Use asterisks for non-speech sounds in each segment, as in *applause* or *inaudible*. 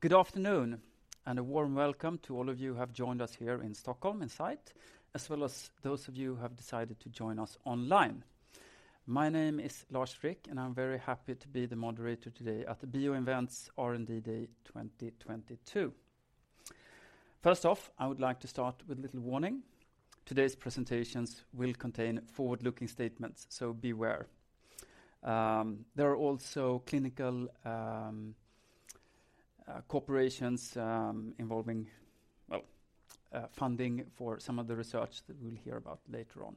Good afternoon, a warm welcome to all of you who have joined us here in Stockholm inside, as well as those of you who have decided to join us online. My name is Lars Frick, I'm very happy to be the moderator today at BioInvent's R&D Day 2022. First off, I would like to start with a little warning. Today's presentations will contain forward-looking statements, beware. There are also clinical corporations involving, well, funding for some of the research that we'll hear about later on.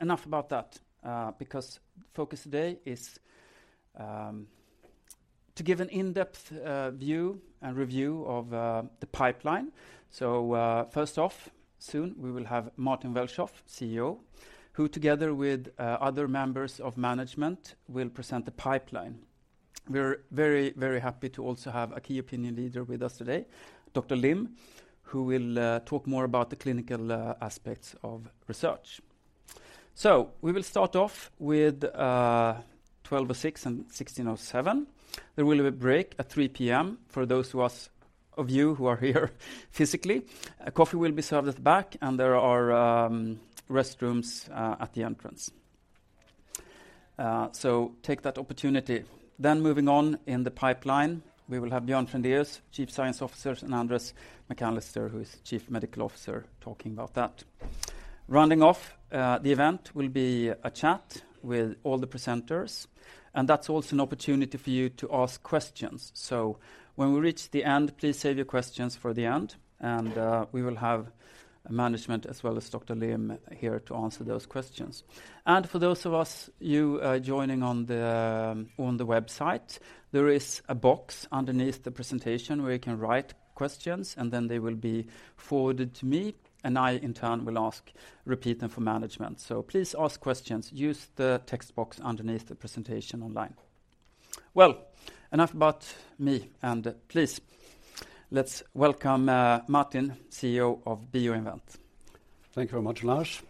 Enough about that, because focus today is to give an in-depth view and review of the pipeline. First off, soon we will have Martin Welschof, CEO, who together with other members of management will present the pipeline. We're very, very happy to also have a key opinion leader with us today, Dr. Lim, who will talk more about the clinical aspects of research. We will start off with twelve o' six and sixteen o' seven. There will be a break at 3:00 P.M. for those of you who are here physically. Coffee will be served at the back, and there are restrooms at the entrance. Take that opportunity. Moving on in the pipeline, we will have Björn Frendéus, Chief Scientific Officer, and Andres McAllister, who is Chief Medical Officer, talking about that. Rounding off, the event will be a chat with all the presenters, and that's also an opportunity for you to ask questions. When we reach the end, please save your questions for the end, and we will have management as well as Dr. Lim here to answer those questions. For those of us you joining on the website, there is a box underneath the presentation where you can write questions, and then they will be forwarded to me, and I, in turn, will ask, repeat them for management. Please ask questions. Use the text box underneath the presentation online. Enough about me. Please, let's welcome Martin, CEO of BioInvent. Thank you very much, Lars,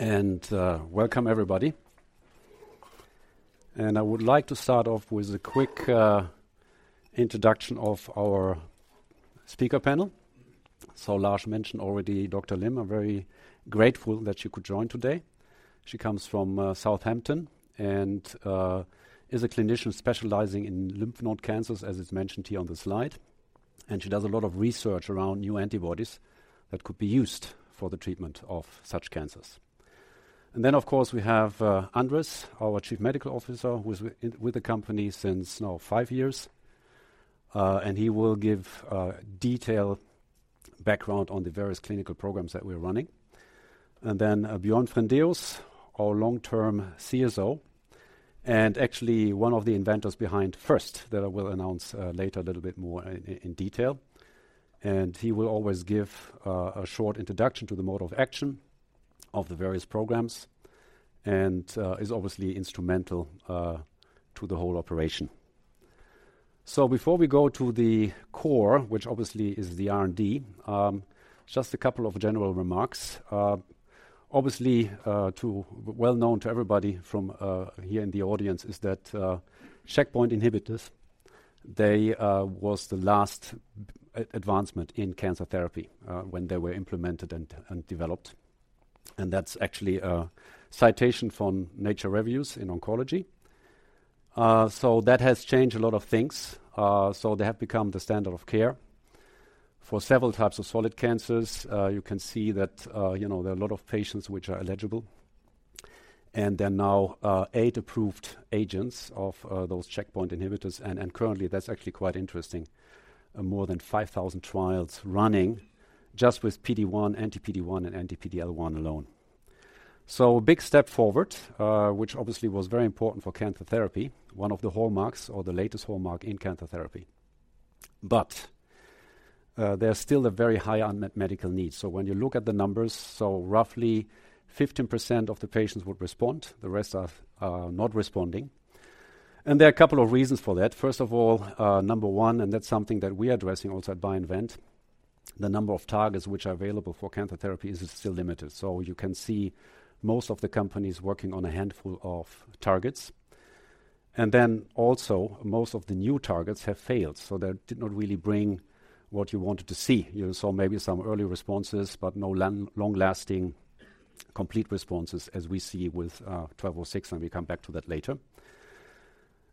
welcome everybody. I would like to start off with a quick introduction of our speaker panel. Lars mentioned already Dr. Lim. I'm very grateful that she could join today. She comes from Southampton and is a clinician specializing in lymph node cancers, as is mentioned here on the slide. She does a lot of research around new antibodies that could be used for the treatment of such cancers. Then, of course, we have Andres, our Chief Medical Officer, who is with the company since now five years, and he will give detailed background on the various clinical programs that we're running. Then, Björn Frendéus, our long-term CSO, and actually one of the inventors behind first that I will announce later a little bit more in detail. He will always give a short introduction to the mode of action of the various programs and is obviously instrumental to the whole operation. Before we go to the core, which obviously is the R&D, just a couple of general remarks. Obviously, well known to everybody from here in the audience is that checkpoint inhibitors, they was the last advancement in cancer therapy when they were implemented and developed. That's actually a citation from Nature Reviews in Oncology. That has changed a lot of things. They have become the standard of care for several types of solid cancers. You can see that, you know, there are a lot of patients which are eligible, and there are now eight approved agents of those checkpoint inhibitors. Currently, that's actually quite interesting. More than 5,000 trials running just with PD-1, anti-PD-1, and anti-PD-L1 alone. A big step forward, which obviously was very important for cancer therapy, one of the hallmarks or the latest hallmark in cancer therapy. There's still a very high unmet medical need. When you look at the numbers, roughly 15% of the patients would respond, the rest are not responding. There are a couple of reasons for that. First of all, number one, and that's something that we are addressing also at BioInvent, the number of targets which are available for cancer therapies is still limited. You can see most of the companies working on a handful of targets. Then also, most of the new targets have failed. They did not really bring what you wanted to see. You saw maybe some early responses but no long-lasting complete responses as we see with BI-1206, and we come back to that later.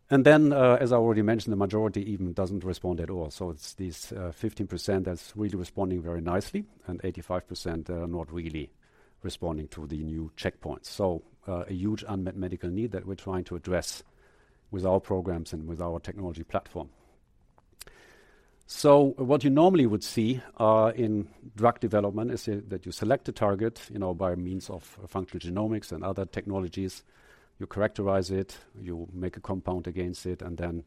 As I already mentioned, the majority even doesn't respond at all. It's these 15% that's really responding very nicely, and 85% are not really responding to the new checkpoints. A huge unmet medical need that we're trying to address with our programs and with our technology platform. What you normally would see in drug development is that you select a target, you know, by means of functional genomics and other technologies. You characterize it, you make a compound against it, and then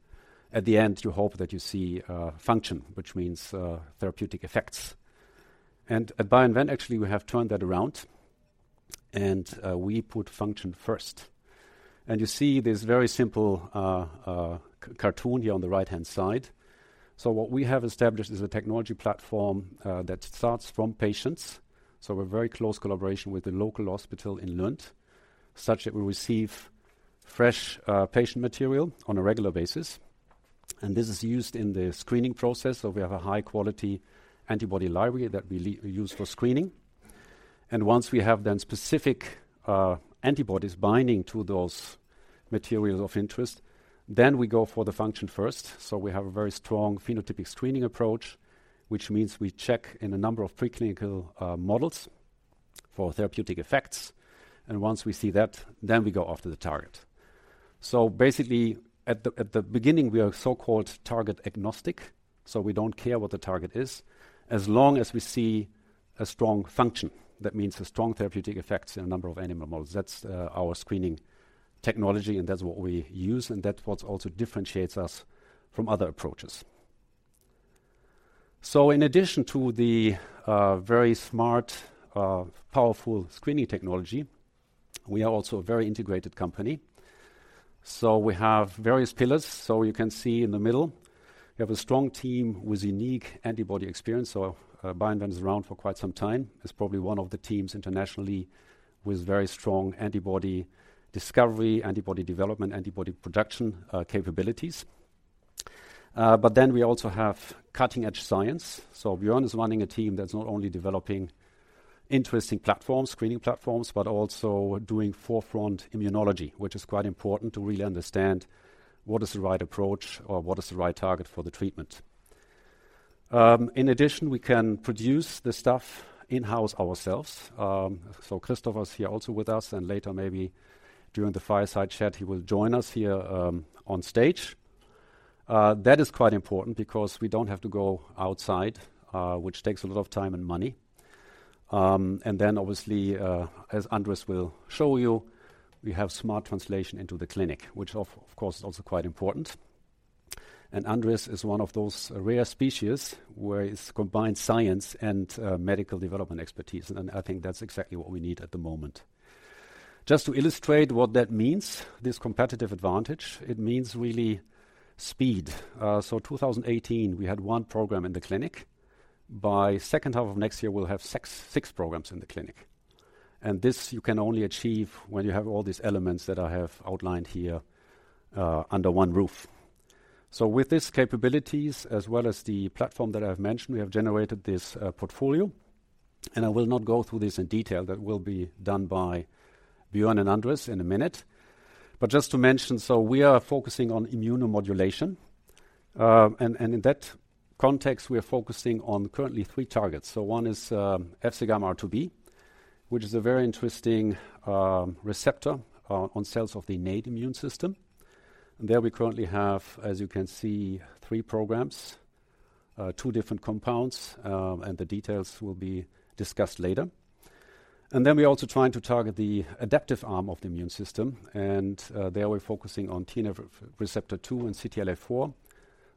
at the end, you hope that you see a function, which means therapeutic effects. At BioInvent, actually, we have turned that around, and we put function first. You see this very simple cartoon here on the right-hand side. What we have established is a technology platform that starts from patients. A very close collaboration with the local hospital in Lund, such that we receive fresh patient material on a regular basis, and this is used in the screening process, so we have a high-quality antibody library that we use for screening. Once we have then specific antibodies binding to those materials of interest, then we go for the function first. We have a very strong phenotypic screening approach, which means we check in a number of preclinical models for therapeutic effects. Once we see that, then we go after the target. Basically, at the beginning, we are so-called target agnostic, so we don't care what the target is as long as we see a strong function. That means a strong therapeutic effects in a number of animal models. That's our screening technology, and that's what we use, and that's what also differentiates us from other approaches. In addition to the very smart, powerful screening technology, we are also a very integrated company. We have various pillars. You can see in the middle, we have a strong team with unique antibody experience. BioInvent's around for quite some time. It's probably one of the teams internationally with very strong antibody discovery, antibody development, antibody production, capabilities. We also have cutting-edge science. Björn is running a team that's not only developing interesting platforms, screening platforms, but also doing forefront immunology, which is quite important to really understand what is the right approach or what is the right target for the treatment. In addition, we can produce the stuff in-house ourselves. Kristoffer is here also with us, and later maybe during the fireside chat, he will join us here on stage. That is quite important because we don't have to go outside, which takes a lot of time and money. Obviously, as Andres will show you, we have smart translation into the clinic, which of course is also quite important. Andres is one of those rare species where he's combined science and medical development expertise, and I think that's exactly what we need at the moment. Just to illustrate what that means, this competitive advantage, it means really speed. 2018, we had one program in the clinic. By second half of next year, we'll have six programs in the clinic. This you can only achieve when you have all these elements that I have outlined here, under one roof. With these capabilities as well as the platform that I've mentioned, we have generated this portfolio, and I will not go through this in detail. That will be done by Björn and Andres in a minute. Just to mention, we are focusing on immunomodulation. In that context, we are focusing on currently three targets. One is FcγRIIb, which is a very interesting receptor, on cells of the innate immune system. There we currently have, as you can see, three programs, two different compounds, and the details will be discussed later. We're also trying to target the adaptive arm of the immune system, and there we're focusing on TNFR2 and CTLA-4.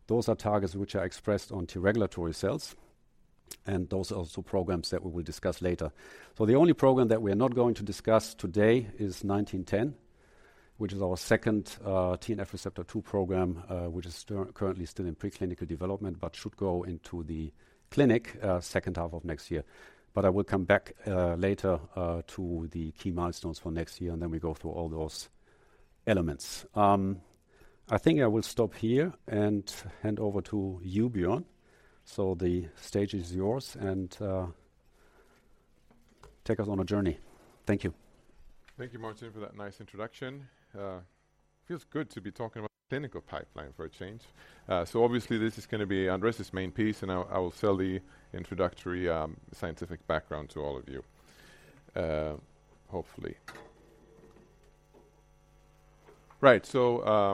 Those are targets which are expressed on T-regulatory cells, and those are also programs that we will discuss later. The only program that we are not going to discuss today is BI-1910, which is our second TNFR2 program, which is currently still in preclinical development but should go into the clinic second half of next year. I will come back later to the key milestones for next year, and then we go through all those elements. I think I will stop here and hand over to you, Björn. The stage is yours, take us on a journey. Thank you. Thank you, Martin, for that nice introduction. Feels good to be talking about the clinical pipeline for a change. Obviously this is gonna be Andres's main piece, and I will sell the introductory scientific background to all of you, hopefully. Right.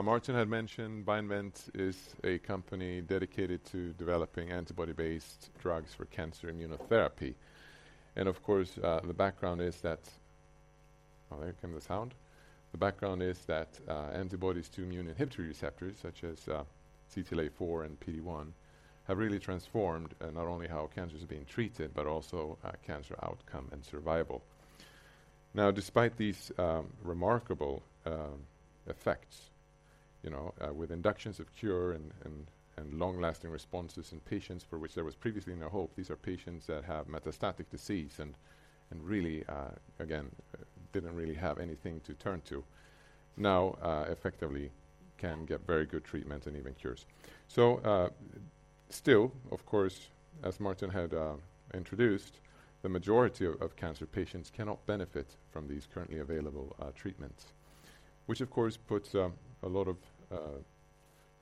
Martin had mentioned BioInvent is a company dedicated to developing antibody-based drugs for cancer immunotherapy. Of course, the background is that. The background is that antibodies to immune inhibitor receptors such as CTLA-4 and PD-1 have really transformed not only how cancer is being treated but also cancer outcome and survival. Despite these remarkable effects, you know, with inductions of cure and long-lasting responses in patients for which there was previously no hope, these are patients that have metastatic disease and really, again, didn't really have anything to turn to, now effectively can get very good treatment and even cures. Still, of course, as Martin had introduced, the majority of cancer patients cannot benefit from these currently available treatments, which of course puts a lot of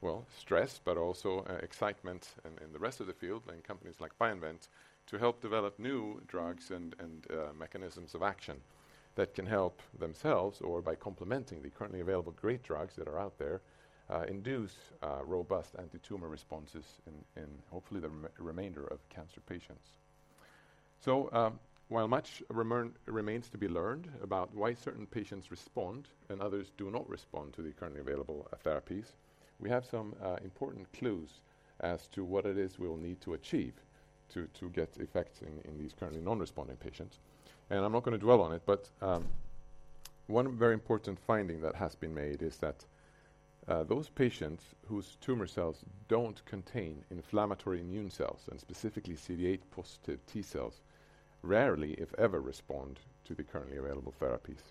well, stress but also excitement in the rest of the field and companies like BioInvent to help develop new drugs and mechanisms of action that can help themselves or by complementing the currently available great drugs that are out there, induce robust anti-tumor responses in hopefully the remainder of cancer patients. While much remains to be learned about why certain patients respond and others do not respond to the currently available therapies, we have some important clues as to what it is we will need to achieve to get effects in these currently non-responding patients. I'm not gonna dwell on it, but one very important finding that has been made is that those patients whose tumor cells don't contain inflammatory immune cells and specifically CD8-positive T cells rarely, if ever, respond to the currently available therapies.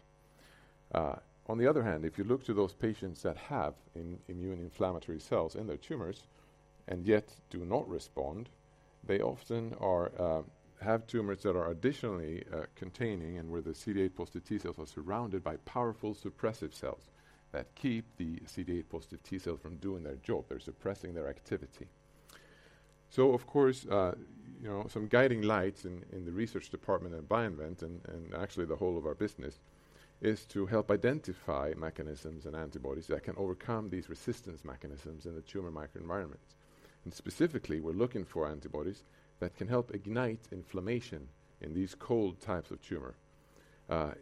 On the other hand, if you look to those patients that have immune inflammatory cells in their tumors and yet do not respond, they often have tumors that are additionally containing and where the CD8-positive T cells are surrounded by powerful suppressive cells that keep the CD8-positive T cells from doing their job. They're suppressing their activity. Of course, you know, some guiding lights in the research department at BioInvent and actually the whole of our business is to help identify mechanisms and antibodies that can overcome these resistance mechanisms in the tumor microenvironment. Specifically, we're looking for antibodies that can help ignite inflammation in these cold types of tumor.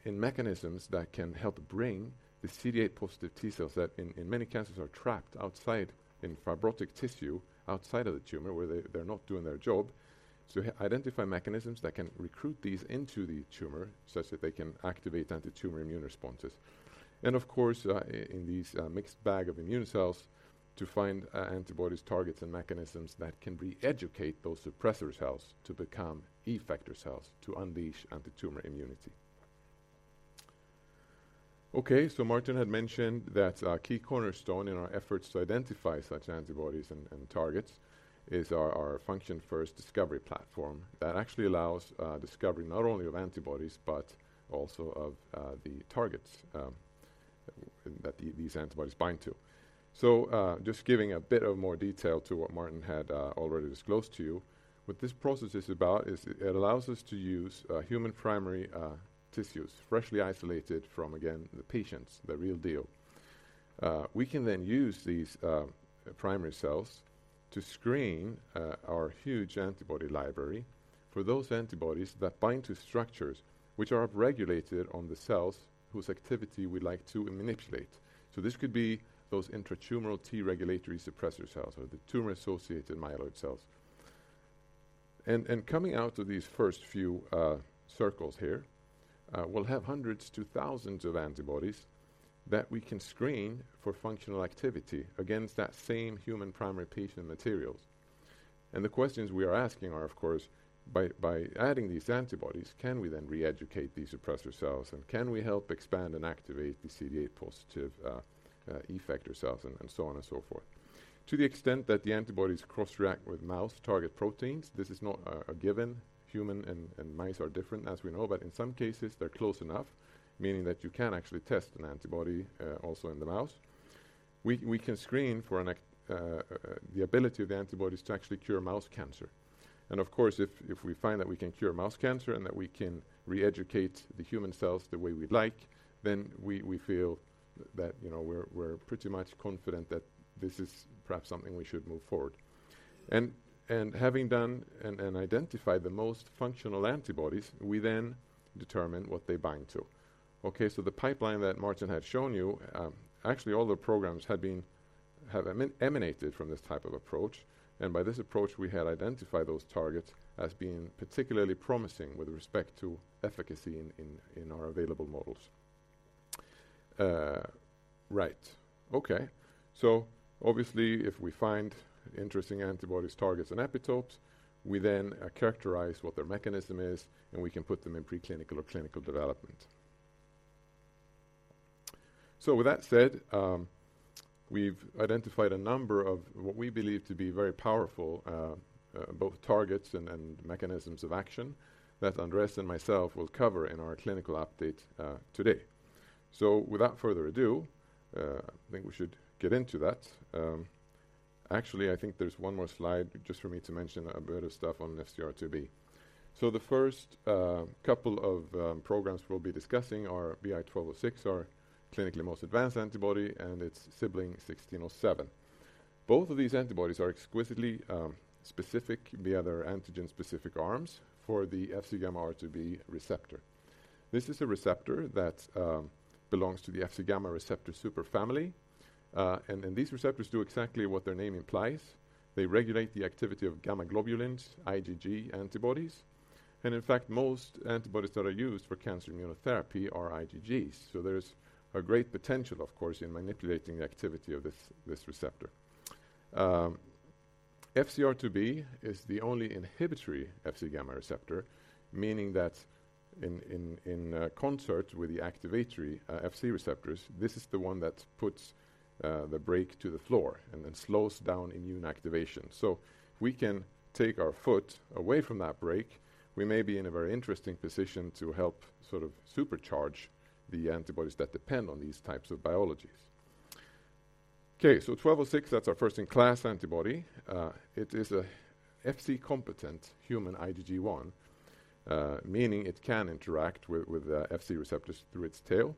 In mechanisms that can help bring the CD8-positive T cells that in many cancers are trapped outside in fibrotic tissue outside of the tumor where they're not doing their job. Identify mechanisms that can recruit these into the tumor such that they can activate antitumor immune responses. Of course, in these mixed bag of immune cells to find antibodies targets and mechanisms that can re-educate those suppressor cells to become effector cells to unleash antitumor immunity. Okay. Martin had mentioned that a key cornerstone in our efforts to identify such antibodies and targets is our function first discovery platform that actually allows discovery not only of antibodies but also of the targets that these antibodies bind to. Just giving a bit of more detail to what Martin had already disclosed to you. What this process is about is it allows us to use human primary tissues freshly isolated from, again, the patients, the real deal. We can then use these primary cells to screen our huge antibody library for those antibodies that bind to structures which are regulated on the cells whose activity we'd like to manipulate. This could be those intratumoral T-regulatory suppressor cells or the tumor-associated myeloid cells. Coming out of these first few circles here, we'll have hundreds to thousands of antibodies that we can screen for functional activity against that same human primary patient materials. The questions we are asking are, of course, by adding these antibodies, can we then re-educate these suppressor cells? Can we help expand and activate the CD8-positive effector cells and so on and so forth? To the extent that the antibodies cross-react with mouse target proteins, this is not a given. Human and mice are different, as we know, but in some cases they're close enough, meaning that you can actually test an antibody also in the mouse. We can screen for the ability of the antibodies to actually cure mouse cancer. Of course, if we find that we can cure mouse cancer and that we can re-educate the human cells the way we'd like, then we feel that we're pretty much confident that this is perhaps something we should move forward. Having done and identified the most functional antibodies, we then determine what they bind to. Okay. The pipeline that Martin had shown you, actually all the programs have emanated from this type of approach. By this approach, we had identified those targets as being particularly promising with respect to efficacy in our available models. Right. Okay. Obviously, if we find interesting antibodies, targets, and epitopes, we then characterize what their mechanism is, and we can put them in preclinical or clinical development. With that said, we've identified a number of what we believe to be very powerful, both targets and mechanisms of action that Andres and myself will cover in our clinical update today. Without further ado, I think we should get into that. Actually, I think there's one more slide just for me to mention a bit of stuff on FcγRIIb. The first couple of programs we'll be discussing are BI-1206, our clinically most advanced antibody, and its sibling BI-1607. Both of these antibodies are exquisitely specific via their antigen-specific arms for the FcγRIIb receptor. This is a receptor that belongs to the Fc gamma receptor superfamily. These receptors do exactly what their name implies. They regulate the activity of gamma globulins, IgG antibodies, and in fact, most antibodies that are used for cancer immunotherapy are IgGs. There's a great potential, of course, in manipulating the activity of this receptor. FcγRIIb is the only inhibitory Fc gamma receptor, meaning that in concert with the activatory Fc receptors, this is the one that puts the brake to the floor and then slows down immune activation. If we can take our foot away from that brake, we may be in a very interesting position to help sort of supercharge the antibodies that depend on these types of biologies. BI-1206, that's our first-in-class antibody. It is a Fc-competent human IgG1, meaning it can interact with the Fc receptors through its tail.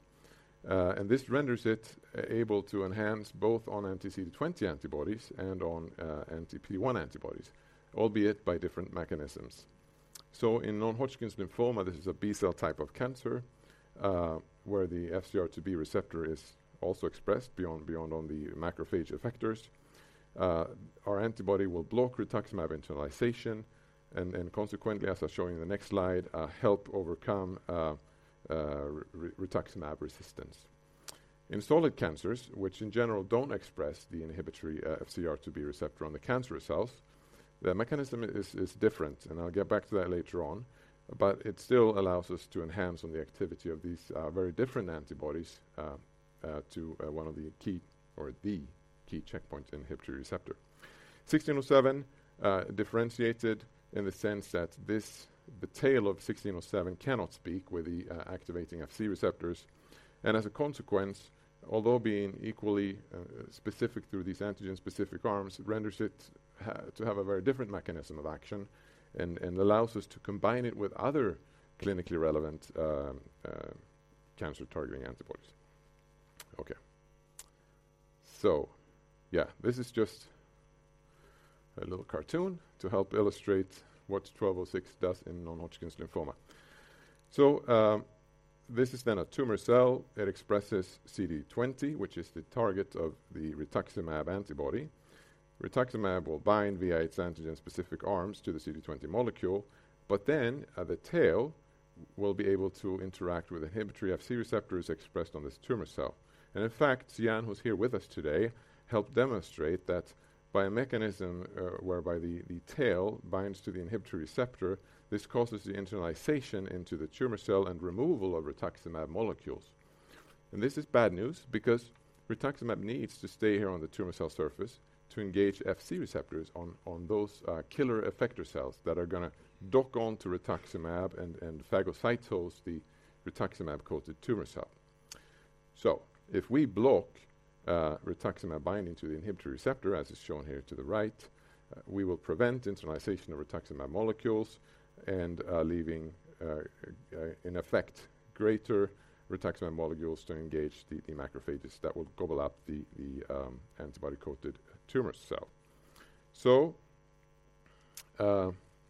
This renders it able to enhance both on anti-CD20 antibodies and on anti-PD-1 antibodies, albeit by different mechanisms. In non-Hodgkin's lymphoma, this is a B-cell type of cancer, where the FcγRIIb receptor is also expressed beyond on the macrophage effectors. Our antibody will block rituximab internalization and consequently, as I'll show you in the next slide, help overcome rituximab resistance. In solid cancers, which in general don't express the inhibitory FcγRIIb receptor on the cancerous cells, the mechanism is different, I'll get back to that later on. It still allows us to enhance on the activity of these very different antibodies to one of the key or the key checkpoint inhibitory receptor. BI-1607 differentiated in the sense that the tail of BI-1607 cannot speak with the activating Fc receptors. As a consequence, although being equally specific through these antigen-specific arms, renders it to have a very different mechanism of action and allows us to combine it with other clinically relevant cancer-targeting antibodies. This is just a little cartoon to help illustrate what BI-1206 does in Non-Hodgkin's lymphoma. This is a tumor cell. It expresses CD20, which is the target of the rituximab antibody. Rituximab will bind via its antigen-specific arms to the CD20 molecule, the tail will be able to interact with inhibitory Fc receptors expressed on this tumor cell. In fact, Yan, who's here with us today, helped demonstrate that by a mechanism whereby the tail binds to the inhibitory receptor, this causes the internalization into the tumor cell and removal of rituximab molecules. This is bad news because rituximab needs to stay here on the tumor cell surface to engage Fc receptors on those killer effector cells that are gonna dock onto rituximab and phagocytose the rituximab-coated tumor cell. If we block rituximab binding to the inhibitory receptor, as is shown here to the right, we will prevent internalization of rituximab molecules and leaving in effect greater rituximab molecules to engage the macrophages that will gobble up the antibody-coated tumor cell.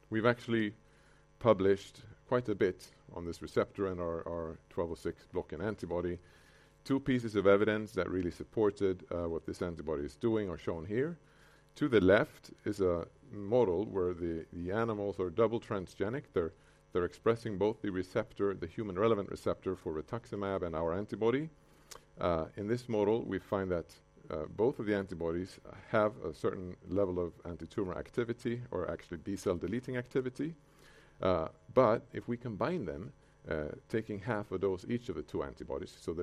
We've actually published quite a bit on this receptor and our 1206 blocking antibody. Two pieces of evidence that really supported what this antibody is doing are shown here. To the left is a model where the animals are double transgenic. They're expressing both the receptor, the human-relevant receptor for rituximab and our antibody. In this model, we find that both of the antibodies have a certain level of antitumor activity or actually B-cell deleting activity. If we combine them, taking half a dose each of the two antibodies, so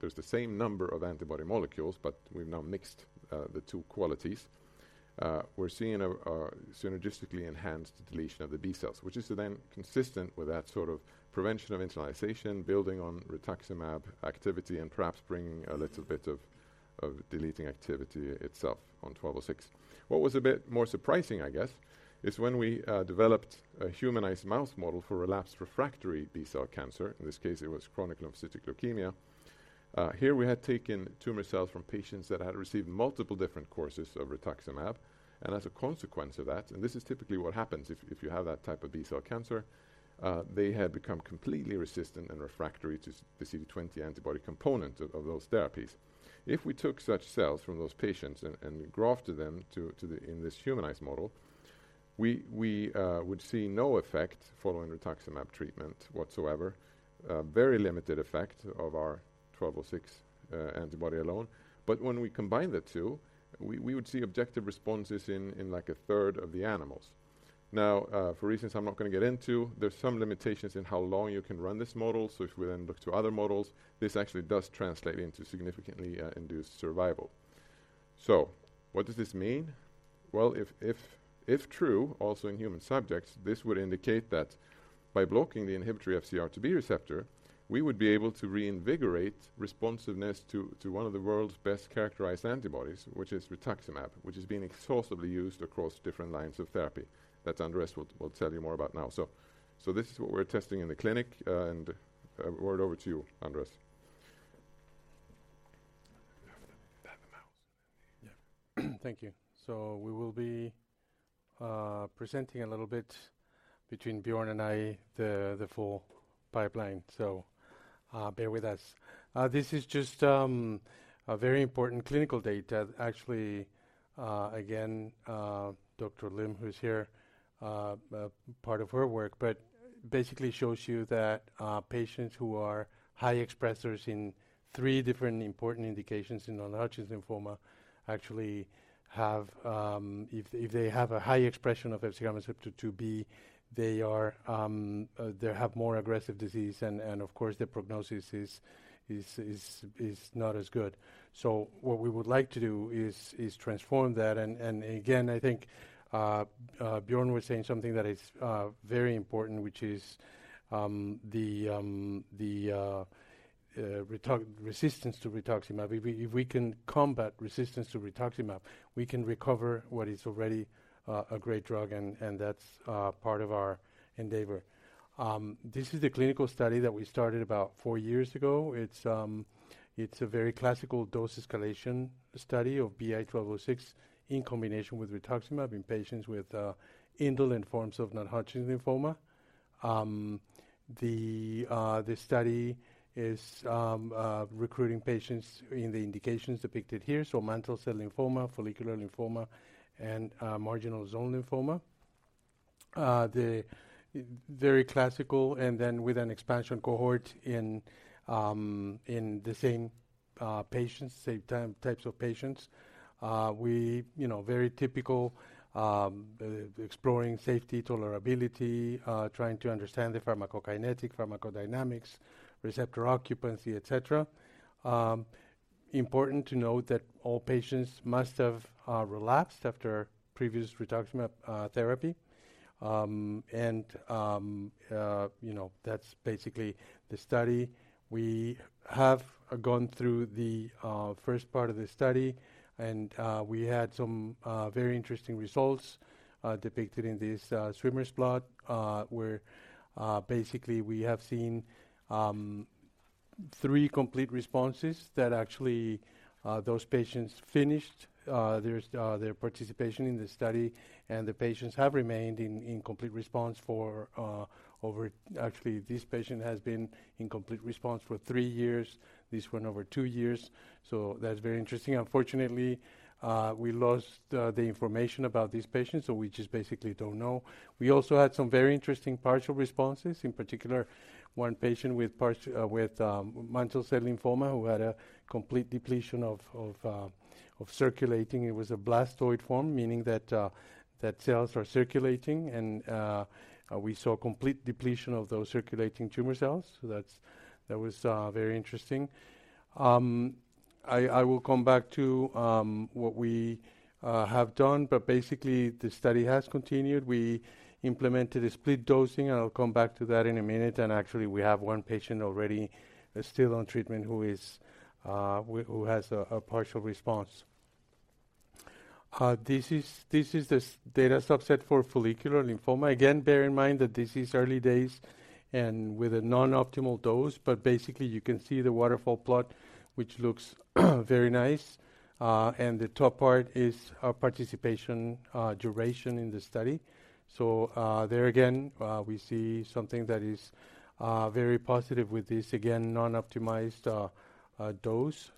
there's the same number of antibody molecules, but we've now mixed the two qualities. We're seeing a synergistically enhanced deletion of the B cells, which is consistent with that sort of prevention of internalization, building on rituximab activity, and perhaps bringing a little bit of deleting activity itself on BI-1206. What was a bit more surprising, I guess, is when we developed a humanized mouse model for relapsed refractory B-cell cancer. In this case, it was chronic lymphocytic leukemia. Here we had taken tumor cells from patients that had received multiple different courses of rituximab. As a consequence of that, and this is typically what happens if you have that type of B-cell cancer, they had become completely resistant and refractory to the CD20 antibody component of those therapies. We took such cells from those patients and grafted them to the in this humanized model, we would see no effect following rituximab treatment whatsoever, a very limited effect of our 1206 antibody alone. When we combined the two, we would see objective responses in, like, a third of the animals. For reasons I'm not gonna get into, there's some limitations in how long you can run this model. If we look to other models, this actually does translate into significantly induced survival. What does this mean? Well, if true also in human subjects, this would indicate that by blocking the inhibitory FcγRIIb receptor, we would be able to reinvigorate responsiveness to one of the world's best-characterized antibodies, which is rituximab, which is being exhaustively used across different lines of therapy. That Andres will tell you more about now. This is what we're testing in the clinic, word over to you, Andres. You have the mouse. Yeah. Thank you. We will be presenting a little bit between Björn and I, the full pipeline. Bear with us. This is just a very important clinical data. Actually, again, Dr. Lim, who is here, part of her work, but basically shows you that patients who are high expressers in three different important indications in non-Hodgkin lymphoma actually have, if they have a high expression of FcγRIIb, they are, they have more aggressive disease and of course, their prognosis is not as good. What we would like to do is transform that. Again, I think Björn was saying something that is very important, which is the resistance to rituximab. If we can combat resistance to rituximab, we can recover what is already a great drug, and that's part of our endeavor. This is the clinical study that we started about four years ago. It's a very classical dose escalation study of BI-1206 in combination with rituximab in patients with indolent forms of non-Hodgkin lymphoma. The study is recruiting patients in the indications depicted here, so mantle cell lymphoma, follicular lymphoma, and marginal zone lymphoma. The very classical and then with an expansion cohort in the same types of patients. We, you know, very typical, exploring safety tolerability, trying to understand the pharmacokinetic, pharmacodynamics, receptor occupancy, et cetera. Important to note that all patients must have relapsed after previous rituximab therapy. You know, that's basically the study. We have gone through the first part of the study, we had some very interesting results depicted in this swimmer plot, where basically we have seen three complete responses that actually those patients finished their participation in this study, and the patients have remained in complete response for over. Actually, this patient has been in complete response for three years. This one over two years. That's very interesting. Unfortunately, we lost the information about this patient, we just basically don't know. We also had some very interesting partial responses. In particular, one patient with mantle cell lymphoma who had a complete depletion of circulating. It was a blastoid form, meaning that cells are circulating and we saw complete depletion of those circulating tumor cells. That was very interesting. I will come back to what we have done, basically, the study has continued. We implemented a split dosing, I'll come back to that in a minute. Actually, we have one patient already still on treatment who has a partial response. This is the data subset for follicular lymphoma. Again, bear in mind that this is early days and with a non-optimal dose, basically you can see the waterfall plot which looks very nice. The top part is participation duration in the study. There again, we see something that is very positive with this, again, non-optimized dose.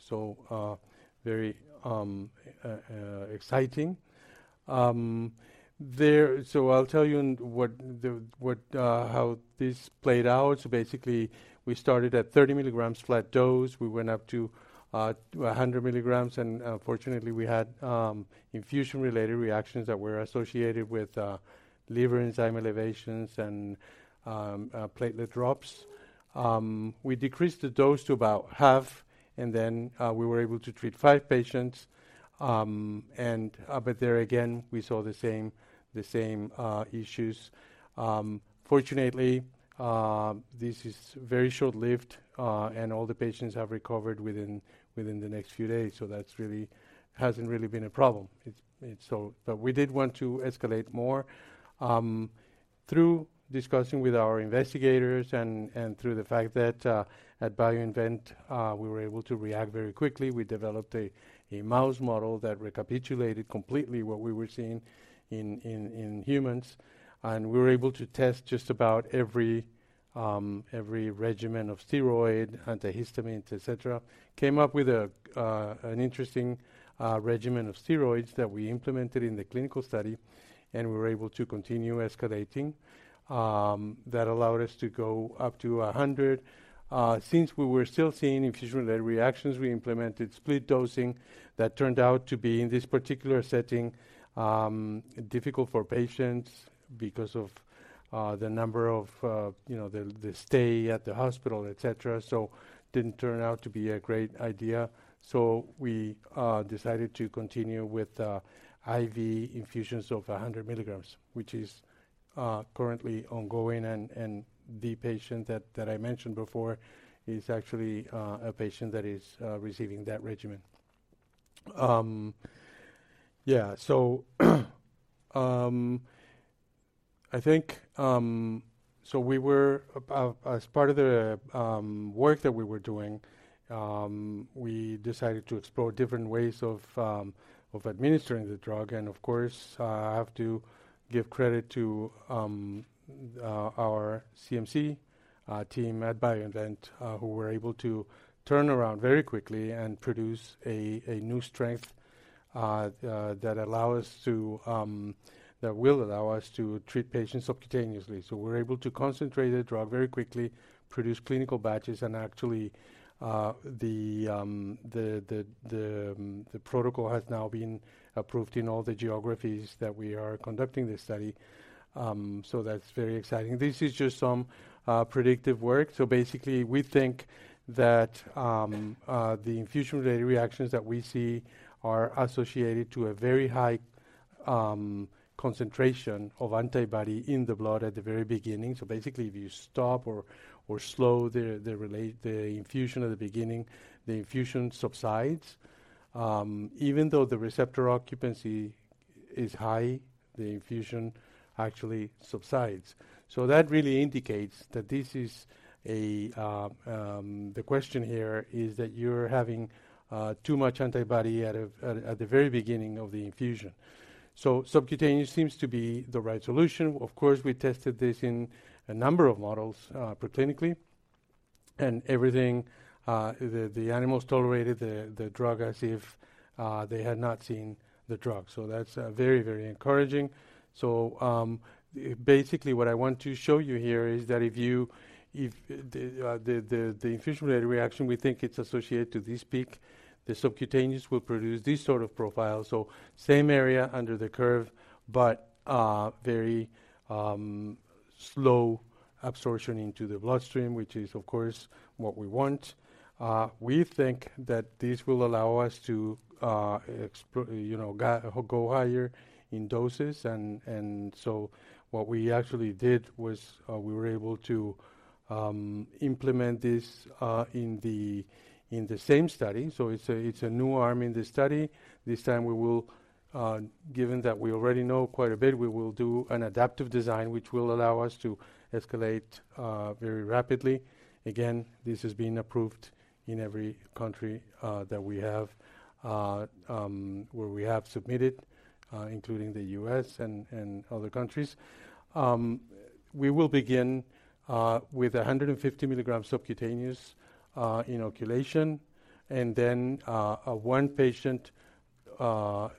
Very exciting. There. I'll tell you what, how this played out. Basically, we started at 30 mg flat dose. We went up to 100 mg. Unfortunately, we had infusion-related reactions that were associated with liver enzyme elevations and platelet drops. We decreased the dose to about half, and then we were able to treat five patients. There again, we saw the same issues. Fortunately, this is very short-lived, and all the patients have recovered within the next few days. That's really hasn't really been a problem. We did want to escalate more through discussing with our investigators and through the fact that at BioInvent, we were able to react very quickly. We developed a mouse model that recapitulated completely what we were seeing in humans, and we were able to test just about every regimen of steroid, antihistamine, et cetera. Came up with an interesting regimen of steroids that we implemented in the clinical study. We were able to continue escalating. That allowed us to go up to 100. Since we were still seeing infusion-related reactions, we implemented split dosing. That turned out to be, in this particular setting, difficult for patients because of the number of, you know, the stay at the hospital, et cetera. Didn't turn out to be a great idea. We decided to continue with IV infusions of 100 mg, which is currently ongoing, and the patient that I mentioned before is actually a patient that is receiving that regimen. Yeah. I think, as part of the work that we were doing, we decided to explore different ways of administering the drug. Of course, I have to give credit to our CMC team at BioInvent, who were able to turn around very quickly and produce a new strength that allow us to, that will allow us to treat patients subcutaneously. We're able to concentrate the drug very quickly, produce clinical batches, and actually, the protocol has now been approved in all the geographies that we are conducting this study. That's very exciting. This is just some predictive work. Basically, we think that the infusion-related reactions that we see are associated to a very high concentration of antibody in the blood at the very beginning. Basically, if you stop or slow the infusion at the beginning, the infusion subsides. Even though the receptor occupancy is high, the infusion actually subsides. That really indicates that this is a...The question here is that you're having too much antibody at the very beginning of the infusion. Subcutaneous seems to be the right solution. Of course, we tested this in a number of models, preclinically. Everything, the animals tolerated the drug as if they had not seen the drug. That's very, very encouraging. Basically, what I want to show you here is that if the infusion-related reaction, we think it's associated to this peak, the subcutaneous will produce this sort of profile. Same area under the curve, but very slow absorption into the bloodstream, which is, of course, what we want. We think that this will allow us to, you know, go higher in doses. What we actually did was, we were able to implement this in the same study. It's a new arm in the study. This time we will, given that we already know quite a bit, we will do an adaptive design, which will allow us to escalate very rapidly. Again, this is being approved in every country that we have where we have submitted, including the U.S. and other countries. We will begin with 150 mg subcutaneous inoculation, and then one patient,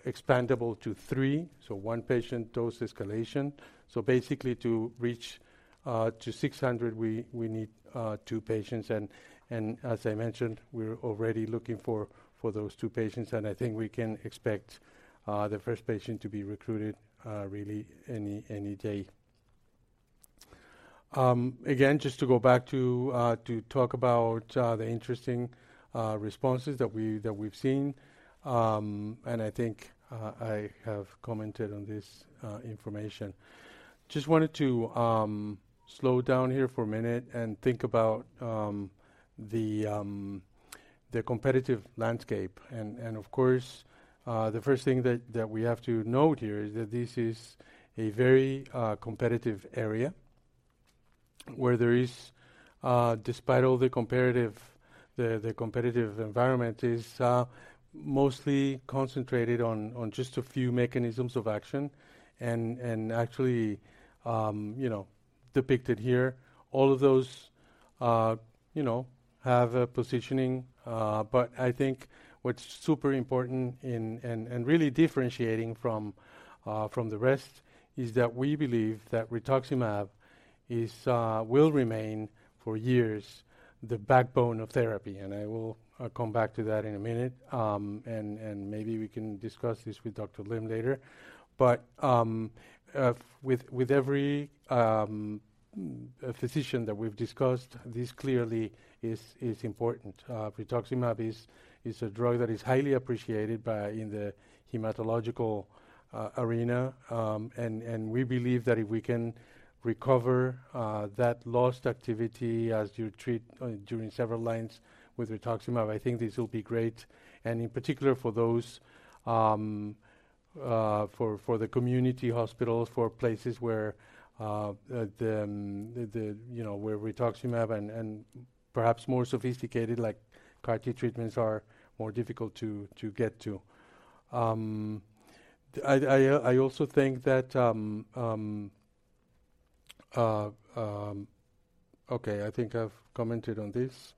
expandable to three, so one patient dose escalation. Basically, to reach 600, we need two patients. As I mentioned, we're already looking for those two patients, and I think we can expect the first patient to be recruited really any day. Again, just to go back to talk about the interesting responses that we've seen, and I think I have commented on this information. Just wanted to slow down here for a minute and think about the competitive landscape. Of course, the first thing that we have to note here is that this is a very competitive area where there is, despite all the comparative, the competitive environment is mostly concentrated on just a few mechanisms of action. Actually, you know, depicted here, all of those, you know, have a positioning. I think what's super important and really differentiating from the rest is that we believe that rituximab is will remain for years the backbone of therapy. I will come back to that in a minute, and maybe we can discuss this with Dr. Lim later. With every physician that we've discussed, this clearly is important. Rituximab is a drug that is highly appreciated in the hematological arena. We believe that if we can recover that lost activity as you treat during several lines with rituximab, I think this will be great. In particular for those for the community hospitals, for places where the, you know, where rituximab and perhaps more sophisticated like CAR-T treatments are more difficult to get to. Okay, I think I've commented on this.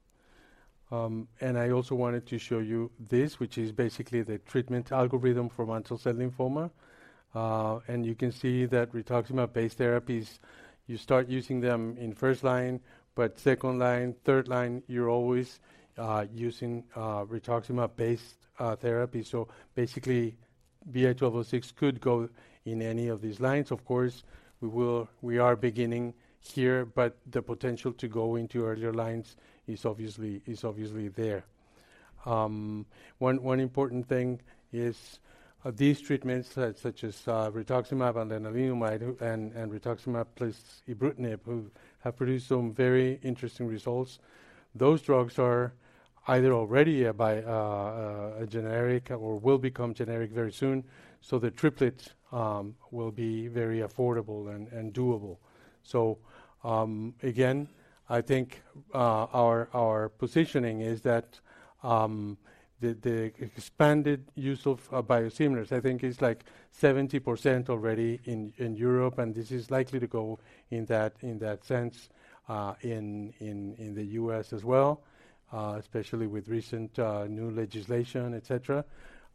I also wanted to show you this, which is basically the treatment algorithm for mantle cell lymphoma. You can see that rituximab-based therapies, you start using them in first line, but second line, third line, you're always using rituximab-based therapy. Basically, BI-1206 could go in any of these lines. Of course, we are beginning here, but the potential to go into earlier lines is obviously there. One important thing is these treatments such as rituximab and lenalidomide and rituximab plus ibrutinib have produced some very interesting results. Those drugs are either already a generic or will become generic very soon, so the triplet will be very affordable and doable. Again, I think our positioning is that the expanded use of biosimilars, I think is like 70% already in Europe, and this is likely to go in that, in that sense, in the U.S. as well, especially with recent new legislation, et cetera.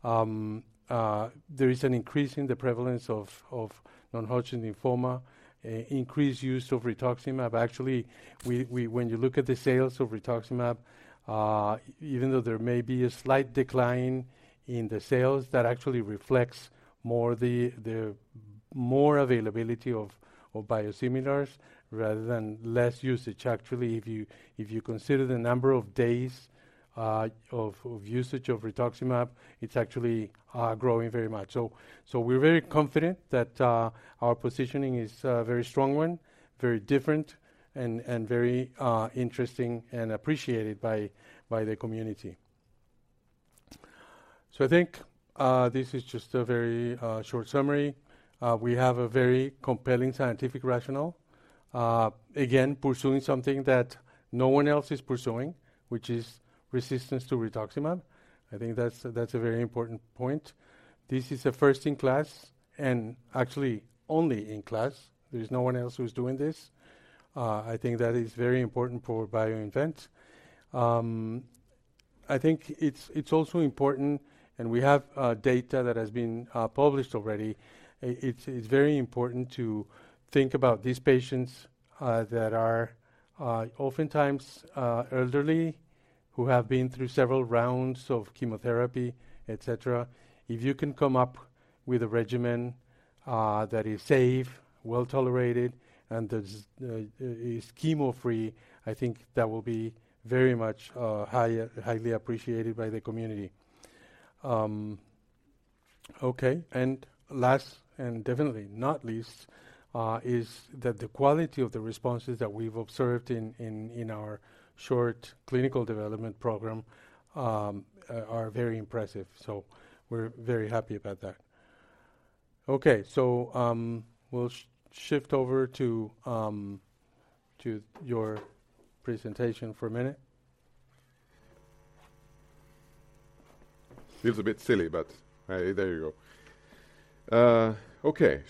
There is an increase in the prevalence of non-Hodgkin lymphoma, increased use of rituximab. Actually, we when you look at the sales of rituximab, even though there may be a slight decline in the sales, that actually reflects more the more availability of biosimilars rather than less usage. Actually, if you consider the number of days of usage of rituximab, it's actually growing very much. We're very confident that our positioning is a very strong one, very different and very interesting and appreciated by the community. I think this is just a very short summary. We have a very compelling scientific rationale. Again, pursuing something that no one else is pursuing, which is resistance to rituximab. I think that's a very important point. This is a first in class and actually only in class. There's no one else who's doing this. I think that is very important for BioInvent. I think it's also important, and we have data that has been published already. It's very important to think about these patients that are oftentimes elderly, who have been through several rounds of chemotherapy, et cetera. If you can come up with a regimen that is safe, well-tolerated, and that is chemo-free, I think that will be very much highly appreciated by the community. Okay. Last, and definitely not least, is that the quality of the responses that we've observed in our short clinical development program are very impressive. We're very happy about that. Okay. We'll shift over to your presentation for a minute. Feels a bit silly, but there you go. Okay.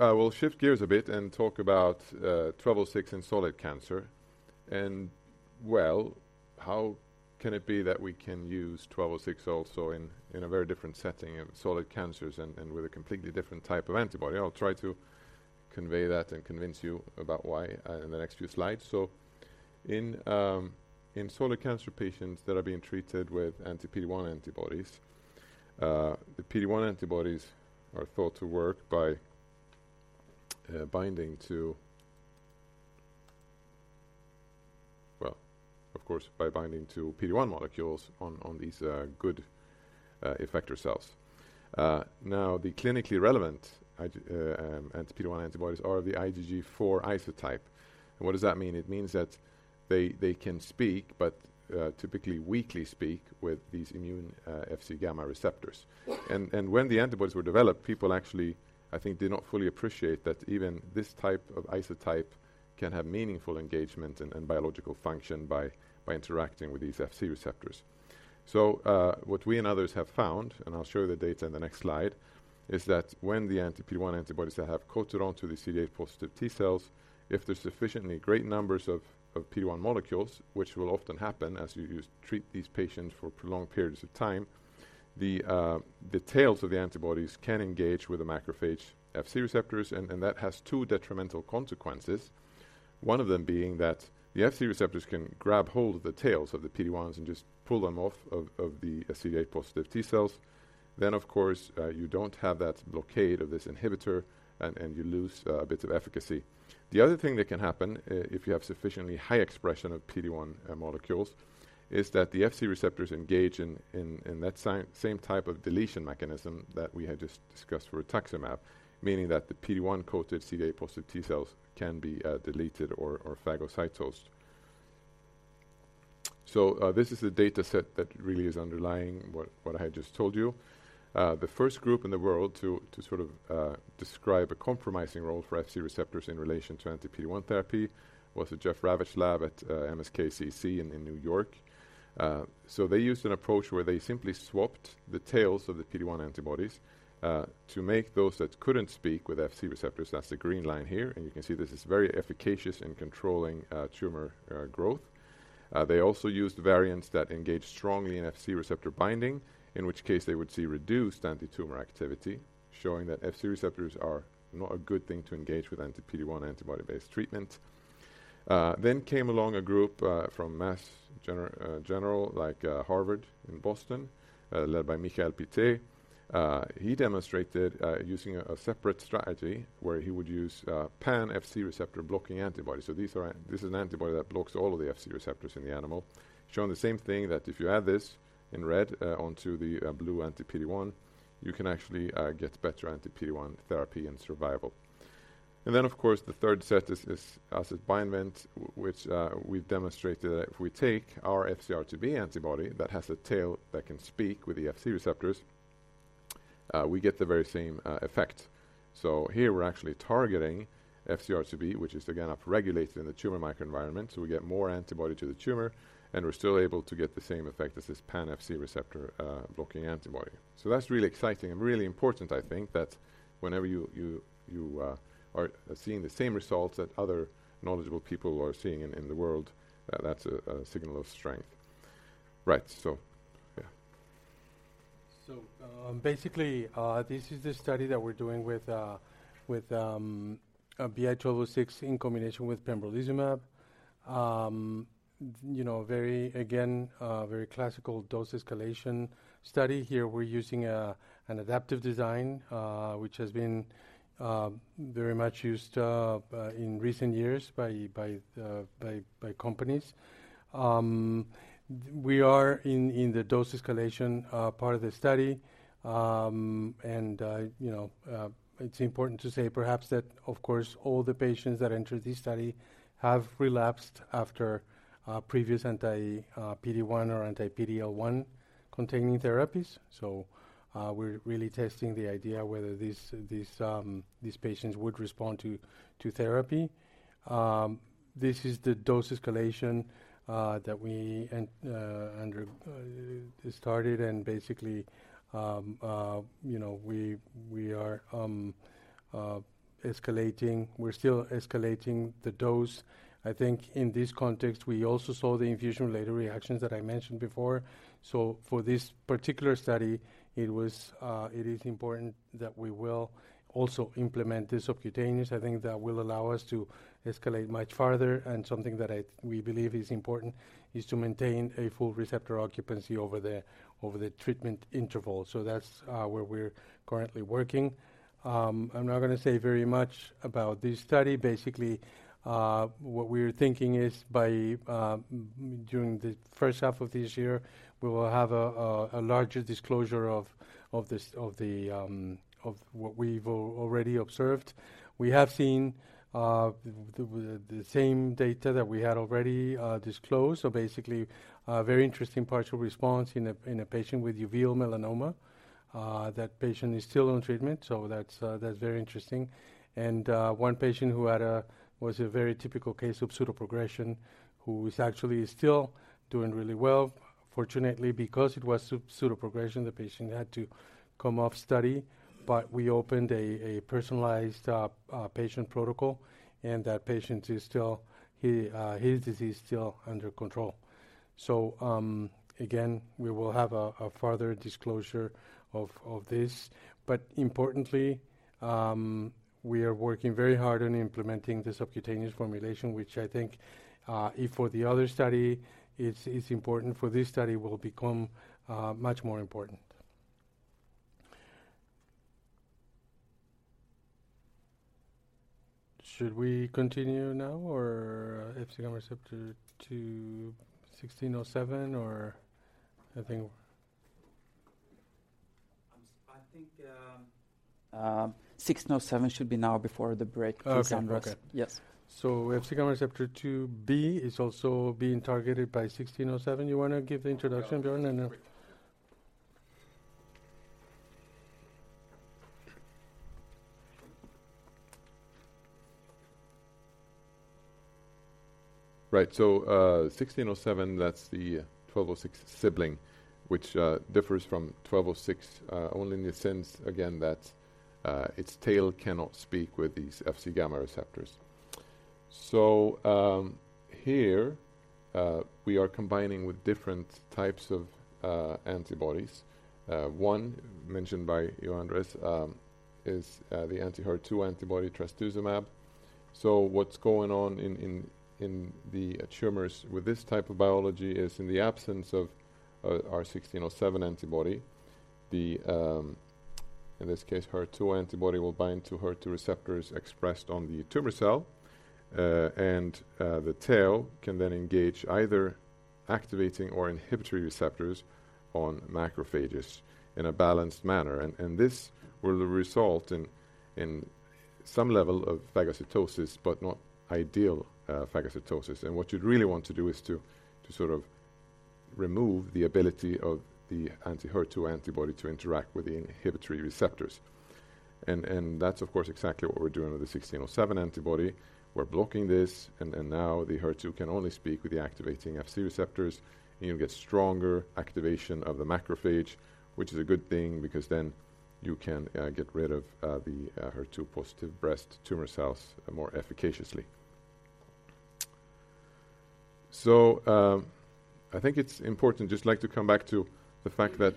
I will shift gears a bit and talk about BI-1206 in solid cancer. Well, how can it be that we can use BI-1206 also in a very different setting of solid cancers and with a completely different type of antibody? I'll try to convey that and convince you about why in the next few slides. In solid cancer patients that are being treated with anti-PD-1 antibodies, the PD-1 antibodies are thought to work. Well, of course, by binding to PD-1 molecules on these good effector cells. Now, the clinically relevant anti-PD-1 antibodies are the IgG4 isotype. What does that mean? It means that they can speak, but typically weakly speak with these immune Fc gamma receptors. When the antibodies were developed, people actually, I think, did not fully appreciate that even this type of isotype can have meaningful engagement and biological function by interacting with these Fc receptors. What we and others have found, and I'll show you the data in the next slide, is that when the anti-PD-1 antibodies that have coated onto the CD8-positive T cells, if there's sufficiently great numbers of PD-1 molecules, which will often happen as you treat these patients for prolonged periods of time, the tails of the antibodies can engage with the macrophage Fc receptors, and that has two detrimental consequences. One of them being that the Fc receptors can grab hold of the tails of the PD-1s and just pull them off of the CD8-positive T cells. Of course, you don't have that blockade of this inhibitor, and you lose a bit of efficacy. The other thing that can happen if you have sufficiently high expression of PD-1 molecules is that the Fc receptors engage in that same type of deletion mechanism that we had just discussed for atezolizumab, meaning that the PD-1-coated CD8-positive T cells can be deleted or phagocytosed. This is the data set that really is underlying what I just told you. The first group in the world to sort of, describe a compromising role for Fc receptors in relation to anti-PD-1 therapy was the Jeff Ravetch Lab at MSKCC in New York. They used an approach where they simply swapped the tails of the PD-1 antibodies to make those that couldn't speak with Fc receptors. That's the green line here, and you can see this is very efficacious in controlling tumor growth. They also used variants that engage strongly in Fc receptor binding, in which case they would see reduced antitumor activity, showing that Fc receptors are not a good thing to engage with anti-PD-1 antibody-based treatment. Came along a group from Mass General, like Harvard in Boston, led by Mikael Pittet. He demonstrated using a separate strategy where he would use pan-Fc receptor blocking antibodies. This is an antibody that blocks all of the Fc receptors in the animal, showing the same thing that if you add this in red onto the blue anti-PD-1, you can actually get better anti-PD-1 therapy and survival. Then, of course, the third set is acid bindment, which we've demonstrated that if we take our FcγRIIb antibody that has a tail that can speak with the Fc receptors, we get the very same effect. Here we're actually targeting FcγRIIb, which is again upregulated in the tumor microenvironment, so we get more antibody to the tumor, and we're still able to get the same effect as this pan-Fc receptor blocking antibody. That's really exciting and really important, I think, that whenever you are seeing the same results that other knowledgeable people are seeing in the world, that's a signal of strength. Right. Yeah. Basically, this is the study that we're doing with BI-1206 in combination with pembrolizumab. You know, very, again, very classical dose escalation study. Here we're using an adaptive design, which has been very much used in recent years by companies. We are in the dose escalation part of the study. You know, it's important to say perhaps that, of course, all the patients that entered this study have relapsed after previous anti-PD-1 or anti-PD-L1 containing therapies. We're really testing the idea whether these patients would respond to therapy. This is the dose escalation that we started and basically, you know, we are escalating. We're still escalating the dose. I think in this context, we also saw the infusion-related reactions that I mentioned before. For this particular study, it was, it is important that we will also implement the subcutaneous. I think that will allow us to escalate much farther, and something that we believe is important is to maintain a full receptor occupancy over the treatment interval. That's where we're currently working. I'm not gonna say very much about this study. Basically, what we're thinking is by during the first half of this year, we will have a larger disclosure of this, of the, of what we've already observed. We have seen the same data that we had already disclosed. Basically, a very interesting partial response in a patient with uveal melanoma. That patient is still on treatment, that's very interesting. One patient who was a very typical case of pseudoprogression, who is actually still doing really well. Fortunately, because it was pseudoprogression, the patient had to come off study. We opened a personalized patient protocol, and that patient is still. His disease still under control. Again, we will have a further disclosure of this. Importantly, we are working very hard on implementing the subcutaneous formulation, which I think, if for the other study it's important for this study will become much more important. Should we continue now or Fc gamma receptor II BI-1607? I think, BI-1607 should be now before the break for sandwich. Okay. Okay. Yes. Fc gamma receptor IIb is also being targeted by BI-1607. You wanna give the introduction, Björn, and then-? Right. BI-1607, that's the BI-1206 sibling, which differs from BI-1206, only in the sense, again, that its tail cannot speak with these Fc gamma receptors. Here, we are combining with different types of antibodies. One mentioned by Jonas Berg, is the anti-HER2 antibody trastuzumab. What's going on in the tumors with this type of biology is in the absence of our BI-1607 antibody, the, in this case, HER2 antibody will bind to HER2 receptors expressed on the tumor cell. And, the tail can then engage either activating or inhibitory receptors on macrophages in a balanced manner. This will result in some level of phagocytosis, but not ideal, phagocytosis. What you'd really want to do is to sort of remove the ability of the anti-HER2 antibody to interact with the inhibitory receptors. That's of course exactly what we're doing with the BI-1607 antibody. We're blocking this, now the HER2 can only speak with the activating Fc receptors, and you'll get stronger activation of the macrophage, which is a good thing because then you can get rid of the HER2 positive breast tumor cells more efficaciously. I think it's important, just like to come back to the fact that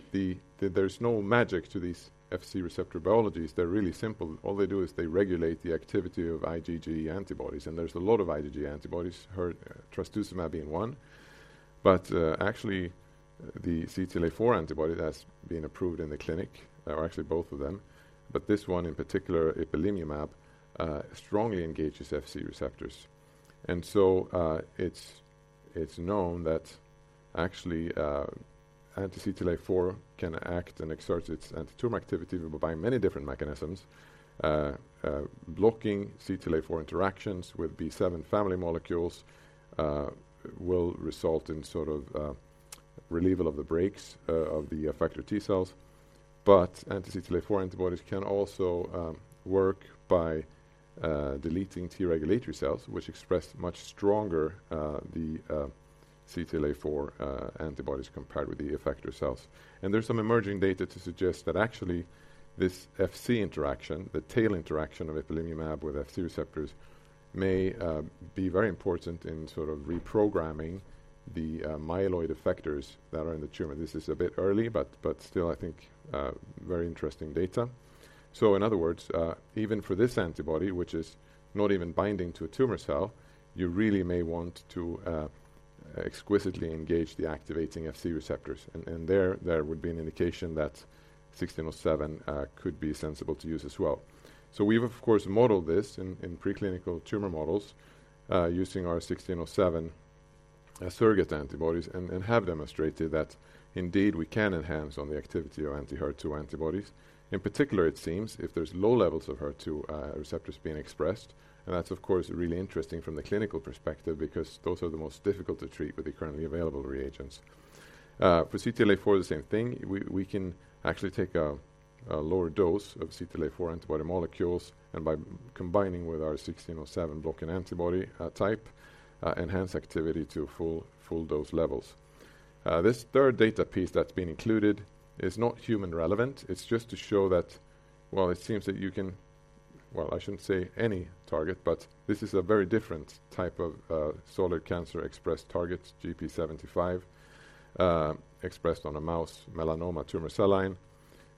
there's no magic to these Fc receptor biologies. They're really simple. All they do is they regulate the activity of IgG antibodies, and there's a lot of IgG antibodies, trastuzumab being one. Actually, the CTLA-4 antibody that's been approved in the clinic, or actually both of them, but this one in particular, ipilimumab, strongly engages Fc receptors. It's known that actually, anti-CTLA-4 can act and exert its antitumor activity by many different mechanisms. Blocking CTLA-4 interactions with B7 family molecules will result in sort of relief of the brakes of the effector T cells. Anti-CTLA-4 antibodies can also work by deleting T-regulatory cells, which express much stronger the CTLA-4 antibodies compared with the effector cells. There's some emerging data to suggest that actually this Fc interaction, the tail interaction of ipilimumab with Fc receptors, may be very important in sort of reprogramming the myeloid effectors that are in the tumor. This is a bit early, but still I think very interesting data. In other words, even for this antibody, which is not even binding to a tumor cell, you really may want to exquisitely engage the activating Fc receptors. There would be an indication that BI-1607 could be sensible to use as well. We've of course modeled this in preclinical tumor models using our BI-1607 surrogate antibodies and have demonstrated that indeed we can enhance on the activity of anti-HER2 antibodies. In particular, it seems if there's low levels of HER2 receptors being expressed, and that's of course really interesting from the clinical perspective because those are the most difficult to treat with the currently available reagents. For CTLA-4, the same thing. We can actually take a lower dose of CTLA-4 antibody molecules, and by combining with our sixteen oh seven blocking antibody, type, enhance activity to full dose levels. This third data piece that's been included is not human relevant. It's just to show that while it seems that you can, I shouldn't say any target, but this is a very different type of solid cancer expressed target, GP75, expressed on a mouse melanoma tumor cell line.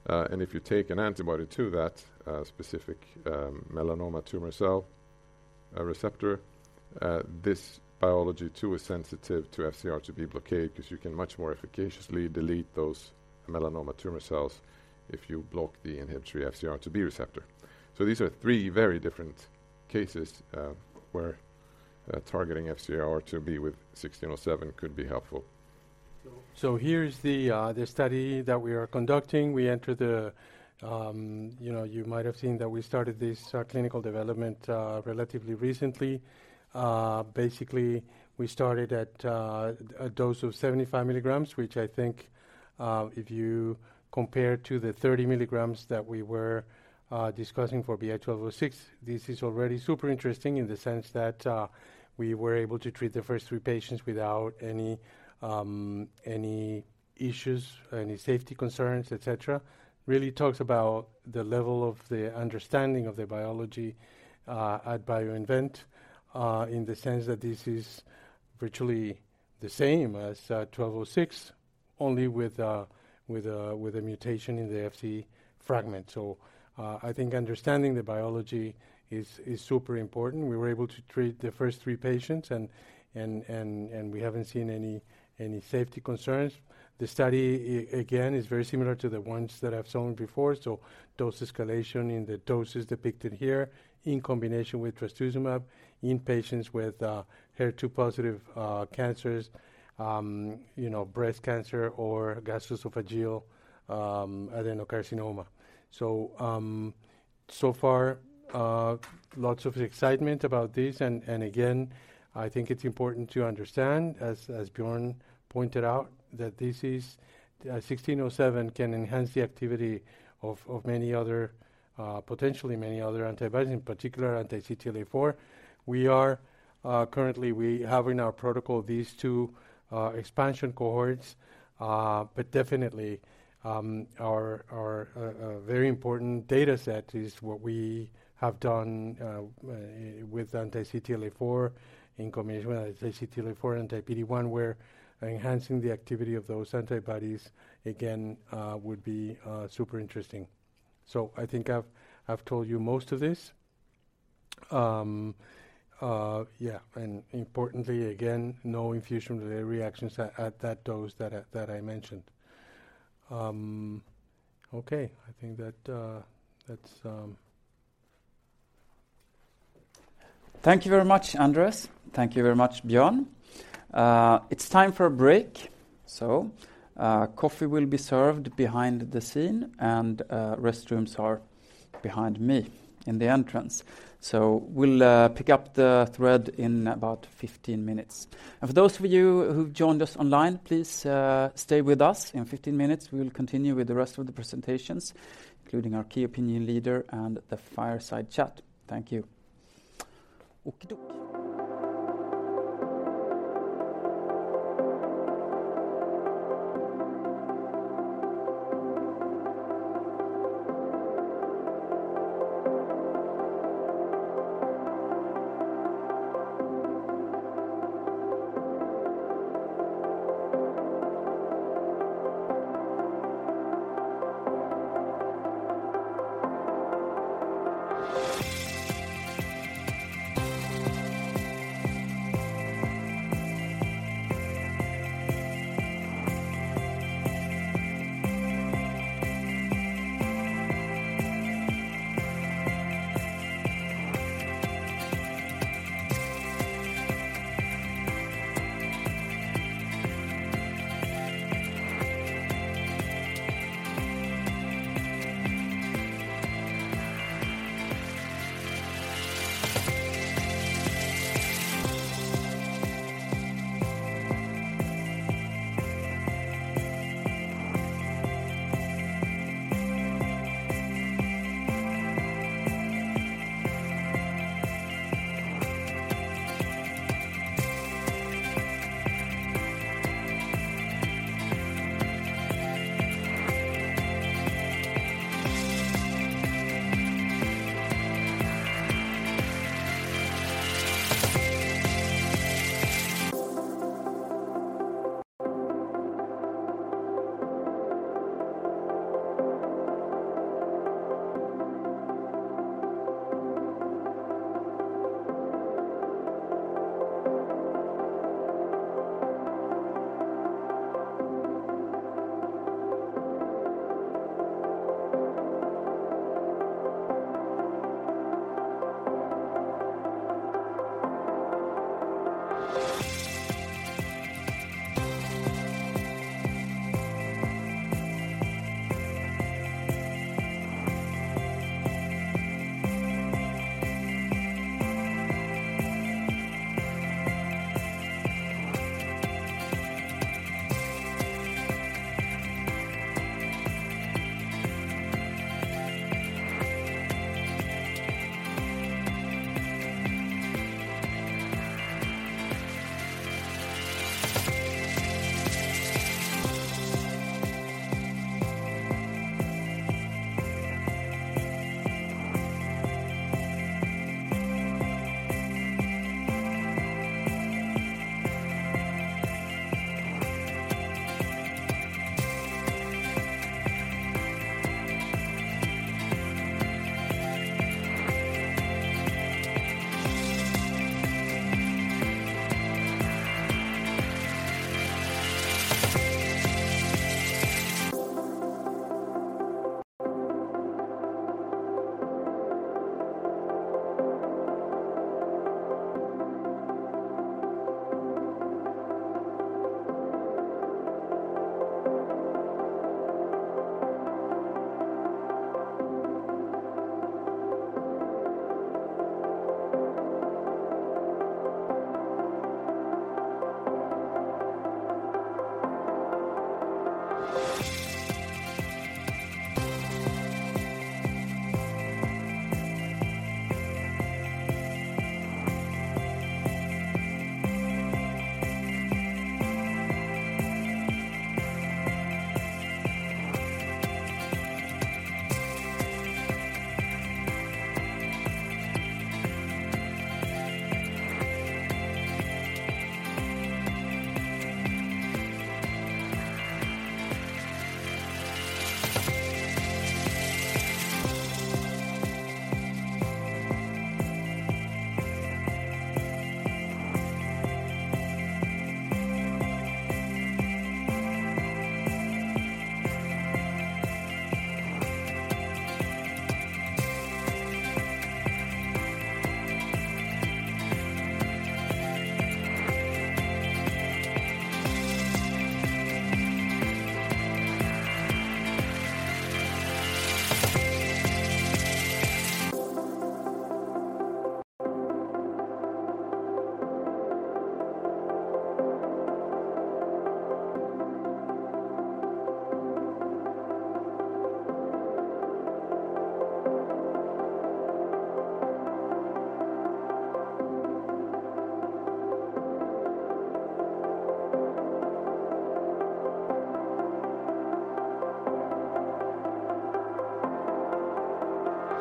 If you take an antibody to that specific melanoma tumor cell receptor, this biology too is sensitive to FcγRIIb blockade because you can much more efficaciously delete those melanoma tumor cells if you block the inhibitory FcγRIIb receptor. These are three very different cases, where targeting FcγRIIb with BI-1607 could be helpful. Here's the study that we are conducting. We enter the, you know, you might have seen that we started this clinical development relatively recently. Basically, we started at a dose of 75 mg, which I think, if you compare to the 30 mg that we were discussing for BI-1206, this is already super interesting in the sense that we were able to treat the first three patients without any issues, any safety concerns, et cetera. Really talks about the level of the understanding of the biology at BioInvent in the sense that this is virtually the same as BI-1206, only with a mutation in the Fc fragment. I think understanding the biology is super important. We were able to treat the first three patients and we haven't seen any safety concerns. The study again, is very similar to the ones that I've shown before. Dose escalation in the doses depicted here in combination with trastuzumab in patients with HER2 positive cancers, you know, breast cancer or gastroesophageal adenocarcinoma. So far, lots of excitement about this. Again, I think it's important to understand, as Björn pointed out, that this is sixteen oh seven can enhance the activity of many other antibodies, in particular anti-CTLA-4. We are currently we have in our protocol these two expansion cohorts. Our very important data set is what we have done with anti-CTLA-4 in combination with CTLA-4, anti-PD-1, where enhancing the activity of those antibodies again would be super interesting. I think I've told you most of this. And importantly again, no infusion-related reactions at that dose that I mentioned. Okay. I think that that's. Thank you very much, Andres. Thank you very much, Björn. It's time for a break. Coffee will be served behind the scene and restrooms are behind me in the entrance. We'll pick up the thread in about 15 minutes. For those of you who've joined us online, please stay with us. In 15 minutes, we will continue with the rest of the presentations, including our key opinion leader and the fireside chat. Thank you. Okie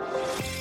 dokie.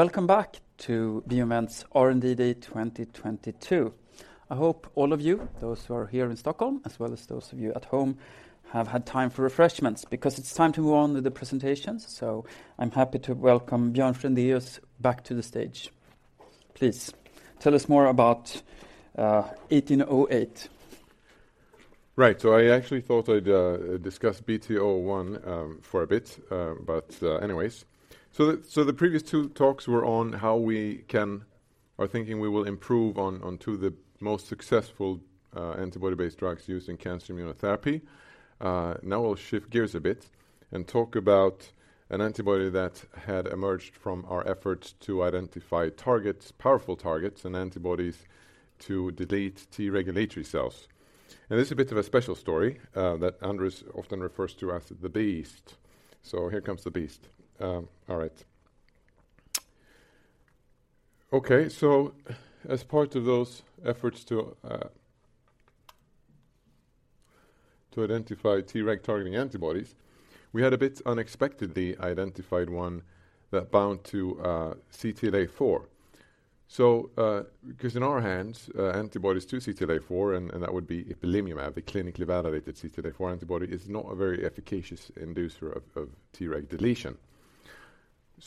Welcome back to BioInvent's R&D Day 2022. I hope all of you, those who are here in Stockholm, as well as those of you at home, have had time for refreshments because it's time to move on with the presentations. I'm happy to welcome Björn Frendéus back to the stage. Please tell us more about BI-1808. Right. So I actually thought I'd discuss BT-001 for a bit. But anyways. The previous two talks were on how we are thinking we will improve on two of the most successful antibody-based drugs used in cancer immunotherapy. Now we'll shift gears a bit and talk about an antibody that had emerged from our efforts to identify targets, powerful targets, and antibodies to delete T-regulatory cells. This is a bit of a special story that Anders often refers to as the beast. Here comes the beast. All right. Okay, as part of those efforts to identify Treg targeting antibodies, we had a bit unexpectedly identified one that bound to CTLA-4. 'Cause in our hands, antibodies to CTLA-4, and that would be ipilimumab, the clinically validated CTLA-4 antibody, is not a very efficacious inducer of Treg deletion.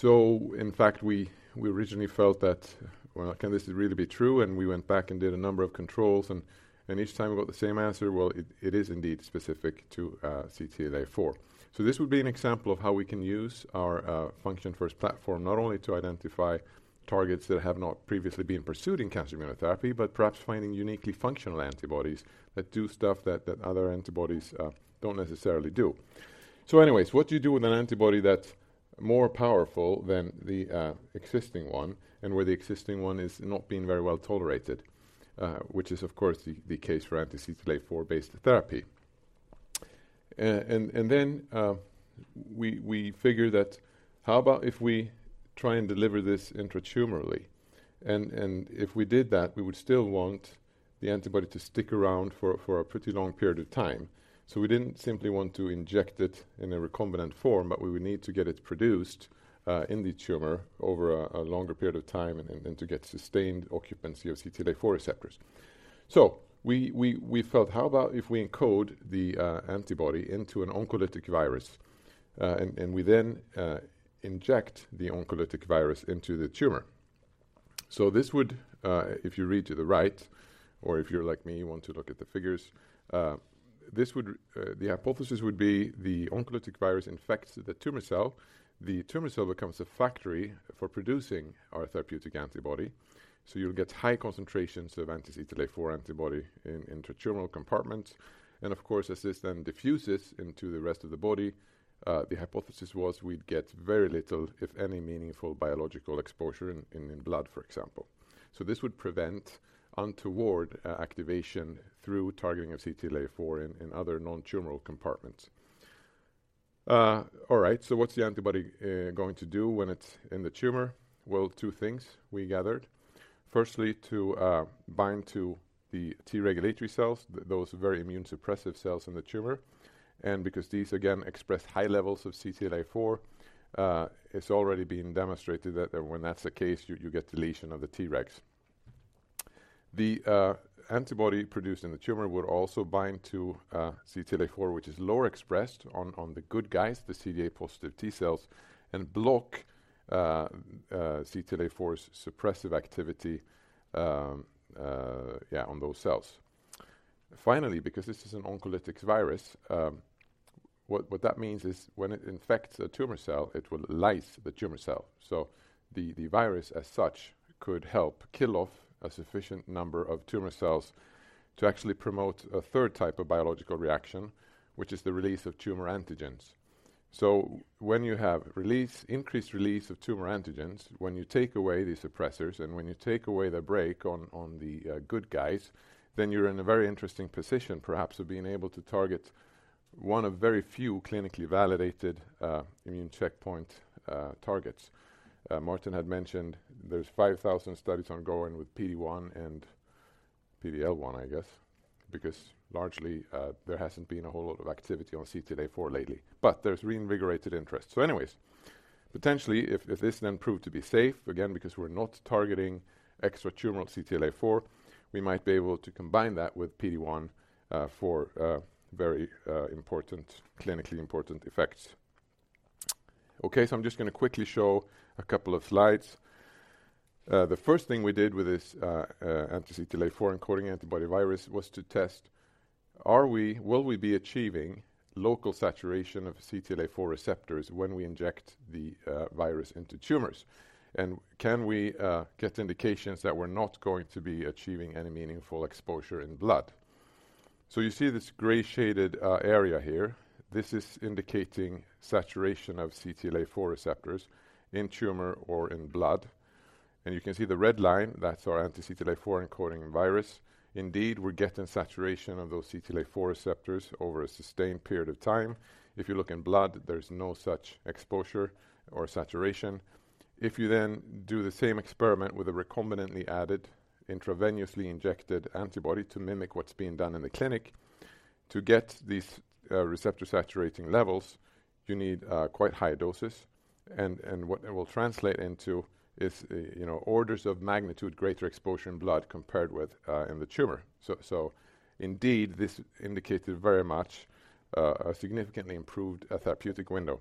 In fact, we originally felt that, "Well, can this really be true?" We went back and did a number of controls and each time we got the same answer. It is indeed specific to CTLA-4. This would be an example of how we can use our function first platform, not only to identify targets that have not previously been pursued in cancer immunotherapy, but perhaps finding uniquely functional antibodies that do stuff that other antibodies don't necessarily do. Anyways, what do you do with an antibody that's more powerful than the existing one and where the existing one is not being very well tolerated? Which is of course the case for anti-CTLA-4 based therapy. Then, we figure that how about if we try and deliver this intratumorally and if we did that, we would still want the antibody to stick around for a pretty long period of time. We didn't simply want to inject it in a recombinant form, but we would need to get it produced in the tumor over a longer period of time and then to get sustained occupancy of CTLA-4 receptors. We felt how about if we encode the antibody into an oncolytic virus, and we then inject the oncolytic virus into the tumor. This would, if you read to the right or if you're like me, you want to look at the figures. The hypothesis would be the oncolytic virus infects the tumor cell. The tumor cell becomes a factory for producing our therapeutic antibody. So you'll get high concentrations of anti-CTLA-4 antibody in intratumoral compartments. And of course, as this then diffuses into the rest of the body, the hypothesis was we'd get very little, if any, meaningful biological exposure in, in blood, for example. So this would prevent untoward activation through targeting of CTLA-4 in other non-tumoral compartments. All right, so what's the antibody going to do when it's in the tumor? Well, two things we gathered. Firstly, to bind to the T-regulatory cells, those very immune suppressive cells in the tumor. And because these again express high levels of CTLA-4, it's already been demonstrated that when that's the case, you get deletion of the Tregs. The antibody produced in the tumor would also bind to CTLA-4, which is lower expressed on the good guys, the CD8-positive T cells, and block CTLA-4's suppressive activity on those cells. Finally, because this is an oncolytic virus, what that means is when it infects a tumor cell, it will lyse the tumor cell. The virus as such could help kill off a sufficient number of tumor cells to actually promote a third type of biological reaction, which is the release of tumor antigens. When you have release, increased release of tumor antigens, when you take away the suppressors, and when you take away the brake on the good guys, then you're in a very interesting position perhaps of being able to target one of very few clinically validated immune checkpoint targets. Martin had mentioned there's 5,000 studies ongoing with PD-1 and PD-L1, I guess, because largely, there hasn't been a whole lot of activity on CTLA-4 lately, but there's reinvigorated interest. Potentially if this then proved to be safe, again because we're not targeting extra tumoral CTLA-4, we might be able to combine that with PD-1, for very important, clinically important effects. I'm just gonna quickly show a couple of slides. The first thing we did with this, anti-CTLA-4 encoding antibody virus was to test, will we be achieving local saturation of CTLA-4 receptors when we inject the virus into tumors? And can we get indications that we're not going to be achieving any meaningful exposure in blood? You see this gray shaded area here. This is indicating saturation of CTLA-4 receptors in tumor or in blood. You can see the red line, that's our anti-CTLA-4 encoding virus. Indeed, we're getting saturation of those CTLA-4 receptors over a sustained period of time. If you look in blood, there's no such exposure or saturation. If you then do the same experiment with a recombinantly added intravenously injected antibody to mimic what's being done in the clinic, to get these receptor saturating levels, you need quite high doses. What it will translate into is, you know, orders of magnitude greater exposure in blood compared with in the tumor. Indeed, this indicated very much a significantly improved therapeutic window.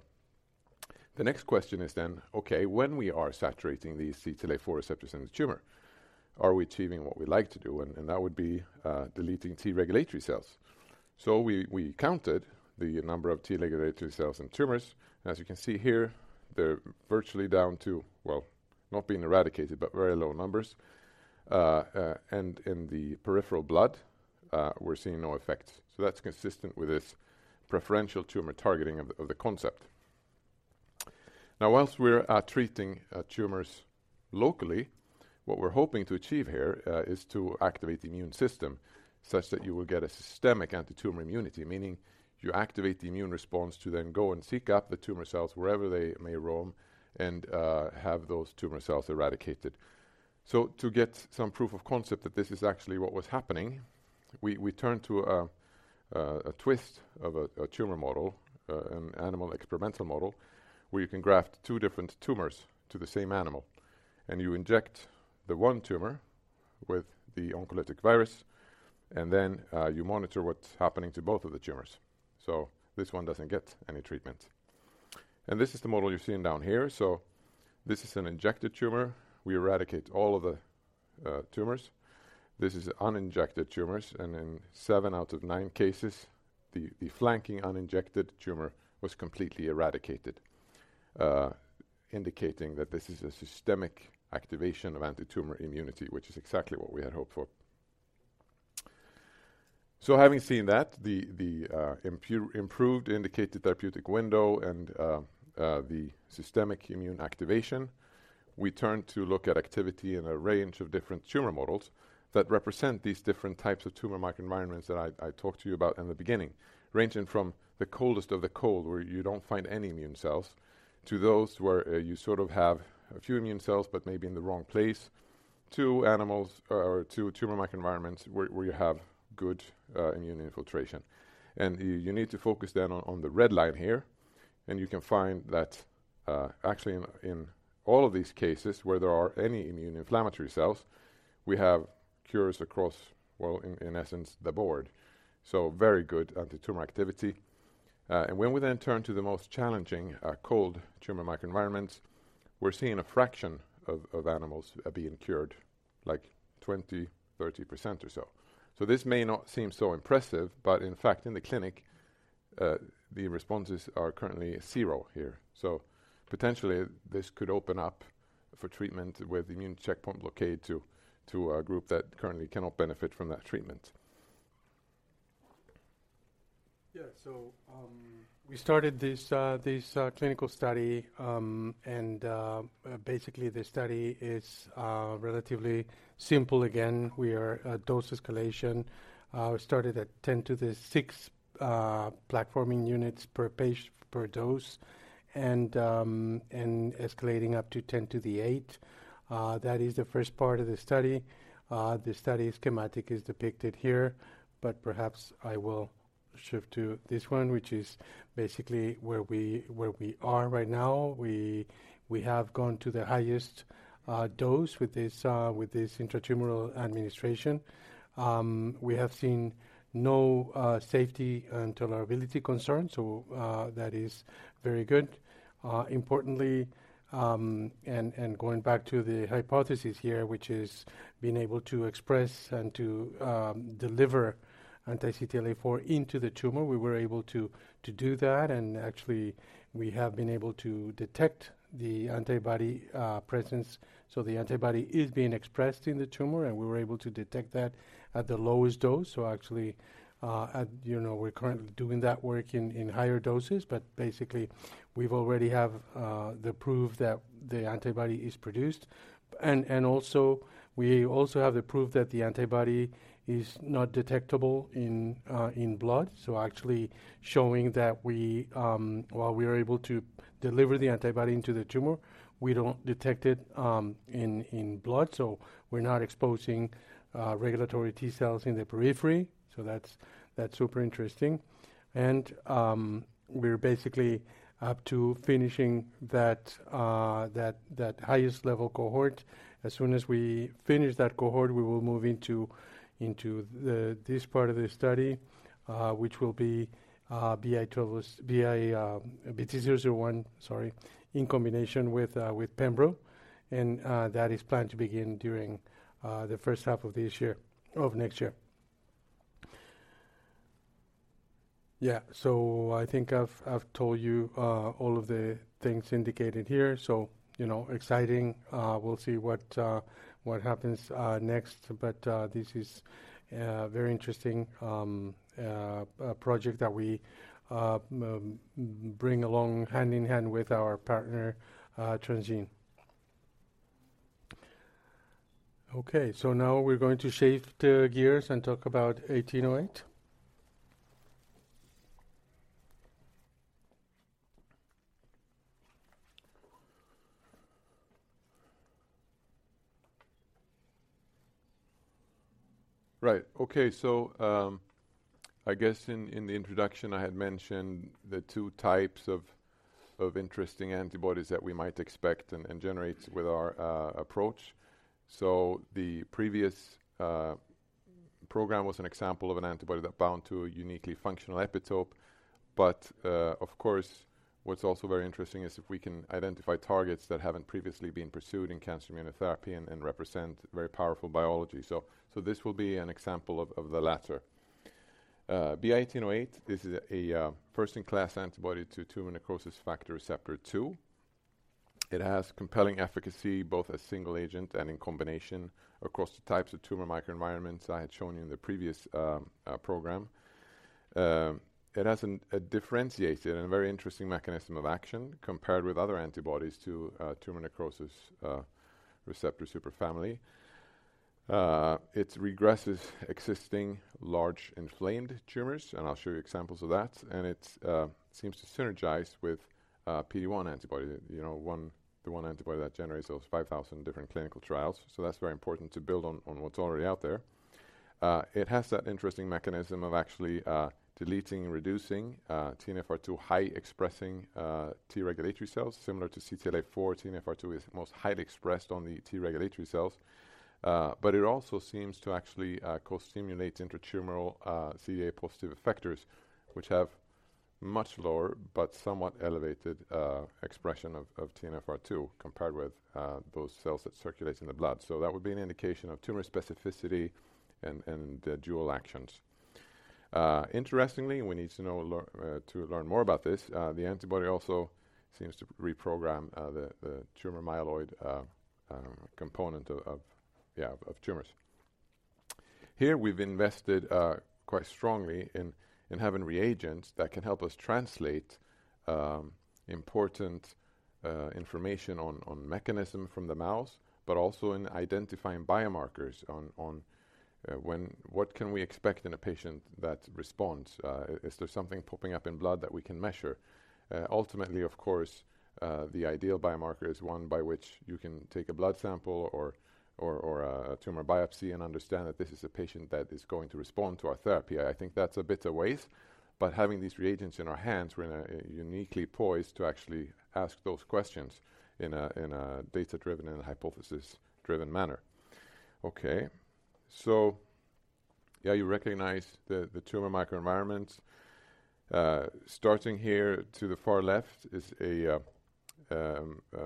The next question is, okay, when we are saturating these CTLA-4 receptors in the tumor, are we achieving what we like to do? That would be deleting T-regulatory cells. We counted the number of T-regulatory cells in tumors, and as you can see here, they're virtually down to, well, not being eradicated, but very low numbers. In the peripheral blood, we're seeing no effect. That's consistent with this preferential tumor targeting of the concept. Now, whilst we're treating tumors locally, what we're hoping to achieve here is to activate the immune system such that you will get a systemic antitumor immunity, meaning you activate the immune response to then go and seek out the tumor cells wherever they may roam and have those tumor cells eradicated. To get some proof of concept that this is actually what was happening, we turned to a twist of a tumor model, an animal experimental model, where you can graft two different tumors to the same animal, and you inject the one tumor with the oncolytic virus, and then you monitor what's happening to both of the tumors. This one doesn't get any treatment. This is the model you're seeing down here. This is an injected tumor. We eradicate all of the tumors. This is uninjected tumors, and in seven out of nine cases, the flanking uninjected tumor was completely eradicated, indicating that this is a systemic activation of antitumor immunity, which is exactly what we had hoped for. Having seen that, the improved indicated therapeutic window and the systemic immune activation, we turn to look at activity in a range of different tumor models that represent these different types of tumor microenvironments that I talked to you about in the beginning, ranging from the coldest of the cold, where you don't find any immune cells, to those where you sort of have a few immune cells but maybe in the wrong place, to animals or to tumor microenvironments where you have good immune infiltration. You need to focus then on the red line here, and you can find that actually in all of these cases where there are any immune inflammatory cells, we have cures across, well, in essence, the board. Very good antitumor activity. When we then turn to the most challenging, cold tumor microenvironments, we're seeing a fraction of animals, being cured, like 20%, 30% or so. This may not seem so impressive, but in fact, in the clinic, the responses are currently zero here. Potentially this could open up for treatment with immune checkpoint blockade to a group that currently cannot benefit from that treatment. Yeah. We started this clinical study, basically the study is relatively simple. Again, we are a dose escalation, started at 10 to the sixth platforming units per dose and escalating up to 10 to the eighth. That is the first part of the study. The study schematic is depicted here. Perhaps I will shift to this one, which is basically where we are right now. We have gone to the highest dose with this intratumoral administration. We have seen no safety and tolerability concerns, that is very good. Importantly, going back to the hypothesis here, which is being able to express and to deliver anti-CTLA-4 into the tumor, we were able to do that, and actually we have been able to detect the antibody presence. The antibody is being expressed in the tumor, and we were able to detect that at the lowest dose. Actually, you know, we're currently doing that work in higher doses, but basically we've already have the proof that the antibody is produced. Also we also have the proof that the antibody is not detectable in blood. Actually showing that we, while we are able to deliver the antibody into the tumor, we don't detect it in blood. We're not exposing regulatory T cells in the periphery. That's super interesting. We're basically up to finishing that highest level cohort. As soon as we finish that cohort, we will move into this part of the study, which will be BT-001, sorry, in combination with pembrolizumab. That is planned to begin during the first half of next year. Yeah. I think I've told you all of the things indicated here. You know, exciting. We'll see what happens next. This is a very interesting project that we bring along hand in hand with our partner, Transgene. Okay. Now we're going to shift gears and talk about BI-1808. Right. Okay. I guess in the introduction, I had mentioned the two types of interesting antibodies that we might expect and generate with our approach. The previous program was an example of an antibody that bound to a uniquely functional epitope. Of course, what's also very interesting is if we can identify targets that haven't previously been pursued in cancer immunotherapy and represent very powerful biology. This will be an example of the latter. BI-1808 is a first-in-class antibody to tumor necrosis factor receptor 2. It has compelling efficacy, both as single agent and in combination across the types of tumor microenvironments I had shown you in the previous program. It has a differentiated and very interesting mechanism of action compared with other antibodies to tumor necrosis receptor superfamily. It regresses existing large inflamed tumors, I'll show you examples of that. It seems to synergize with PD-1 antibody. You know, the one antibody that generates those 5,000 different clinical trials. That's very important to build on what's already out there. It has that interesting mechanism of actually deleting and reducing TNFR2 high expressing T-regulatory cells similar to CTLA-4. TNFR2 is most highly expressed on the T-regulatory cells. It also seems to actually co-stimulate intratumoral CD8-positive effectors, which have much lower but somewhat elevated expression of TNFR2 compared with those cells that circulates in the blood. That would be an indication of tumor specificity and dual actions. Interestingly, we need to learn more about this. The antibody also seems to reprogram the tumor myeloid component of tumors. We've invested quite strongly in having reagents that can help us translate important information on mechanism from the mouse, but also in identifying biomarkers on when. What can we expect in a patient that responds? Is there something popping up in blood that we can measure? Ultimately, of course, the ideal biomarker is one by which you can take a blood sample or a tumor biopsy and understand that this is a patient that is going to respond to our therapy. I think that's a bit aways, but having these reagents in our hands, we're in a uniquely poised to actually ask those questions in a data-driven and hypothesis-driven manner. Okay. Yeah, you recognize the tumor microenvironments. Starting here to the far left is a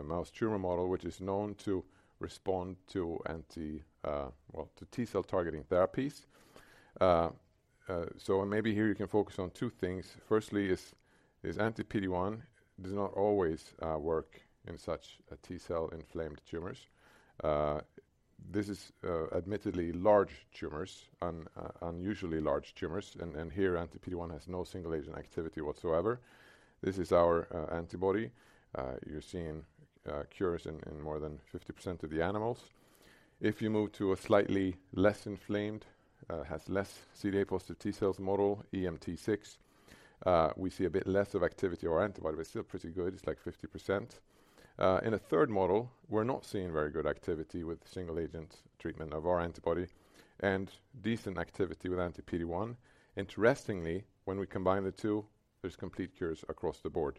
mouse tumor model, which is known to respond to anti, well, to T-cell targeting therapies. Maybe here you can focus on two things. Firstly is anti-PD-1 does not always work in such a T-cell inflamed tumors. This is admittedly large tumors, unusually large tumors. Here, anti-PD-1 has no single agent activity whatsoever. This is our antibody. You're seeing cures in more than 50% of the animals. You move to a slightly less inflamed, has less CD8-positive T cells model, EMT6, we see a bit less of activity of our antibody. It's still pretty good. It's like 50%. In a third model, we're not seeing very good activity with single agent treatment of our antibody and decent activity with anti-PD-1. Interestingly, when we combine the two, there's complete cures across the board.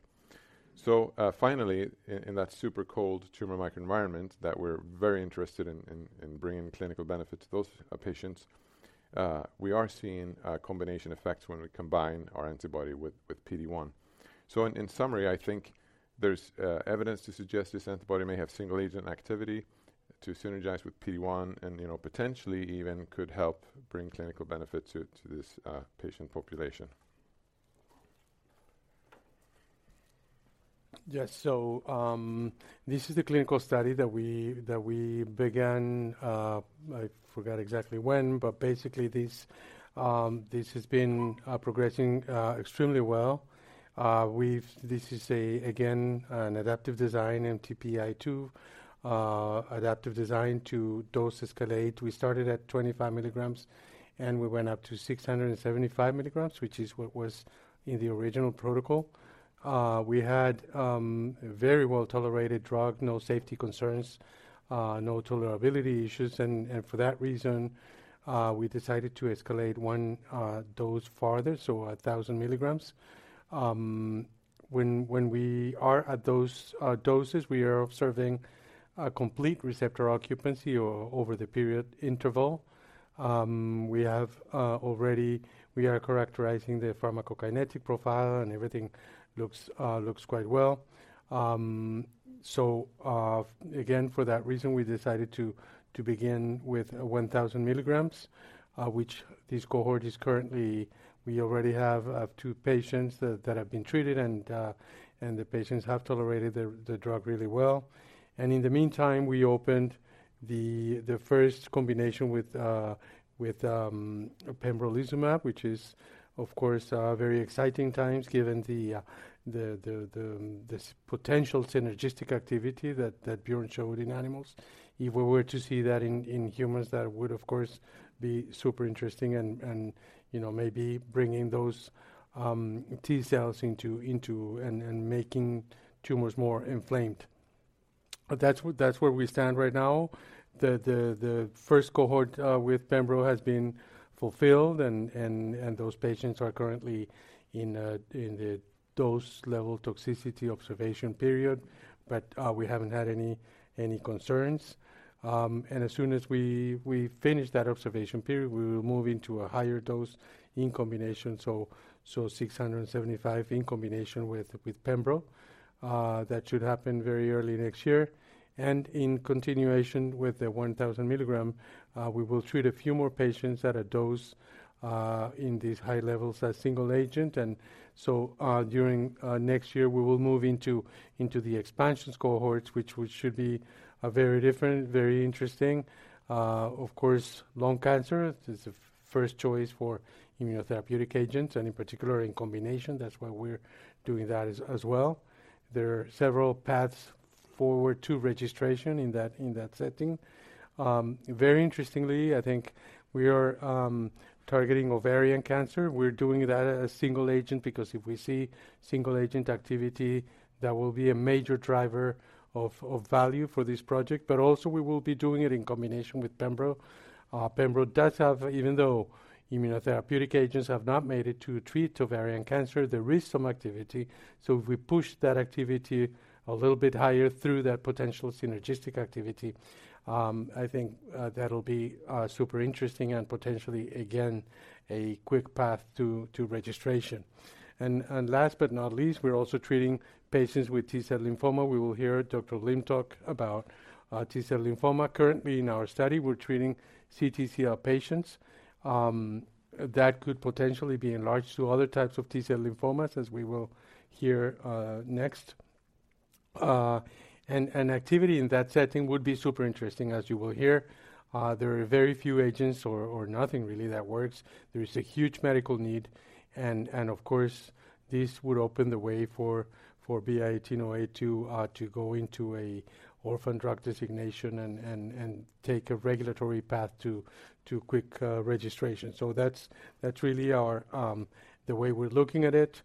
Finally, in that super cold tumor microenvironment that we're very interested in bringing clinical benefit to those patients, we are seeing a combination effects when we combine our antibody with PD-1. In summary, I think there's evidence to suggest this antibody may have single agent activity to synergize with PD-1 and, you know, potentially even could help bring clinical benefit to this patient population. Yes. This is the clinical study that we began, I forgot exactly when. Basically, this has been progressing extremely well. This is again an adaptive design, mTPI-2 adaptive design to dose escalate. We started at 25 mg, and we went up to 675 mg, which is what was in the original protocol. We had a very well-tolerated drug, no safety concerns, no tolerability issues. For that reason, we decided to escalate one dose farther, so 1,000 mg. When we are at those doses, we are observing a complete receptor occupancy over the period interval. We are characterizing the pharmacokinetic profile, and everything looks quite well. Again, for that reason, we decided to begin with 1,000 mg, which this cohort is currently. We already have two patients that have been treated, and the patients have tolerated the drug really well. In the meantime, we opened the first combination with pembrolizumab, which is of course very exciting times given this potential synergistic activity that Björn showed in animals. If we were to see that in humans, that would of course be super interesting and, you know, maybe bringing those T-cells into and making tumors more inflamed. That's where, that's where we stand right now. The first cohort with pembrolizumab has been fulfilled and those patients are currently in a dose level toxicity observation period. We haven't had any concerns. As soon as we finish that observation period, we will move into a higher dose in combination, so 675 in combination with pembrolizumab. That should happen very early next year. In continuation with the 1,000 mg, we will treat a few more patients at a dose in these high levels as single agent. During next year, we will move into the expansions cohorts, which should be very different, very interesting. Of course, lung cancer is the first choice for immunotherapeutic agents, and in particular in combination. That's why we're doing that as well. There are several paths forward to registration in that setting. Very interestingly, I think we are targeting ovarian cancer. We're doing that as single agent because if we see single agent activity, that will be a major driver of value for this project. Also we will be doing it in combination with pembro. Even though immunotherapeutic agents have not made it to treat ovarian cancer, there is some activity. If we push that activity a little bit higher through that potential synergistic activity, I think that'll be super interesting and potentially again, a quick path to registration. Last but not least, we're also treating patients with T-cell lymphoma. We will hear Dr. Lim talk about T-cell lymphoma. Currently in our study, we're treating CTCL patients. That could potentially be enlarged to other types of T-cell lymphomas as we will hear next. Activity in that setting would be super interesting as you will hear. There are very few agents or nothing really that works. There is a huge medical need and of course, this would open the way for BI-1808 to go into a orphan drug designation and take a regulatory path to quick registration. That's really our the way we're looking at it.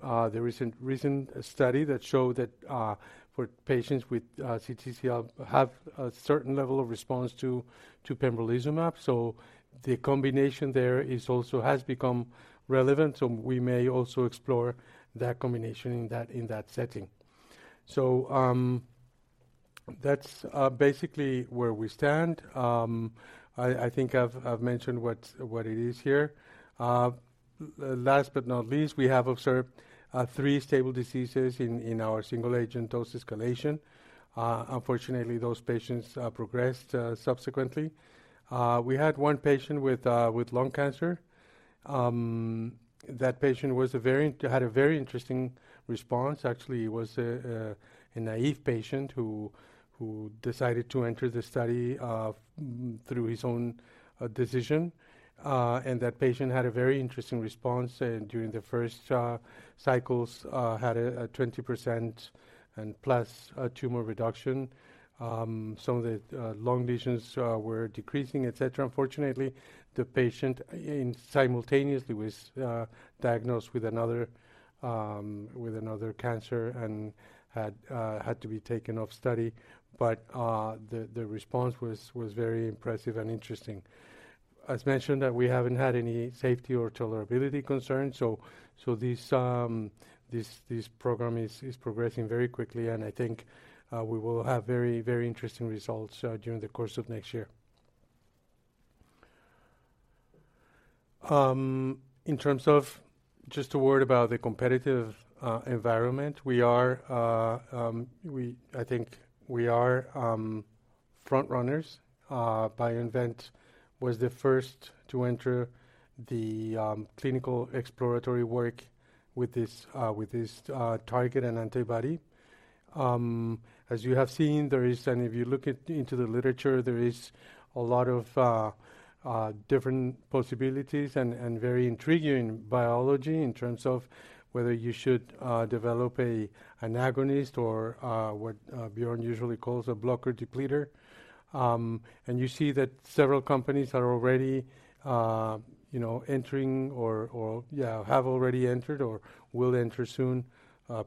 There is a recent study that showed that for patients with CTCL have a certain level of response to pembrolizumab. The combination there is also has become relevant, so we may also explore that combination in that setting. That's basically where we stand. I think I've mentioned what it is here. Last but not least, we have observed three stable diseases in our single agent dose escalation. Unfortunately, those patients progressed subsequently. We had one patient with lung cancer. That patient had a very interesting response. Actually was a naive patient who decided to enter the study through his own decision. And that patient had a very interesting response, and during the first cycles had a 20% and plus tumor reduction. Some of the lung lesions were decreasing, et cetera. Unfortunately, the patient simultaneously was diagnosed with another cancer and had to be taken off study. The response was very impressive and interesting. As mentioned, we haven't had any safety or tolerability concerns. This program is progressing very quickly and I think we will have very interesting results during the course of next year. In terms of just a word about the competitive environment, I think we are front runners. BioInvent was the first to enter the clinical exploratory work with this, with this target and antibody. As you have seen, there is, and if you look into the literature, there is a lot of different possibilities and very intriguing biology in terms of whether you should develop an agonist or what Bjorn usually calls a blocker depleter. You see that several companies are already, you know, entering or, yeah, have already entered or will enter soon,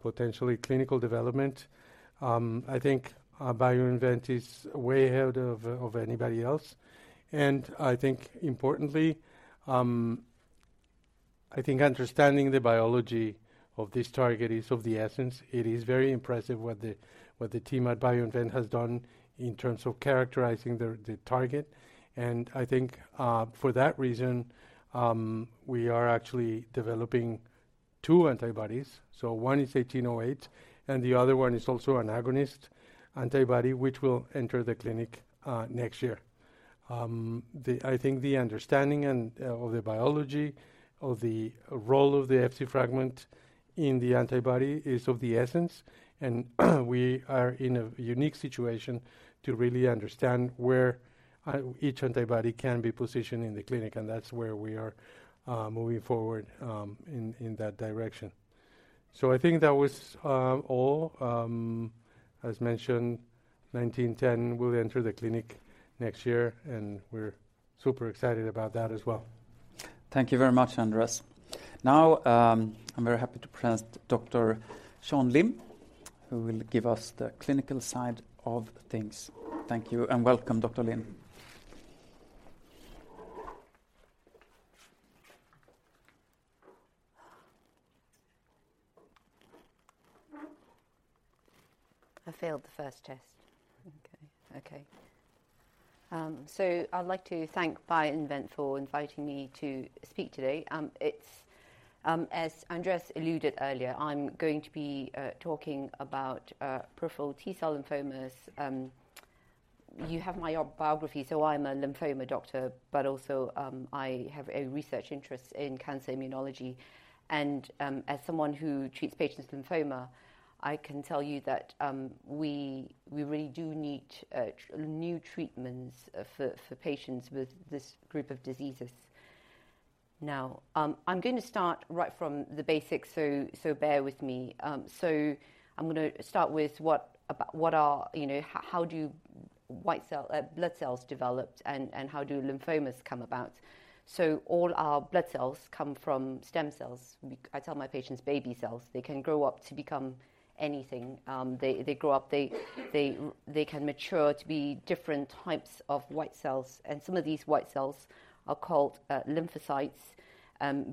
potentially clinical development. I think BioInvent is way ahead of anybody else. I think importantly, I think understanding the biology of this target is of the essence. It is very impressive what the team at BioInvent has done in terms of characterizing the target. I think for that reason, we are actually developing two antibodies. One is BI-1808, and the other one is also an agonist antibody which will enter the clinic next year. The, I think the understanding and of the biology of the role of the Fc fragment in the antibody is of the essence. We are in a unique situation to really understand where each antibody can be positioned in the clinic, and that's where we are moving forward in that direction. I think that was all. As mentioned, BI-1910 will enter the clinic next year, and we're super excited about that as well. Thank you very much, Andres. Now, I'm very happy to present Dr. Sean Lim, who will give us the clinical side of things. Thank you, and welcome, Dr. Lim. I failed the first test. Okay. Okay. I'd like to thank BioInvent for inviting me to speak today. It's as Andres alluded earlier, I'm going to be talking about peripheral T-cell lymphomas. You have my biography, I'm a lymphoma doctor, but also I have a research interest in cancer immunology. As someone who treats patients with lymphoma, I can tell you that we really do need new treatments for patients with this group of diseases. Now, I'm gonna start right from the basics, so bear with me. I'm gonna start with what are, you know, how do white cell, blood cells develop and how do lymphomas come about? All our blood cells come from stem cells. I tell my patients baby cells. They can grow up to become anything. They grow up. They can mature to be different types of white cells, and some of these white cells are called lymphocytes,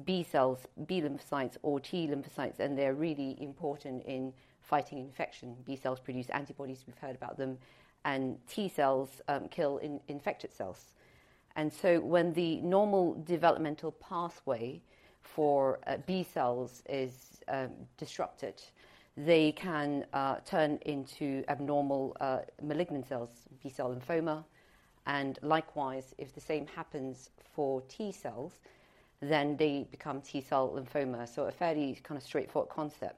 B cells, B lymphocytes or T lymphocytes, and they're really important in fighting infection. B cells produce antibodies. We've heard about them. T cells kill infected cells. When the normal developmental pathway for B cells is disrupted, they can turn into abnormal, malignant cells, B-cell lymphoma. Likewise, if the same happens for T cells, then they become T-cell lymphoma. A fairly kind of straightforward concept.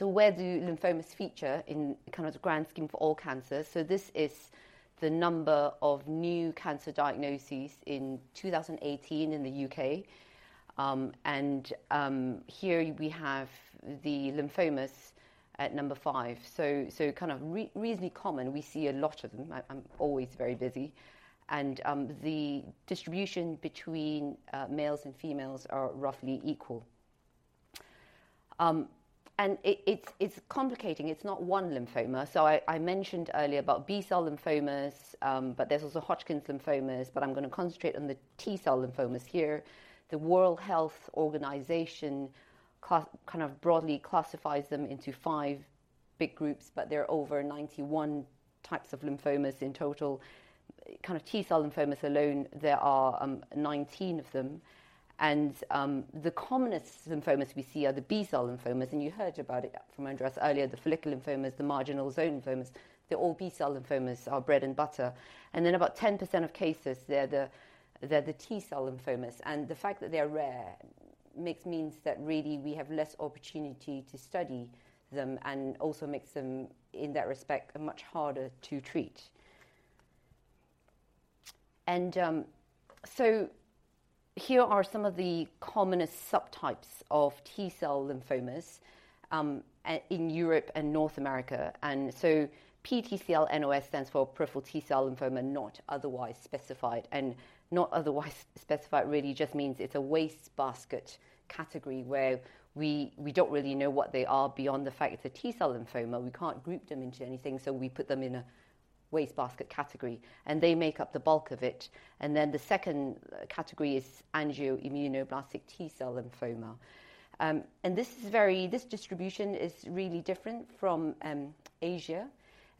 Where do lymphomas feature in kind of the grand scheme for all cancers? This is the number of new cancer diagnoses in 2018 in the U.K. Here we have the lymphomas at number five, reasonably common. We see a lot of them. I'm always very busy. The distribution between males and females are roughly equal. It's complicating. It's not one lymphoma. I mentioned earlier about B-cell lymphomas, there's also Hodgkin lymphoma, I'm going to concentrate on the T-cell lymphomas here. The World Health Organization broadly classifies them into five big groups, there are over 91 types of lymphomas in total. T-cell lymphomas alone, there are 19 of them. The commonest lymphomas we see are the B-cell lymphomas, you heard about it from Andres earlier, the follicular lymphomas, the marginal zone lymphomas. They're all B-cell lymphomas are bread and butter. About 10% of cases, they're the T-cell lymphomas. The fact that they are rare makes means that really we have less opportunity to study them and also makes them, in that respect, much harder to treat. Here are some of the commonest subtypes of T-cell lymphomas in Europe and North America. PTCL-NOS stands for Peripheral T-cell lymphoma, not otherwise specified. Not otherwise specified really just means it's a wastebasket category where we don't really know what they are beyond the fact it's a T-cell lymphoma. We can't group them into anything, so we put them in a wastebasket category, and they make up the bulk of it. The second category is Angioimmunoblastic T-cell lymphoma. This distribution is really different from Asia.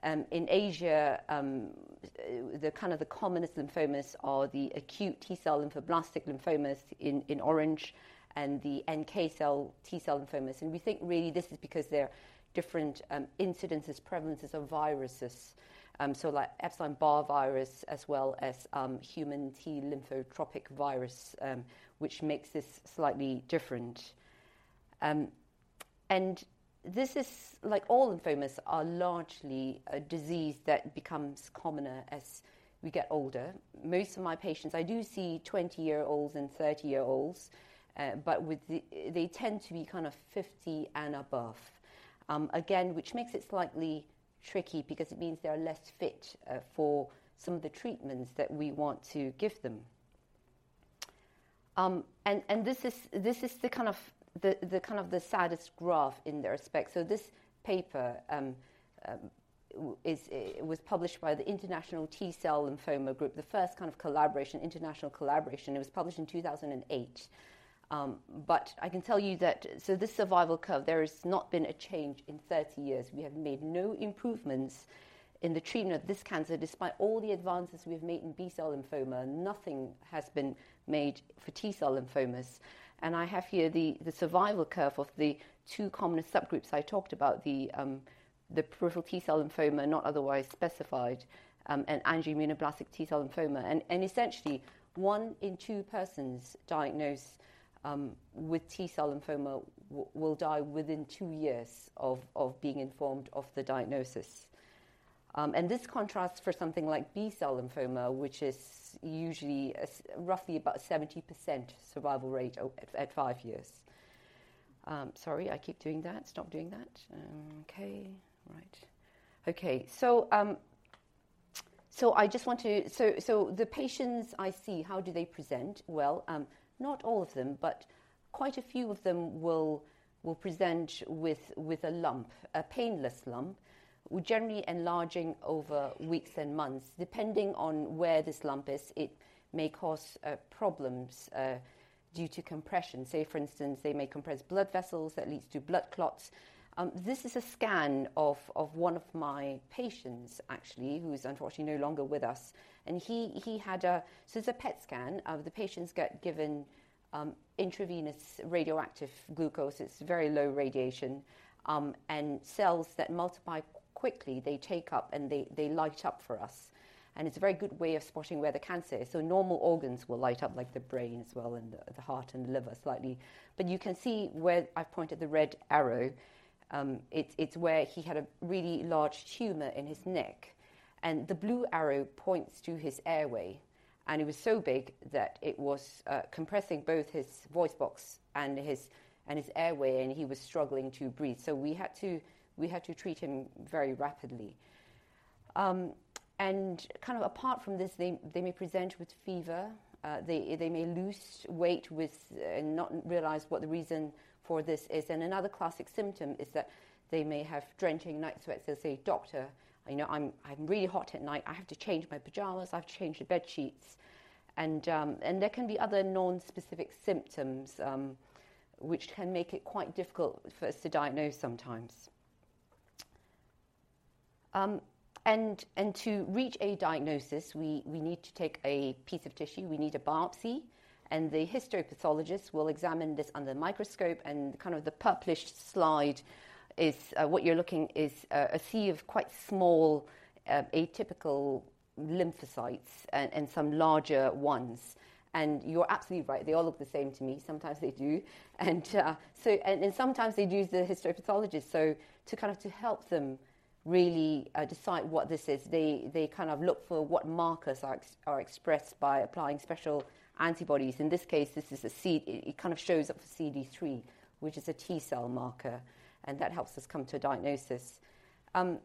In Asia, the commonest lymphomas are the acute T-cell lymphoblastic lymphomas in orange and the NK/T-cell lymphomas. We think really this is because there are different incidences, prevalences of viruses. Like Epstein-Barr virus, as well as Human T-lymphotropic virus, which makes this slightly different. This is, like all lymphomas, are largely a disease that becomes commoner as we get older. Most of my patients, I do see 20-year-olds and 30-year-olds, they tend to be 50 and above. Again, which makes it slightly tricky because it means they are less fit for some of the treatments that we want to give them. This is the saddest graph in their respect. This paper, it was published by the International T-cell Lymphoma Group, the first kind of collaboration, international collaboration. It was published in 2008. I can tell you that this survival curve, there has not been a change in 30 years. We have made no improvements in the treatment of this cancer. Despite all the advances we've made in B-cell lymphoma, nothing has been made for T-cell lymphomas. I have here the survival curve of the two commonest subgroups I talked about, the peripheral T-cell lymphoma not otherwise specified, and Angioimmunoblastic T-cell lymphoma. Essentially, one in two persons diagnosed with T-cell lymphoma will die within two years of being informed of the diagnosis. This contrasts for something like B-cell lymphoma, which is usually, is roughly about 70% survival rate at five years. Sorry, I keep doing that. Stop doing that. Okay. All right. Okay. The patients I see, how do they present? Well, not all of them, but quite a few of them will present with a lump, a painless lump, generally enlarging over weeks and months. Depending on where this lump is, it may cause problems due to compression. Say, for instance, they may compress blood vessels that leads to blood clots. This is a scan of one of my patients actually, who is unfortunately no longer with us. He had a PET scan. The patients get given intravenous radioactive glucose. It's very low radiation. Cells that multiply quickly, they take up, and they light up for us. It's a very good way of spotting where the cancer is. Normal organs will light up like the brain as well, and the heart, and the liver slightly. You can see where I've pointed the red arrow, it's where he had a really large tumor in his neck, and the blue arrow points to his airway, and it was so big that it was compressing both his voice box and his airway, and he was struggling to breathe. We had to treat him very rapidly. Kind of apart from this, they may present with fever, they may lose weight with, and not realize what the reason for this is. Another classic symptom is that they may have drenching night sweats. They'll say, "Doctor, you know, I'm really hot at night. I have to change my pajamas. I've changed the bed sheets." There can be other non-specific symptoms, which can make it quite difficult for us to diagnose sometimes. To reach a diagnosis, we need to take a piece of tissue, we need a biopsy, and the histopathologist will examine this under the microscope. Kind of the purplish slide is what you're looking is a sea of quite small atypical lymphocytes and some larger ones. You're absolutely right. They all look the same to me. Sometimes they do. Sometimes they'd use the histopathologist. To kind of to help them really decide what this is. They kind of look for what markers are expressed by applying special antibodies. In this case, this is a C. It kind of shows up for CD3, which is a T-cell marker, and that helps us come to a diagnosis. The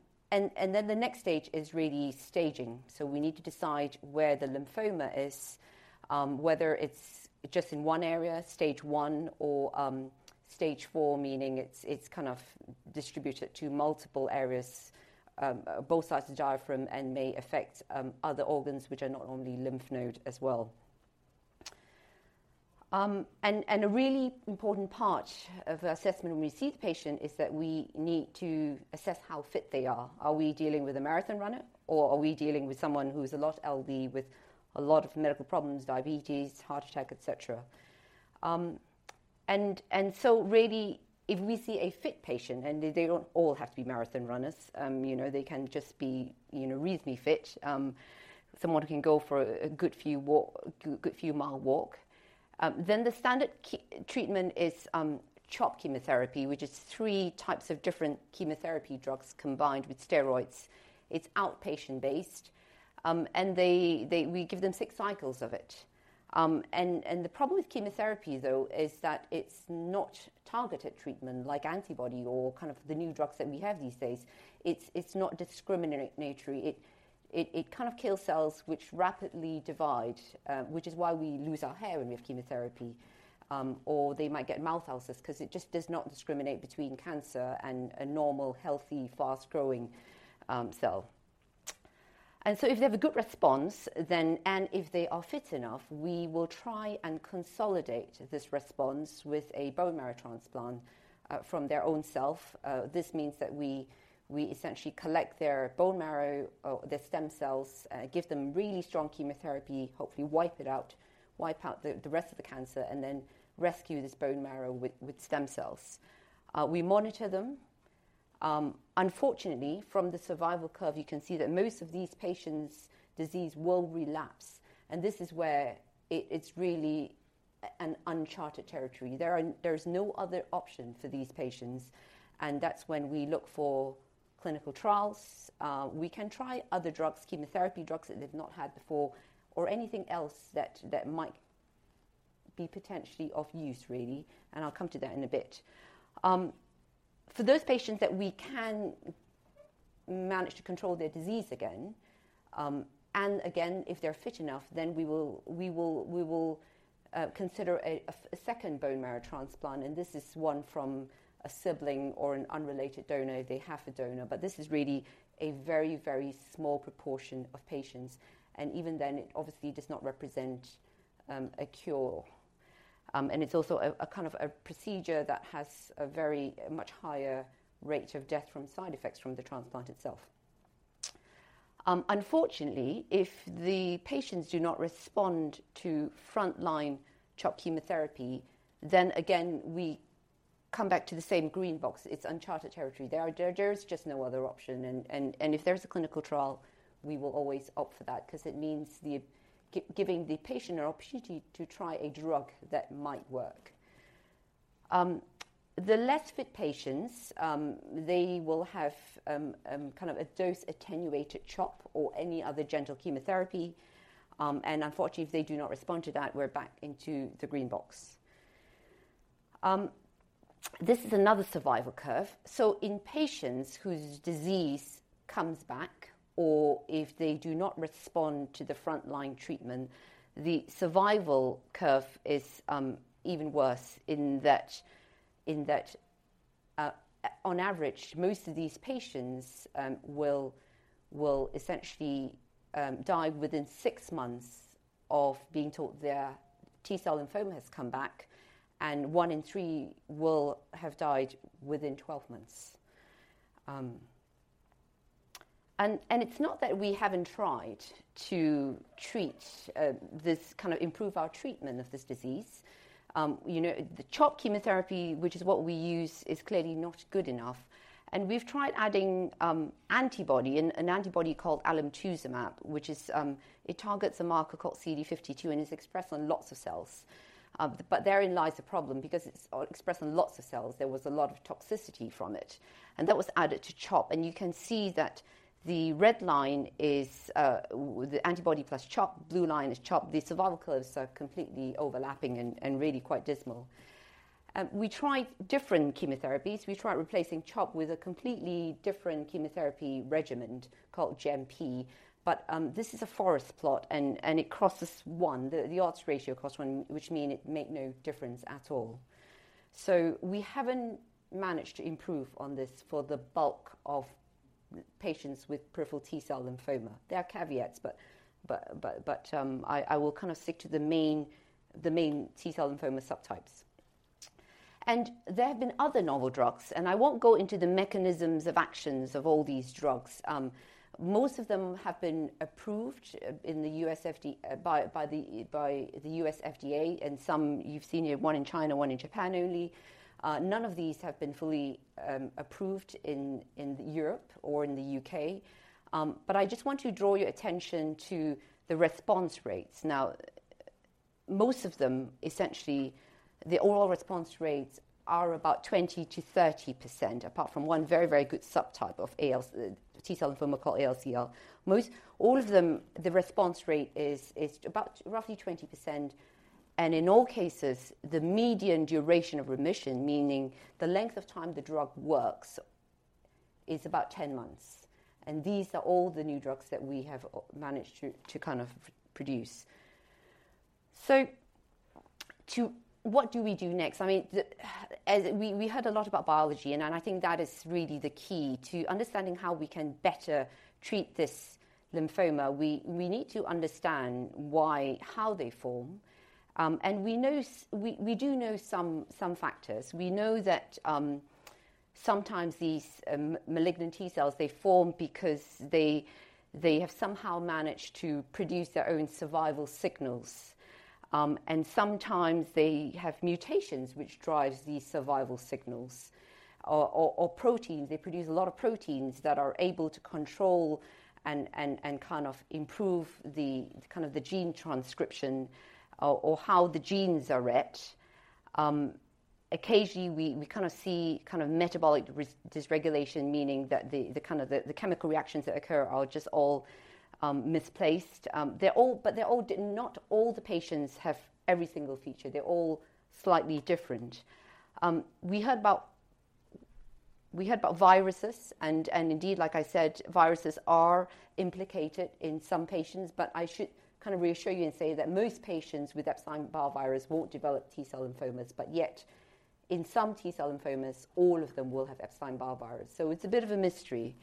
next stage is really staging. We need to decide where the lymphoma is, whether it's just in one area, stage 1 or, stage 4, meaning it's kind of distributed to multiple areas, both sides of the diaphragm and may affect, other organs which are not only lymph node as well. A really important part of assessment when we see the patient is that we need to assess how fit they are. Are we dealing with a marathon runner, or are we dealing with someone who's a lot elderly with a lot of medical problems, diabetes, heart attack, et cetera? Really, if we see a fit patient, and they don't all have to be marathon runners, you know, they can just be, you know, reasonably fit, someone who can go for a good few mile walk, the standard treatment is CHOP chemotherapy, which is three types of different chemotherapy drugs combined with steroids. It's outpatient based. We give them six cycles of it. The problem with chemotherapy, though, is that it's not targeted treatment like antibody or kind of the new drugs that we have these days. It's not discriminatory. It kind of kills cells which rapidly divide, which is why we lose our hair when we have chemotherapy, or they might get mouth ulcers because it just does not discriminate between cancer and a normal, healthy, fast-growing cell. If they have a good response then, and if they are fit enough, we will try and consolidate this response with a bone marrow transplant from their own self. This means that we essentially collect their bone marrow or their stem cells, give them really strong chemotherapy, hopefully wipe it out, wipe out the rest of the cancer, and then rescue this bone marrow with stem cells. We monitor them. Unfortunately, from the survival curve, you can see that most of these patients' disease will relapse, and this is where it's really an uncharted territory. There is no other option for these patients. That's when we look for clinical trials. We can try other drugs, chemotherapy drugs that they've not had before or anything else that might be potentially of use really, and I'll come to that in a bit. For those patients that we can manage to control their disease again, and again, if they're fit enough, then we will consider a second bone marrow transplant, and this is one from a sibling or an unrelated donor if they have a donor. This is really a very, very small proportion of patients, and even then, it obviously does not represent a cure. It's also a kind of a procedure that has a very much higher rate of death from side effects from the transplant itself. Unfortunately, if the patients do not respond to frontline CHOP chemotherapy, then again, we come back to the same green box. It's uncharted territory. There is just no other option. If there's a clinical trial, we will always opt for that because it means giving the patient an opportunity to try a drug that might work. The less fit patients, they will have kind of a dose attenuated CHOP or any other gentle chemotherapy. Unfortunately, if they do not respond to that, we're back into the green box. This is another survival curve. In patients whose disease comes back, or if they do not respond to the frontline treatment, the survival curve is even worse in that, in that, on average, most of these patients will essentially die within six months of being told their T-cell lymphoma has come back, and one in three will have died within 12 months. It's not that we haven't tried to treat, kind of improve our treatment of this disease. You know, the CHOP chemotherapy, which is what we use, is clearly not good enough. We've tried adding antibody, an antibody called alemtuzumab, which is, it targets a marker called CD52, and it's expressed on lots of cells. Therein lies the problem because it's expressed on lots of cells, there was a lot of toxicity from it. That was added to CHOP, you can see that the red line is the antibody plus CHOP, blue line is CHOP. The survival curves are completely overlapping and really quite dismal. We tried different chemotherapies. We tried replacing CHOP with a completely different chemotherapy regimen called GEM-P, this is a forest plot and it crosses one, the odds ratio cross one, which mean it make no difference at all. We haven't managed to improve on this for the bulk of patients with peripheral T-cell lymphoma. There are caveats, but I will kind of stick to the main T-cell lymphoma subtypes. There have been other novel drugs, I won't go into the mechanisms of actions of all these drugs. Most of them have been approved in the US FDA, and some you've seen here, one in China, one in Japan only. None of these have been fully approved in Europe or in the UK. I just want to draw your attention to the response rates. Most of them, essentially, the overall response rates are about 20%-30%, apart from one very, very good subtype of T-cell lymphoma called ALCL. Most all of them, the response rate is about roughly 20%, and in all cases, the median duration of remission, meaning the length of time the drug works, is about 10 months. These are all the new drugs that we have managed to kind of produce. What do we do next? I mean, We heard a lot about biology, and I think that is really the key to understanding how we can better treat this lymphoma. We need to understand why, how they form. We know we do know some factors. We know that sometimes these malignant T-cells, they form because they have somehow managed to produce their own survival signals. Sometimes they have mutations which drives these survival signals or proteins. They produce a lot of proteins that are able to control and kind of improve the kind of the gene transcription or how the genes are read. Occasionally, we kinda see kind of metabolic dysregulation, meaning that the kind of the chemical reactions that occur are just all misplaced. They're all, not all the patients have every single feature. They're all slightly different. We heard about viruses, and indeed, like I said, viruses are implicated in some patients. I should kind of reassure you and say that most patients with Epstein-Barr virus won't develop T-cell lymphomas. Yet in some T-cell lymphomas, all of them will have Epstein-Barr virus. It's a bit of a mystery.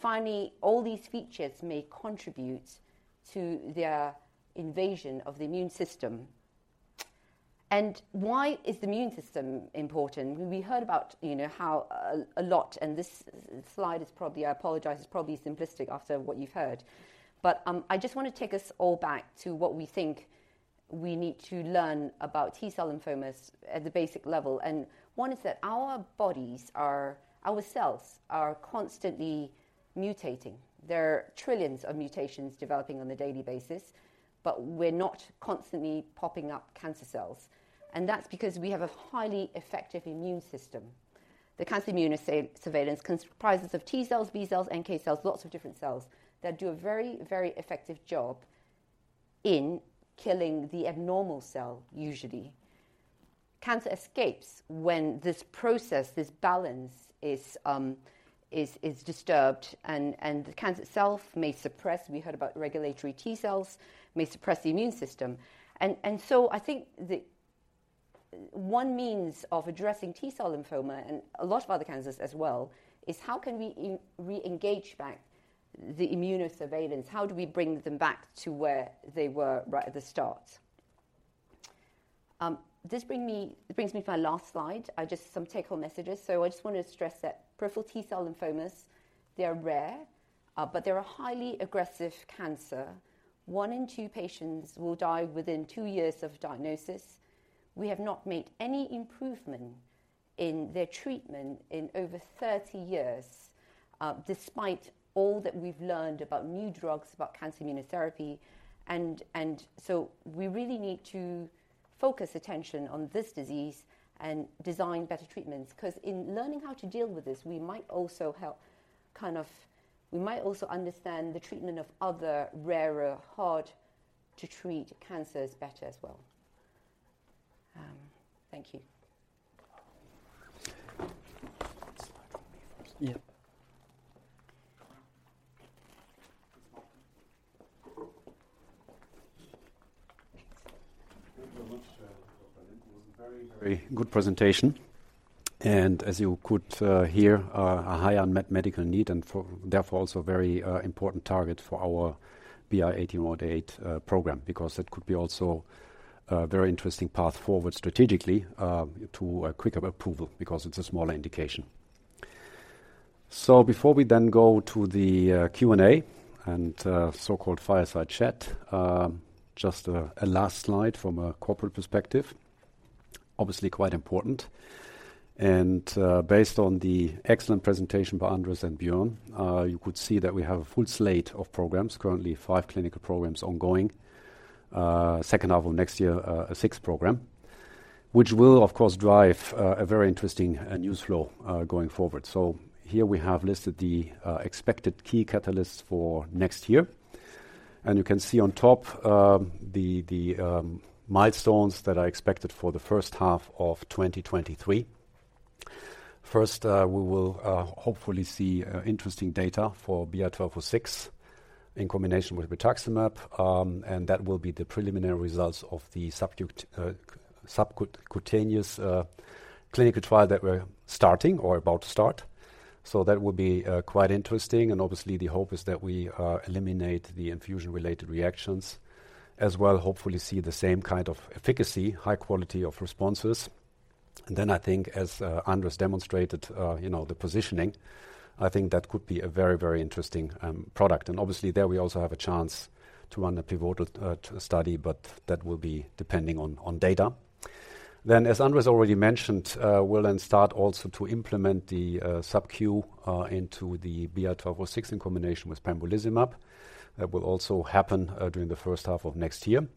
Finally, all these features may contribute to their invasion of the immune system. Why is the immune system important? We heard about, you know, how a lot, this slide is probably, I apologize, it's probably simplistic after what you've heard. I just want to take us all back to what we think we need to learn about T-cell lymphomas at the basic level. One is that our bodies are, our cells are constantly mutating. There are trillions of mutations developing on a daily basis. We're not constantly popping up cancer cells. That's because we have a highly effective immune system. The cancer immunosurveillance comprises of T cells, B cells, and NK cells, lots of different cells, that do a very, very effective job in killing the abnormal cell usually. Cancer escapes when this process, this balance is disturbed. The cancer itself may suppress. We heard about regulatory T cells may suppress the immune system. I think one means of addressing T-cell lymphoma and a lot of other cancers as well, is how can we re-engage back the immunosurveillance? How do we bring them back to where they were right at the start? This brings me to my last slide. Just some take home messages. I just want to stress that peripheral T-cell lymphomas, they are rare, but they're a highly aggressive cancer. One in two patients will die within two years of diagnosis. We have not made any improvement in their treatment in over 30 years. Despite all that we've learned about new drugs, about cancer immunotherapy, we really need to focus attention on this disease and design better treatments 'cause in learning how to deal with this, we might also help kind of. We might also understand the treatment of other rarer hard-to-treat cancers better as well. Thank you. Yeah. Thank you very much, Dr. Lim. It was a very, very good presentation. As you could hear, a high unmet medical need and therefore also very important target for our BI-1808 program, because that could be also a very interesting path forward strategically to a quicker approval because it's a smaller indication. Before we then go to the Q&A and so-called fireside chat, just a last slide from a corporate perspective, obviously quite important. Based on the excellent presentation by Andres and Björn, you could see that we have a full slate of programs, currently five clinical programs ongoing. Second half of next year, a sixth program, which will of course drive a very interesting news flow going forward. Here we have listed the expected key catalysts for next year. You can see on top, the milestones that are expected for the first half of 2023. First, we will hopefully see interesting data for BI-1206 in combination with rituximab. That will be the preliminary results of the subcutaneous clinical trial that we're starting or about to start. That will be quite interesting, and obviously the hope is that we eliminate the infusion-related reactions, as well hopefully see the same kind of efficacy, high quality of responses. Then I think, as Anders demonstrated, you know, the positioning, I think that could be a very, very interesting product. Obviously there we also have a chance to run a pivotal study, but that will be depending on data. As Anders already mentioned, we'll then start also to implement the subcutaneous into the BI-1206 in combination with pembrolizumab. That will also happen during the first half of next year.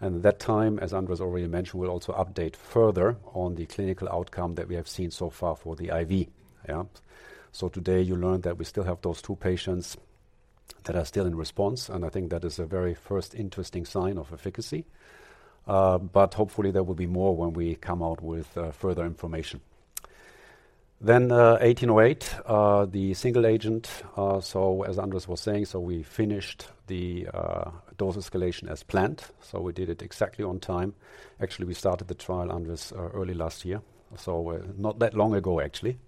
At that time, as Anders already mentioned, we'll also update further on the clinical outcome that we have seen so far for the IV. Today you learned that we still have those two patients that are still in response, and I think that is a very first interesting sign of efficacy. Hopefully there will be more when we come out with further information. BI-1808, the single agent, as Anders was saying, we finished the dose escalation as planned. We did it exactly on time. Actually, we started the trial, Anders, early last year, not that long ago actually.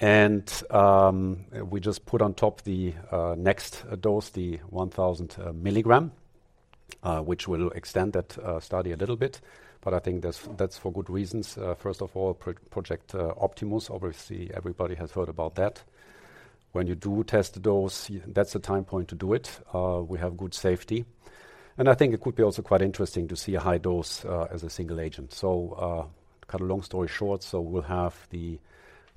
We just put on top the next dose, the 1,000 mg, which will extend that study a little bit, but I think that's for good reasons. First of all, Project Optimus, obviously everybody has heard about that. When you do test the dose, that's the time point to do it. We have good safety. I think it could be also quite interesting to see a high dose as a single agent. To cut a long story short, we'll have the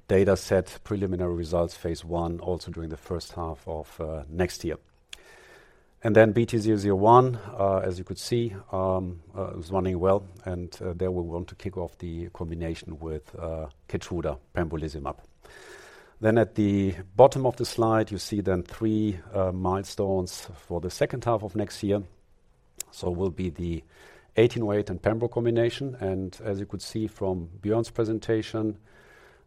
data set, preliminary results, phase I, also during the first half of next year. BT-001, as you could see, is running well, and there we want to kick off the combination with KEYTRUDA, pembrolizumab. At the bottom of the slide, you see three milestones for the second half of next year. It will be the BI-1808 and pembrolizumab combination. As you could see from Björn's presentation,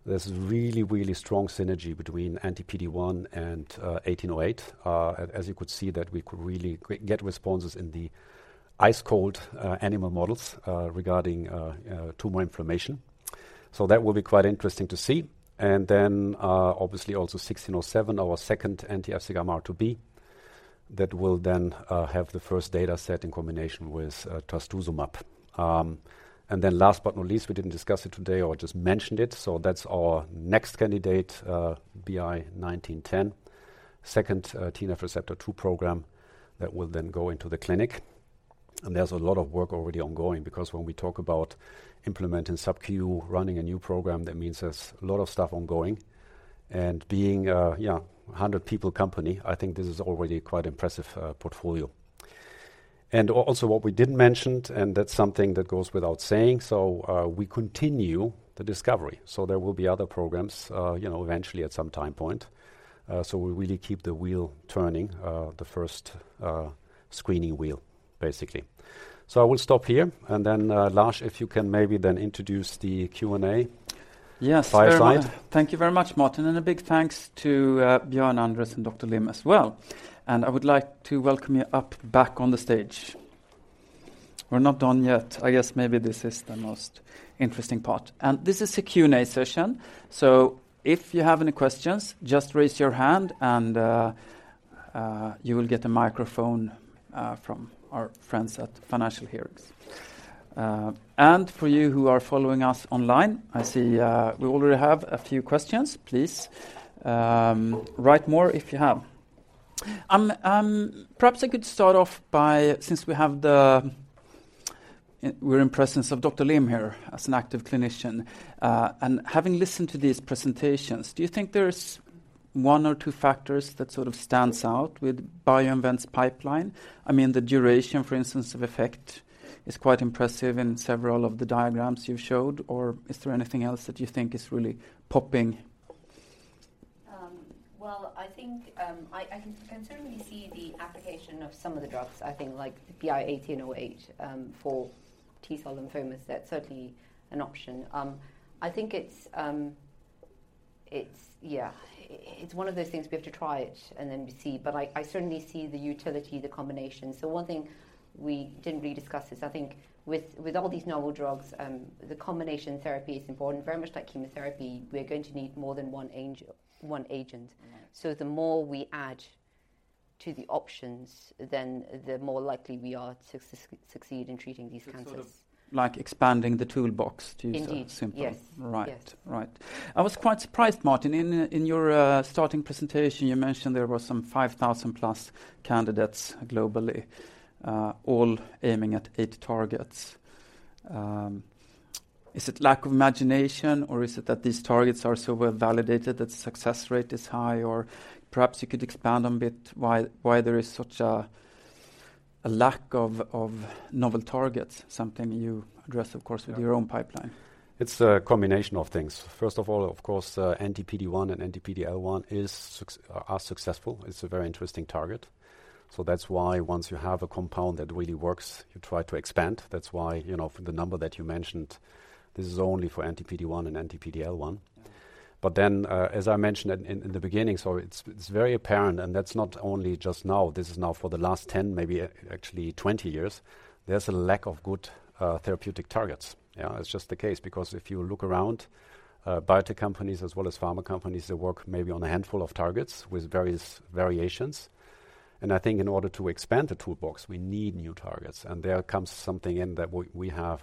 there's really, really strong synergy between anti-PD-1 and BI-1808. As you could see that we could really get responses in the ice-cold animal models regarding tumor inflammation. That will be quite interesting to see. Obviously also BI-1607, our second anti-FcγRIIb, that will have the first data set in combination with trastuzumab. Last but not least, we didn't discuss it today or just mentioned it. That's our next candidate, BI-1910, second TNFR2 program that will then go into the clinic. There's a lot of work already ongoing because when we talk about implementing subcutaneous, running a new program, that means there's a lot of stuff ongoing. Being a 100-people company, I think this is already a quite impressive portfolio. Also what we didn't mentioned, and that's something that goes without saying, we continue the discovery. There will be other programs, you know, eventually at some time point. We really keep the wheel turning, the first, screening wheel, basically. I will stop here. Lars, if you can maybe then introduce the Q&A fireside. Thank you very much, Martin. A big thanks to Björn, Andres, and Dr. Lim as well. I would like to welcome you up back on the stage. We're not done yet. I guess maybe this is the most interesting part. This is a Q&A session, so if you have any questions, just raise your hand and you will get a microphone from our friends at Financial Hearings. For you who are following us online, I see we already have a few questions. Please, write more if you have. Perhaps I could start off by, since we're in presence of Dr. Lim here as an active clinician. Having listened to these presentations, do you think there's one or two factors that sort of stands out with BioInvent's pipeline? I mean, the duration, for instance, of effect is quite impressive in several of the diagrams you've showed, or is there anything else that you think is really popping? Well, I think, I can certainly see the application of some of the drugs. I think like BI-1808 for T-cell lymphomas, that's certainly an option. I think it's one of those things we have to try it and then we see. I certainly see the utility, the combination. One thing we didn't really discuss is I think with all these novel drugs, the combination therapy is important. Very much like chemotherapy, we're going to need more than one agent. The more we add to the options, then the more likely we are to succeed in treating these cancers. It's sort of like expanding the toolbox to use a simple-. Indeed. Yes. Right. Yes. Right. I was quite surprised, Martin, in your starting presentation, you mentioned there were some 5,000+ candidates globally, all aiming at eight targets. Is it lack of imagination or is it that these targets are so well validated that success rate is high? Perhaps you could expand on a bit why there is such a lack of novel targets, something you address, of course, with your own pipeline? It's a combination of things. First of all, of course, PD-1 and PD-L1 are successful. It's a very interesting target. That's why once you have a compound that really works, you try to expand. That's why, you know, for the number that you mentioned, this is only for PD-1 and PD-L1. As I mentioned in the beginning, so it's very apparent, and that's not only just now, this is now for the last 10, maybe actually 20 years, there's a lack of good therapeutic targets. Yeah, it's just the case because if you look around, biotech companies as well as pharma companies, they work maybe on a handful of targets with various variations. I think in order to expand the toolbox, we need new targets. There comes something in that we have,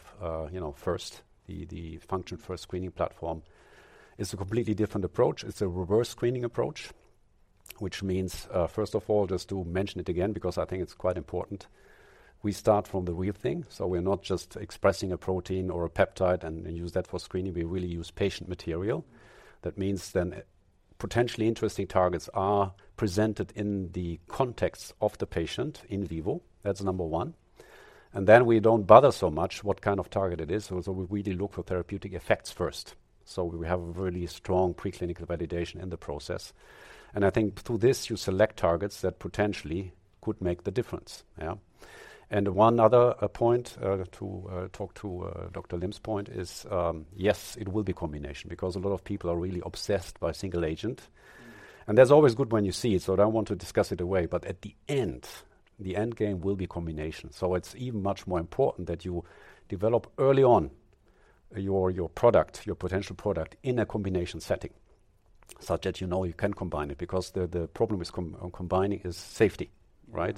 you know, first, the function first screening platform is a completely different approach. It's a reverse screening approach, which means, first of all, just to mention it again, because I think it's quite important, we start from the real thing, so we're not just expressing a protein or a peptide and use that for screening. We really use patient material. That means then potentially interesting targets are presented in the context of the patient in vivo. That's number one. Then we don't bother so much what kind of target it is, so we really look for therapeutic effects first. So we have a really strong preclinical validation in the process. I think through this, you select targets that potentially could make the difference. Yeah. One other point to talk to Dr. Lim's point is, yes, it will be combination because a lot of people are really obsessed by single agent. That's always good when you see it. I don't want to discuss it away. At the end, the end game will be combination. It's even much more important that you develop early on your product, your potential product in a combination setting such that you know you can combine it because the problem with combining is safety, right?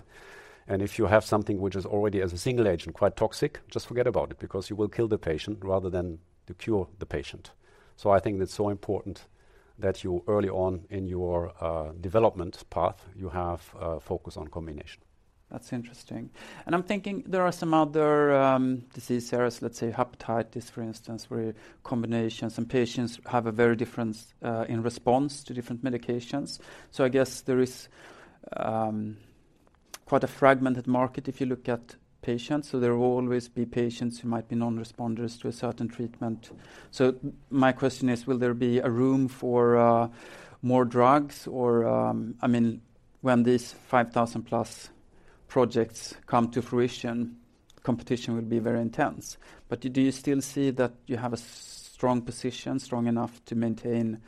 If you have something which is already as a single agent quite toxic, just forget about it because you will kill the patient rather than to cure the patient. I think it's so important that you early on in your development path, you have a focus on combination. That's interesting. I'm thinking there are some other disease areas, let's say hepatitis for instance, where combinations and patients have a very difference in response to different medications. I guess there is quite a fragmented market if you look at patients. There will always be patients who might be non-responders to a certain treatment. My question is, will there be a room for more drugs or I mean, when these 5,000+ projects come to fruition, competition will be very intense. Do you still see that you have a strong position, strong enough to maintain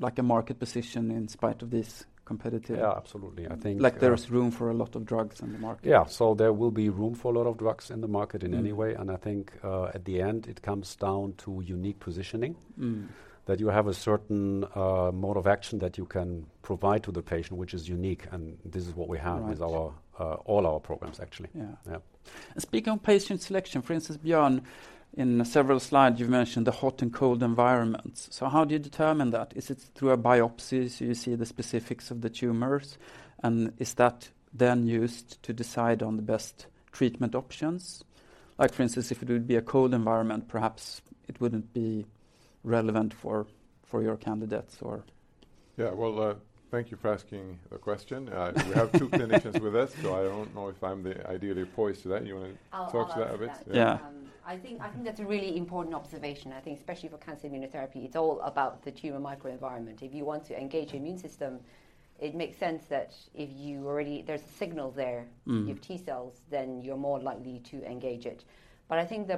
like a market position in spite of this competitive-? Yeah, absolutely. I think. Like there's room for a lot of drugs in the market. Yeah. There will be room for a lot of drugs in the market in any way. I think, at the end, it comes down to unique positioning. You have a certain mode of action that you can provide to the patient, which is unique. Right. And this is what we have with our, all our programs actually. Yeah. Speaking of patient selection, for instance, Björn, in several slides, you've mentioned the hot and cold environments. How do you determine that? Is it through a biopsy, so you see the specifics of the tumors? Is that then used to decide on the best treatment options? Like for instance, if it would be a cold environment, perhaps it wouldn't be relevant for your candidates or? Yeah. Well, thank you for asking a question. We have two clinicians with us, so I don't know if I'm the ideally poised to that. You wanna talk to that a bit? I'll take that. Yeah. I think that's a really important observation. I think especially for cancer immunotherapy, it's all about the tumor microenvironment. If you want to engage immune system, it makes sense that if you already, there's a signal there. You have T-cells, then you're more likely to engage it. I think,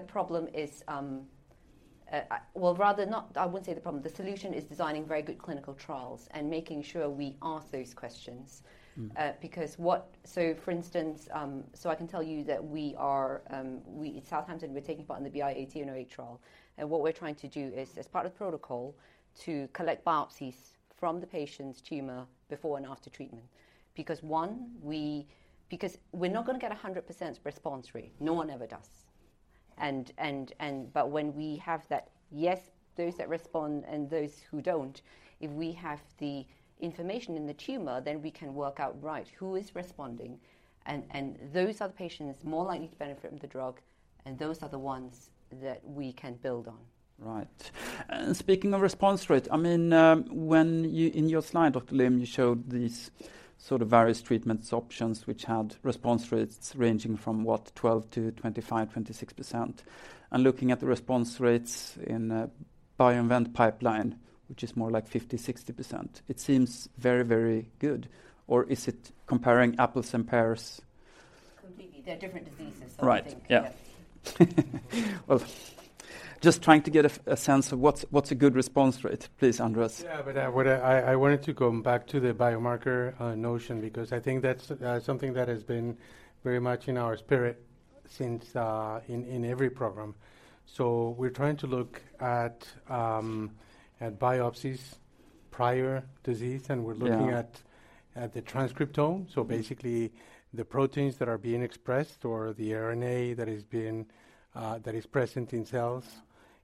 I wouldn't say the problem. The solution is designing very good clinical trials and making sure we ask those questions. For instance, I can tell you that we are, we, at Southampton, we're taking part in the BI-1808 trial, and what we're trying to do is, as part of protocol, to collect biopsies from the patient's tumor before and after treatment. One, because we're not gonna get a 100% response rate. No one ever does. When we have that yes, those that respond and those who don't, if we have the information in the tumor, then we can work out right who is responding and those are the patients more likely to benefit from the drug, and those are the ones that we can build on. Right. Speaking of response rate, I mean, in your slide, Dr. Lim, you showed these sort of various treatments options which had response rates ranging from what, 12 to 25, 26%. Looking at the response rates in BioInvent pipeline, which is more like 50%, 60%, it seems very, very good. Or is it comparing apples and pears? Completely. They're different diseases, so I think. Yeah Right. Yeah. Well, just trying to get a sense of what's a good response rate. Please, Andres. Yeah. I wanted to go back to the biomarker notion because I think that's something that has been very much in our spirit since in every program. We're trying to look at biopsies prior disease. We're looking at the transcriptome. Basically, the proteins that are being expressed or the RNA that is present in cells.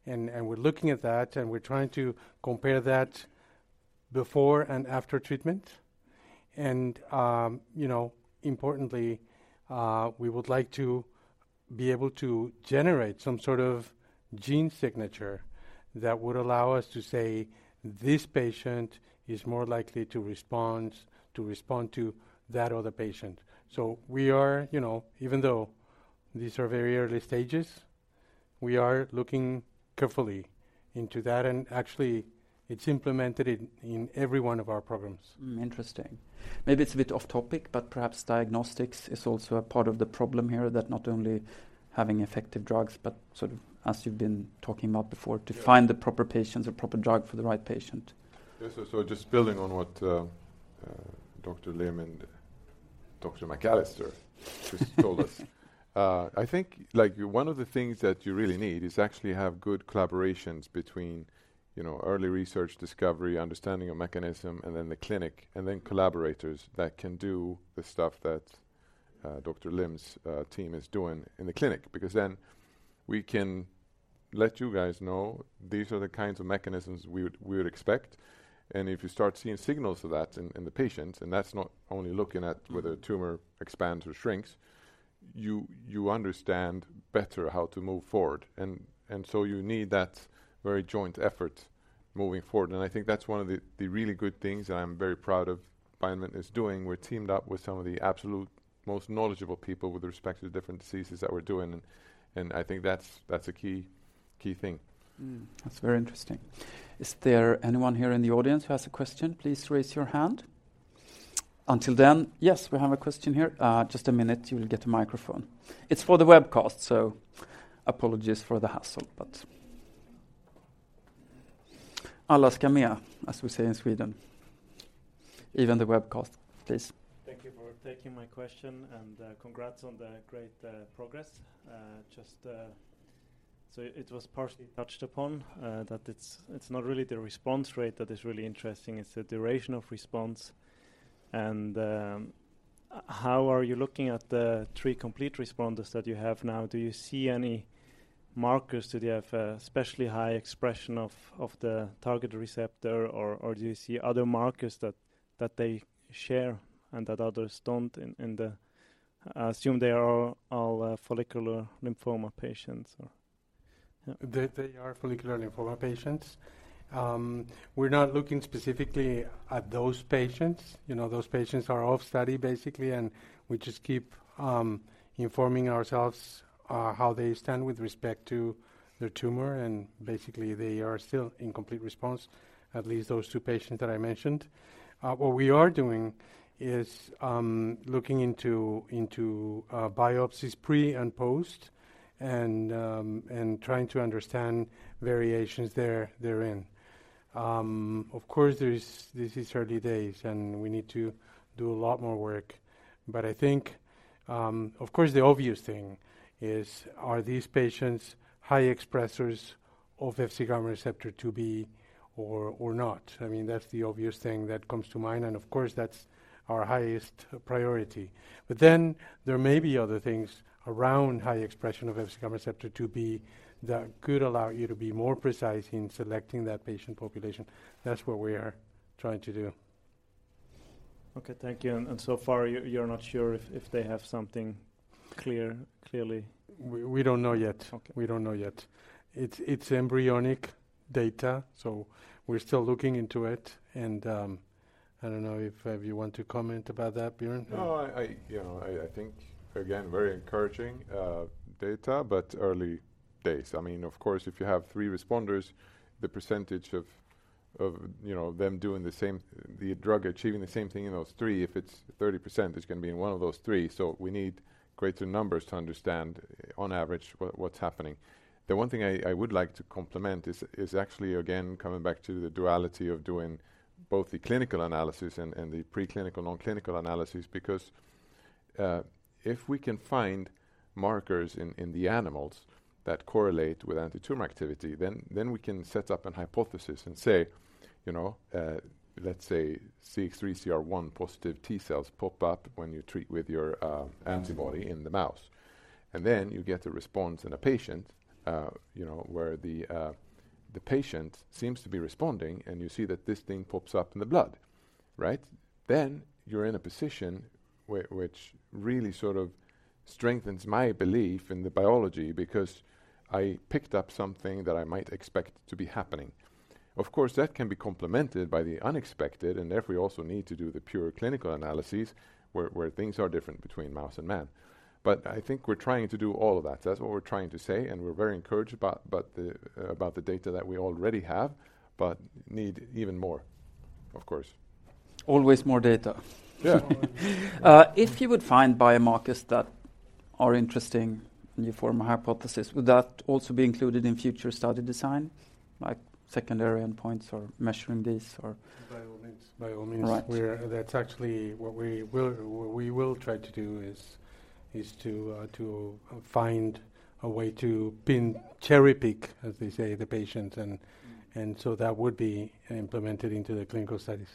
We're looking at that, and we're trying to compare that before and after treatment. You know, importantly, we would like to be able to generate some sort of gene signature that would allow us to say, "This patient is more likely to respond to that other patient." We are, you know, even though these are very early stages, we are looking carefully into that, and actually it's implemented in every one of our programs. Interesting. Maybe it's a bit off topic, but perhaps diagnostics is also a part of the problem here that not only having effective drugs but sort of, as you've been talking about before to find the proper patients or proper drug for the right patient. Yeah. Just building on what Dr. Lim and Dr. McAllister just told us. I think like one of the things that you really need is actually have good collaborations between, you know, early research discovery, understanding of mechanism, and then the clinic, and then collaborators that can do the stuff that Dr. Lim's team is doing in the clinic. We can let you guys know these are the kinds of mechanisms we would expect. If you start seeing signals of that in the patients, and that's not only looking at whether tumor expands or shrinks, you understand better how to move forward. You need that very joint effort moving forward. I think that's one of the really good things that I'm very proud of BioInvent is doing. We're teamed up with some of the absolute most knowledgeable people with respect to the different diseases that we're doing. I think that's a key thing. That's very interesting. Is there anyone here in the audience who has a question? Please raise your hand. Until then. Yes, we have a question here. Just a minute. You will get a microphone. It's for the webcast, so apologies for the hassle, but alla ska med, as we say in Sweden, even the webcast. Please. Thank you for taking my question and congrats on the great progress. Just, so it was partially touched upon that it's not really the response rate that is really interesting, it's the duration of response. How are you looking at the three complete responders that you have now? Do you see any markers? Do they have a especially high expression of the target receptor or do you see other markers that they share and that others don't in the. I assume they are all follicular lymphoma patients or yeah. They are follicular lymphoma patients. We're not looking specifically at those patients. You know, those patients are off study basically, and we just keep informing ourselves how they stand with respect to their tumor, and basically they are still in complete response, at least those two patients that I mentioned. What we are doing is looking into biopsies pre and post and trying to understand variations therein. Of course, this is 30 days, and we need to do a lot more work. I think, of course, the obvious thing is are these patients high expressers of Fcγ receptor IIb or not? I mean, that's the obvious thing that comes to mind, and of course, that's our highest priority. There may be other things around high expression of Fcγ receptor IIb that could allow you to be more precise in selecting that patient population. That's what we are trying to do. Okay. Thank you. So far you're not sure if they have something clear. We don't know yet. Okay. We don't know yet. It's embryonic data, so we're still looking into it. I don't know if you want to comment about that, Björn? No, I, you know, I think again, very encouraging data, but early days. I mean, of course, if you have three responders, the percentage of, you know, them doing the same, the drug achieving the same thing in those three, if it's 30%, it's gonna be in one of those three. We need greater numbers to understand on average what's happening. The one thing I would like to compliment is actually again coming back to the duality of doing both the clinical analysis and the preclinical, non-clinical analysis. If we can find markers in the animals that correlate with antitumor activity, then we can set up an hypothesis and say, you know, let's say CX3CR1+ T cells pop up when you treat with your antibody in the mouse. Then you get a response in a patient, you know, where the patient seems to be responding, and you see that this thing pops up in the blood, right? You're in a position which really sort of strengthens my belief in the biology because I picked up something that I might expect to be happening. Of course, that can be complemented by the unexpected, and therefore, we also need to do the pure clinical analyses where things are different between mouse and man. I think we're trying to do all of that. That's what we're trying to say, and we're very encouraged about, but the, about the data that we already have but need even more, of course. Always more data. Yeah. If you would find biomarkers that are interesting and you form a hypothesis, would that also be included in future study design, like secondary endpoints or measuring this or? By all means. By all means. All right. That's actually what we will try to do is to find a way to pin cherry-pick, as they say, the patients and so that would be implemented into the clinical studies.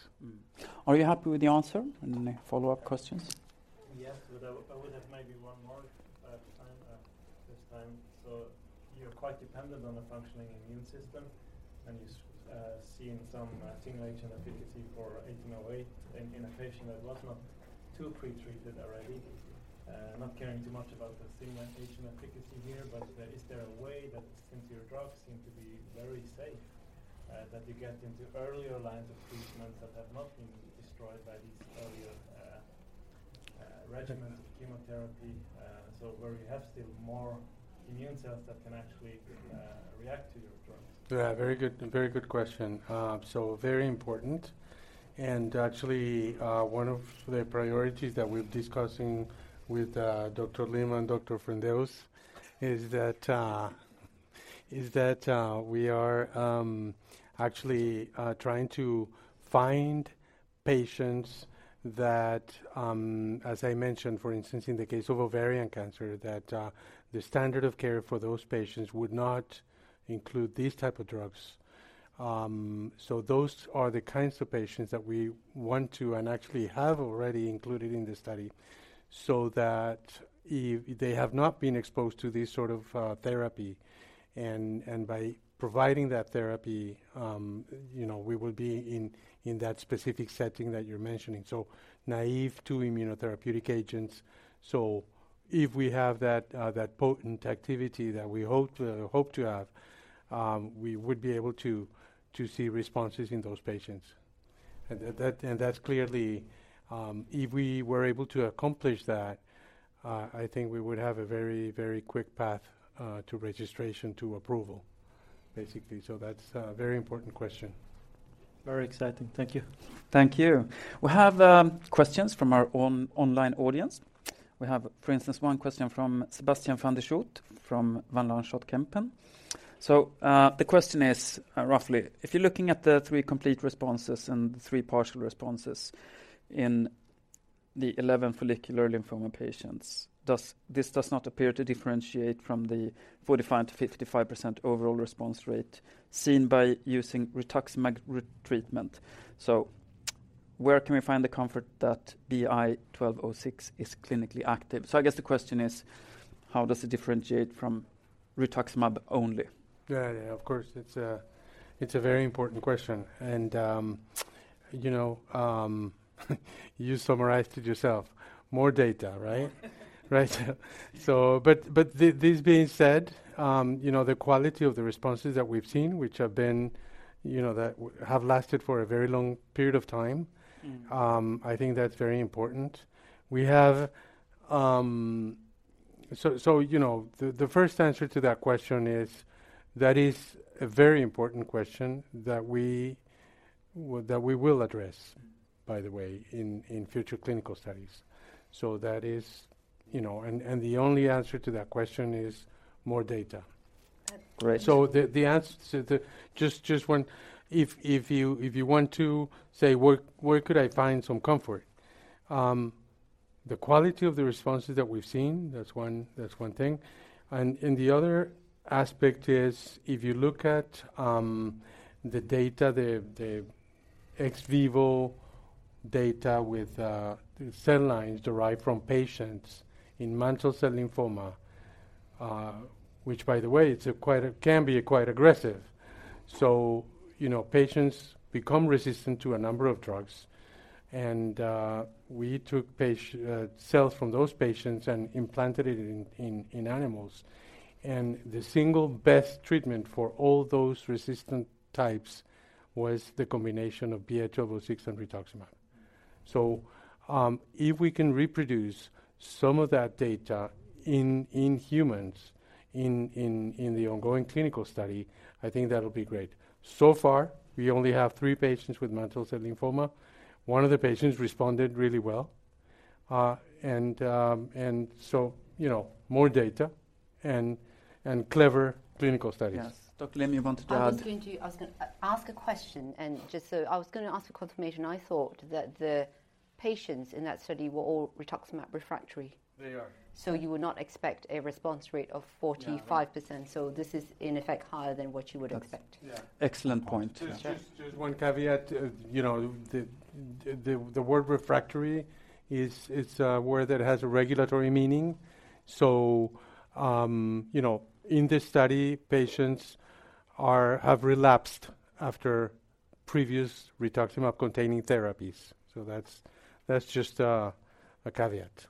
Are you happy with the answer? Any follow-up questions? I would have maybe one more time, this time. You're quite dependent on a functioning immune system, and you seeing some stimulation efficacy for BI-1808 in a patient that was not too pre-treated already. Not caring too much about the stimulation efficacy here, but, is there a way that since your drugs seem to be very safe, that you get into earlier lines of treatments that have not been destroyed by these earlier regimens of chemotherapy, so where you have still more immune cells that can actually react to your drugs? Yeah, very good, very good question. Very important. Actually, one of the priorities that we're discussing with Dr. Lim and Dr. Frendéus is that, is that, we are actually trying to find patients that, as I mentioned, for instance, in the case of ovarian cancer, that the standard of care for those patients would not include these type of drugs. Those are the kinds of patients that we want to and actually have already included in this study, so that they have not been exposed to this sort of therapy. By providing that therapy, you know, we will be in that specific setting that you're mentioning. Naive to immunotherapeutic agents, if we have that potent activity that we hope to have, we would be able to see responses in those patients. That's clearly, if we were able to accomplish that, I think we would have a very quick path, to registration to approval, basically. That's a very important question. Very exciting. Thank you. Thank you. We have questions from our on- online audience. We have, for instance, one question from Sebastiaan van der Schoot from Van Lanschot Kempen. The question is roughly if you're looking at the three complete responses and the three partial responses in the 11 follicular lymphoma patients, does this does not appear to differentiate from the 45%-55% overall response rate seen by using rituximab retreatment. Where can we find the comfort that BI-1206 is clinically active? I guess the question is how does it differentiate from rituximab only? Yeah, yeah, of course. It's a very important question. you know, you summarized it yourself. More data, right? this being said, you know, the quality of the responses that we've seen, which have been, you know, that have lasted for a very long period of time. Mm-hmm I think that's very important. We have, you know, the first answer to that question is that is a very important question that we will address by the way, in future clinical studies. That is, you know. The only answer to that question is more data. Great. The answer to, just one. If you want to say, "Where, where could I find some comfort?" The quality of the responses that we've seen, that's one thing. The other aspect is if you look at the data, the ex vivo data with the cell lines derived from patients in mantle cell lymphoma, which by the way, can be quite aggressive. You know, patients become resistant to a number of drugs and we took cells from those patients and implanted it in animals, and the single best treatment for all those resistant types was the combination of BI-1206 and rituximab. If we can reproduce some of that data in humans in the ongoing clinical study, I think that'll be great. So far, we only have three patients with mantle cell lymphoma. One of the patients responded really well. You know, more data and clever clinical studies. Yes. Dr. Lim, you wanted to add? I was going to ask a question. I was gonna ask for confirmation. I thought that the patients in that study were all rituximab refractory. They are. You would not expect a response rate of 45%. This is in effect higher than what you would expect. Yeah. Excellent point. Just one caveat. You know, the word refractory, it's a word that has a regulatory meaning. You know, in this study, patients have relapsed after previous rituximab containing therapies. That's just a caveat.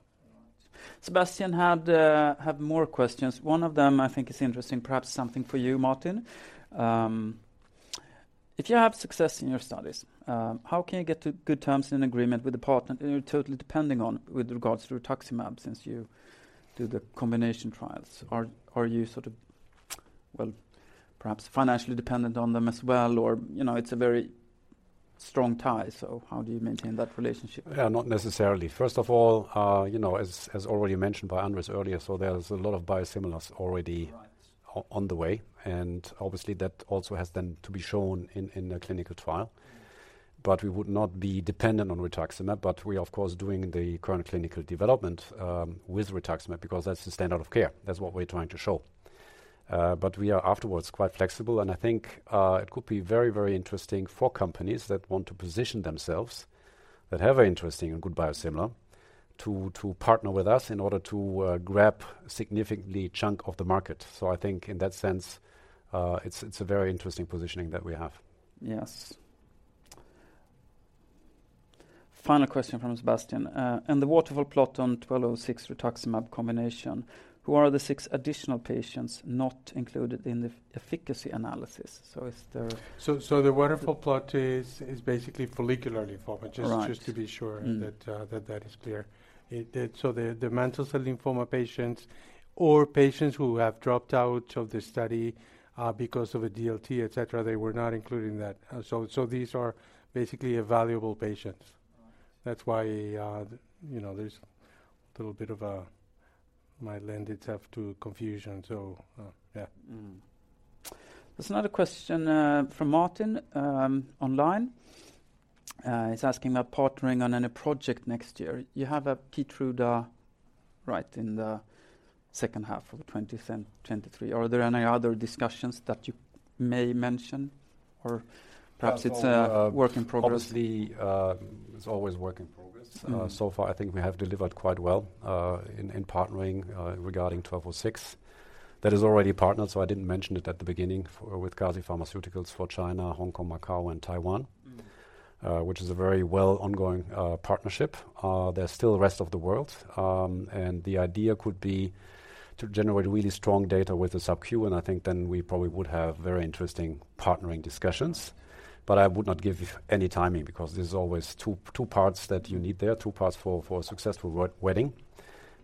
Sebastian have more questions. One of them I think is interesting, perhaps something for you, Martin. If you have success in your studies, how can you get to good terms and agreement with the partner you're totally depending on with regards to rituximab since you do the combination trials? Are you sort of, well, perhaps financially dependent on them as well, or, you know, it's a very strong tie, so how do you maintain that relationship? Yeah, not necessarily. First of all, you know, as already mentioned by Andres earlier, there's a lot of biosimilars already on the way, Obviously that also has then to be shown in a clinical trial. We would not be dependent on rituximab, We're of course doing the current clinical development with rituximab because that's the standard of care. That's what we're trying to show. We are afterwards quite flexible, I think it could be very, very interesting for companies that want to position themselves, that have an interesting and good biosimilar, to partner with us in order to grab significantly chunk of the market. I think in that sense, it's a very interesting positioning that we have. Yes. Final question from Sebastian. In the waterfall plot on BI-1206 rituximab combination, who are the six additional patients not included in the efficacy analysis? The waterfall plot is basically follicular lymphoma just to be sure. That is clear. The mantle cell lymphoma patients or patients who have dropped out of the study because of a DLT, et cetera, they were not included in that. These are basically valuable patients. That's why, you know, there's a little bit of a. Might lend itself to confusion. Yeah. There's another question from Martin online. He's asking about partnering on any project next year. You have a KEYTRUDA right in the second half of 2023. Are there any other discussions that you may mention, or perhaps it's a work in progress? Well, obviously, it's always work in progress. Mm-hmm. So far I think we have delivered quite well, in partnering, regarding BI-1206. That is already partnered, so I didn't mention it at the beginning with CASI Pharmaceuticals for China, Hong Kong, Macau, and Taiwan. Mm-hmm. Which is a very well ongoing partnership. There's still rest of the world. The idea could be to generate really strong data with the subcutaneous, and I think then we probably would have very interesting partnering discussions. I would not give any timing because there's always two parts that you need there, two parts for a successful wedding.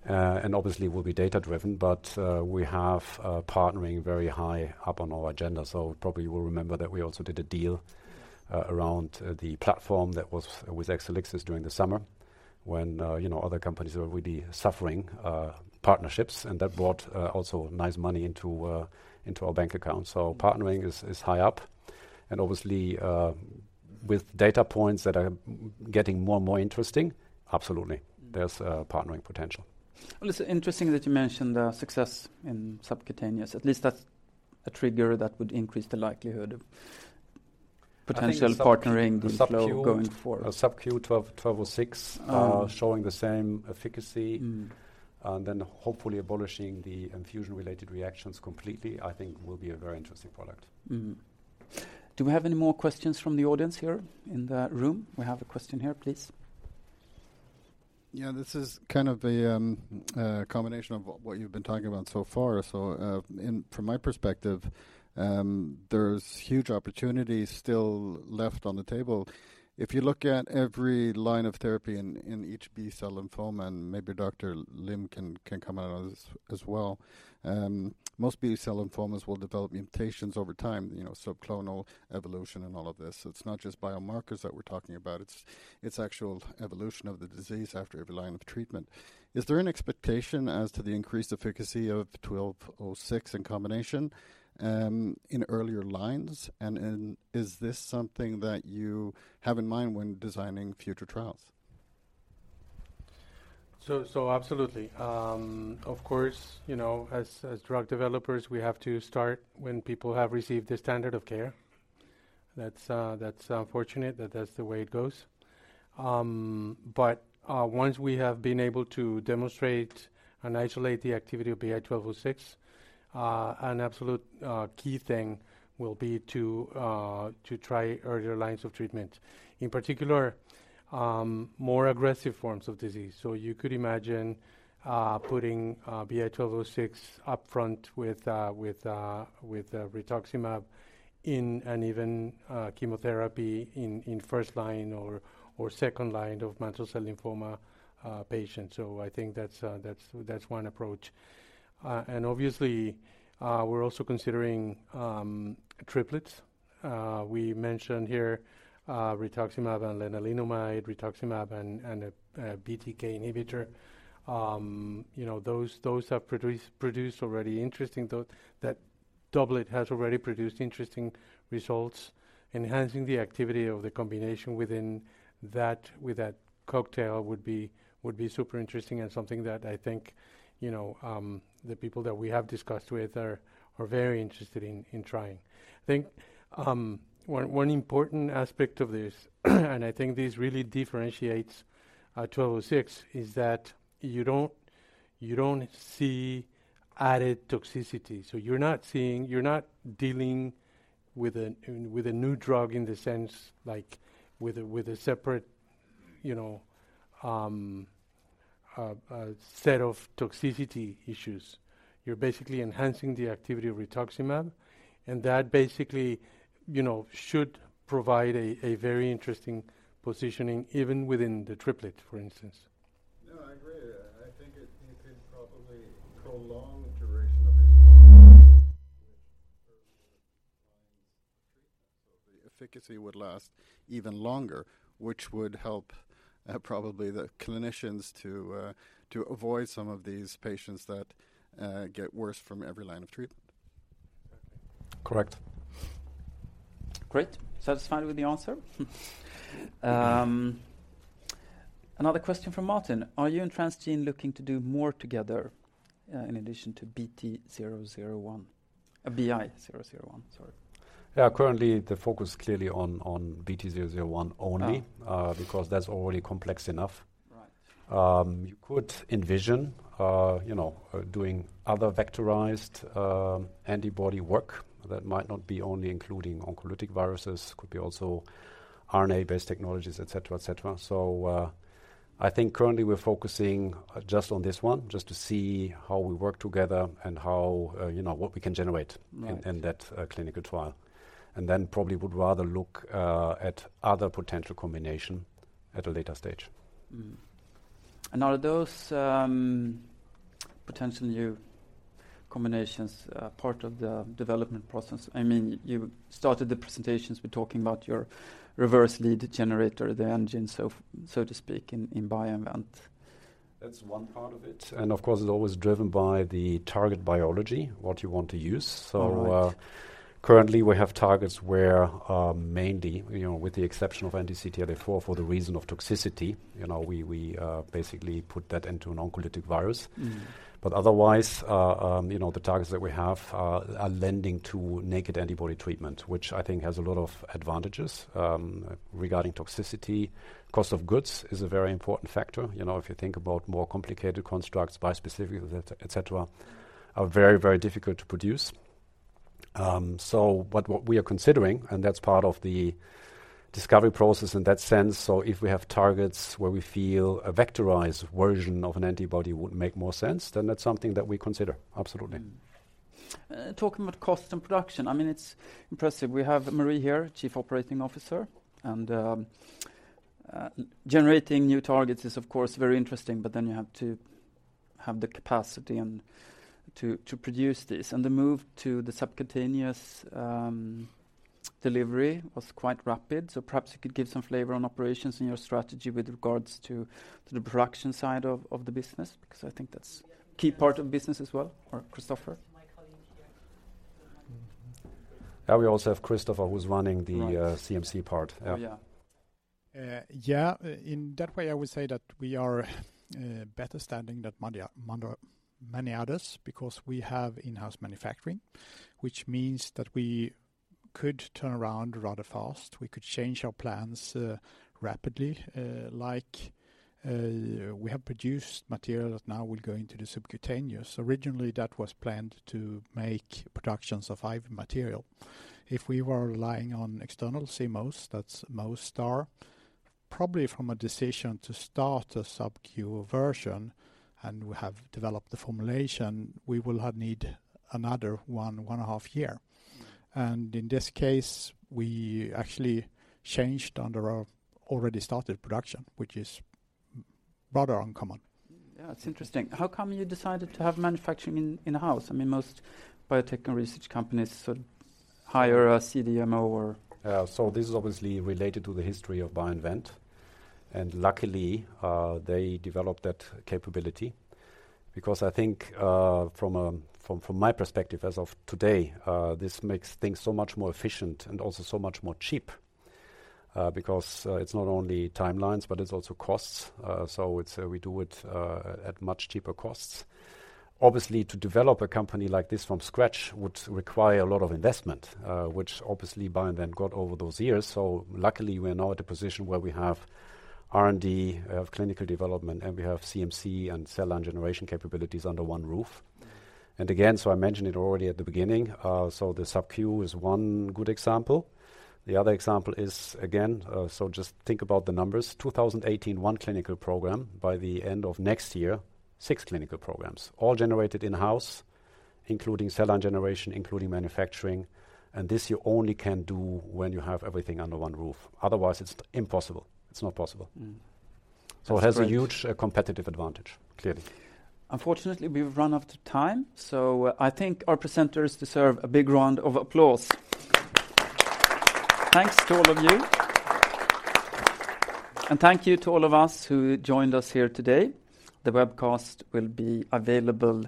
Obviously will be data-driven, but we have partnering very high up on our agenda. Probably you will remember that we also did a deal around the platform that was with Exelixis during the summer when, you know, other companies were really suffering partnerships, and that brought also nice money into our bank account. Partnering is high up and obviously, with data points that are getting more and more interesting, absolutely there's partnering potential. Well, it's interesting that you mentioned the success in subcutaneous. At least that's a trigger that would increase the likelihood of potential partnering the flow going forward. I think the subcutaneous-. The flow going forward. The subcutaneous BI-1206 showing the same efficacy. Hopefully abolishing the infusion-related reactions completely, I think will be a very interesting product. Mm-hmm. Do we have any more questions from the audience here in the room? We have a question here, please. Yeah. This is kind of a combination of what you've been talking about so far. From my perspective, there's huge opportunities still left on the table. If you look at every line of therapy in each B-cell lymphoma, and maybe Dr. Lim can comment on this as well, most B-cell lymphomas will develop mutations over time, you know, so clonal evolution and all of this. It's not just biomarkers that we're talking about, it's actual evolution of the disease after every line of treatment. Is there an expectation as to the increased efficacy of BI-1206 in combination in earlier lines, and is this something that you have in mind when designing future trials? Absolutely. Of course, you know, as drug developers, we have to start when people have received the standard of care. That's unfortunate that that's the way it goes. Once we have been able to demonstrate and isolate the activity of BI-1206, an absolute key thing will be to try earlier lines of treatment. In particular, more aggressive forms of disease. You could imagine putting BI-1206 upfront with rituximab in and even chemotherapy in first line or second line of mantle cell lymphoma patients. I think that's one approach. Obviously, we're also considering triplets. We mentioned here rituximab and lenalidomide, rituximab and a BTK inhibitor. You know, those have produced already interesting That doublet has already produced interesting results, enhancing the activity of the combination within that, with that cocktail would be super interesting and something that I think, you know, the people that we have discussed with are very interested in trying. I think one important aspect of this, and I think this really differentiates BI-1206, is that you don't see Added toxicity. You're not dealing with a new drug in the sense like with a, with a separate, you know, a set of toxicity issues. You're basically enhancing the activity of rituximab, and that basically, you know, should provide a very interesting positioning even within the triplet, for instance. I agree. I think it could probably prolong the duration of response, which further defines the treatment. The efficacy would last even longer, which would help probably the clinicians to avoid some of these patients that get worse from every line of treatment. Exactly. Correct. Great. Satisfied with the answer? Another question from Martin: Are you and Transgene looking to do more together in addition to BT-001? BI-001, sorry. Yeah. Currently, the focus is clearly on BT-001 only because that's already complex enough. Right. You could envision, you know, doing other vectorized, antibody work that might not be only including oncolytic viruses. Could be also RNA-based technologies, et cetera, et cetera. I think currently we're focusing just on this one, just to see how we work together and how, you know, what we can generate in that clinical trial. Then probably would rather look at other potential combination at a later stage. Are those potential new combinations part of the development process? I mean, you started the presentations with talking about your reverse lead generator, the engine, so to speak, in BioInvent. That's one part of it, and of course it's always driven by the target biology, what you want to use. Currently, we have targets where, mainly, you know, with the exception of anti-CTLA-4 for the reason of toxicity, you know, we basically put that into an oncolytic virus. Mm-hmm. Otherwise, you know, the targets that we have are lending to naked antibody treatment, which I think has a lot of advantages regarding toxicity. Cost of goods is a very important factor. You know, if you think about more complicated constructs, bispecific, et cetera, are very difficult to produce. What we are considering, and that's part of the discovery process in that sense, so if we have targets where we feel a vectorized version of an antibody would make more sense, then that's something that we consider. Absolutely. Talking about cost and production, I mean, it's impressive. We have Marie here, Chief Operating Officer, and generating new targets is of course very interesting, but then you have to have the capacity and to produce this. The move to the subcutaneous delivery was quite rapid, so perhaps you could give some flavor on operations and your strategy with regards to the production side of the business, because I think that's key part of the business as well. Kristoffer. *audio distortion* Yeah, we also have Kristoffer, who's running the CMC part. Yeah. Oh, yeah. Yeah. In that way, I would say that we are better standing than many, many others because we have in-house manufacturing, which means that we could turn around rather fast. We could change our plans rapidly. Like, we have produced material that now will go into the subcutaneous. Originally, that was planned to make productions of IV material. If we were relying on external CMOs, that's most star, probably from a decision to start a subcutaneous version, and we have developed the formulation, we will have need another one and a half year. In this case, we actually changed under our already started production, which is rather uncommon. Yeah, it's interesting. How come you decided to have manufacturing in-house? I mean, most biotech and research companies hire a CDMO or? This is obviously related to the history of BioInvent, and luckily, they developed that capability because I think, from my perspective as of today, this makes things so much more efficient and also so much more cheap, because it's not only timelines, but it's also costs. It's, we do it at much cheaper costs. Obviously, to develop a company like this from scratch would require a lot of investment, which obviously BioInvent got over those years. Luckily, we are now at a position where we have R&D, we have clinical development, and we have CMC and cell line generation capabilities under one roof. Again, I mentioned it already at the beginning, the subcutaneous is one good example. The other example is, again, just think about the numbers. 2018, one clinical program. By the end of next year, six clinical programs. All generated in-house, including cell line generation, including manufacturing, this you only can do when you have everything under one roof. Otherwise, it's impossible. It's not possible. Mm-hmm. That's great. It has a huge competitive advantage, clearly. Unfortunately, we've run out of time, so I think our presenters deserve a big round of applause. Thanks to all of you. Thank you to all of us who joined us here today. The webcast will be available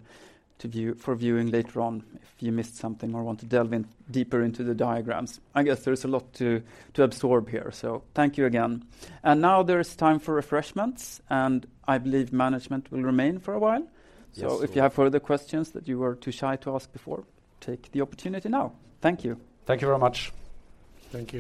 to view, for viewing later on if you missed something or want to delve in deeper into the diagrams. I guess there's a lot to absorb here, so thank you again. Now there is time for refreshments, and I believe management will remain for a while. Yes. If you have further questions that you were too shy to ask before, take the opportunity now. Thank you. Thank you very much. Thank you.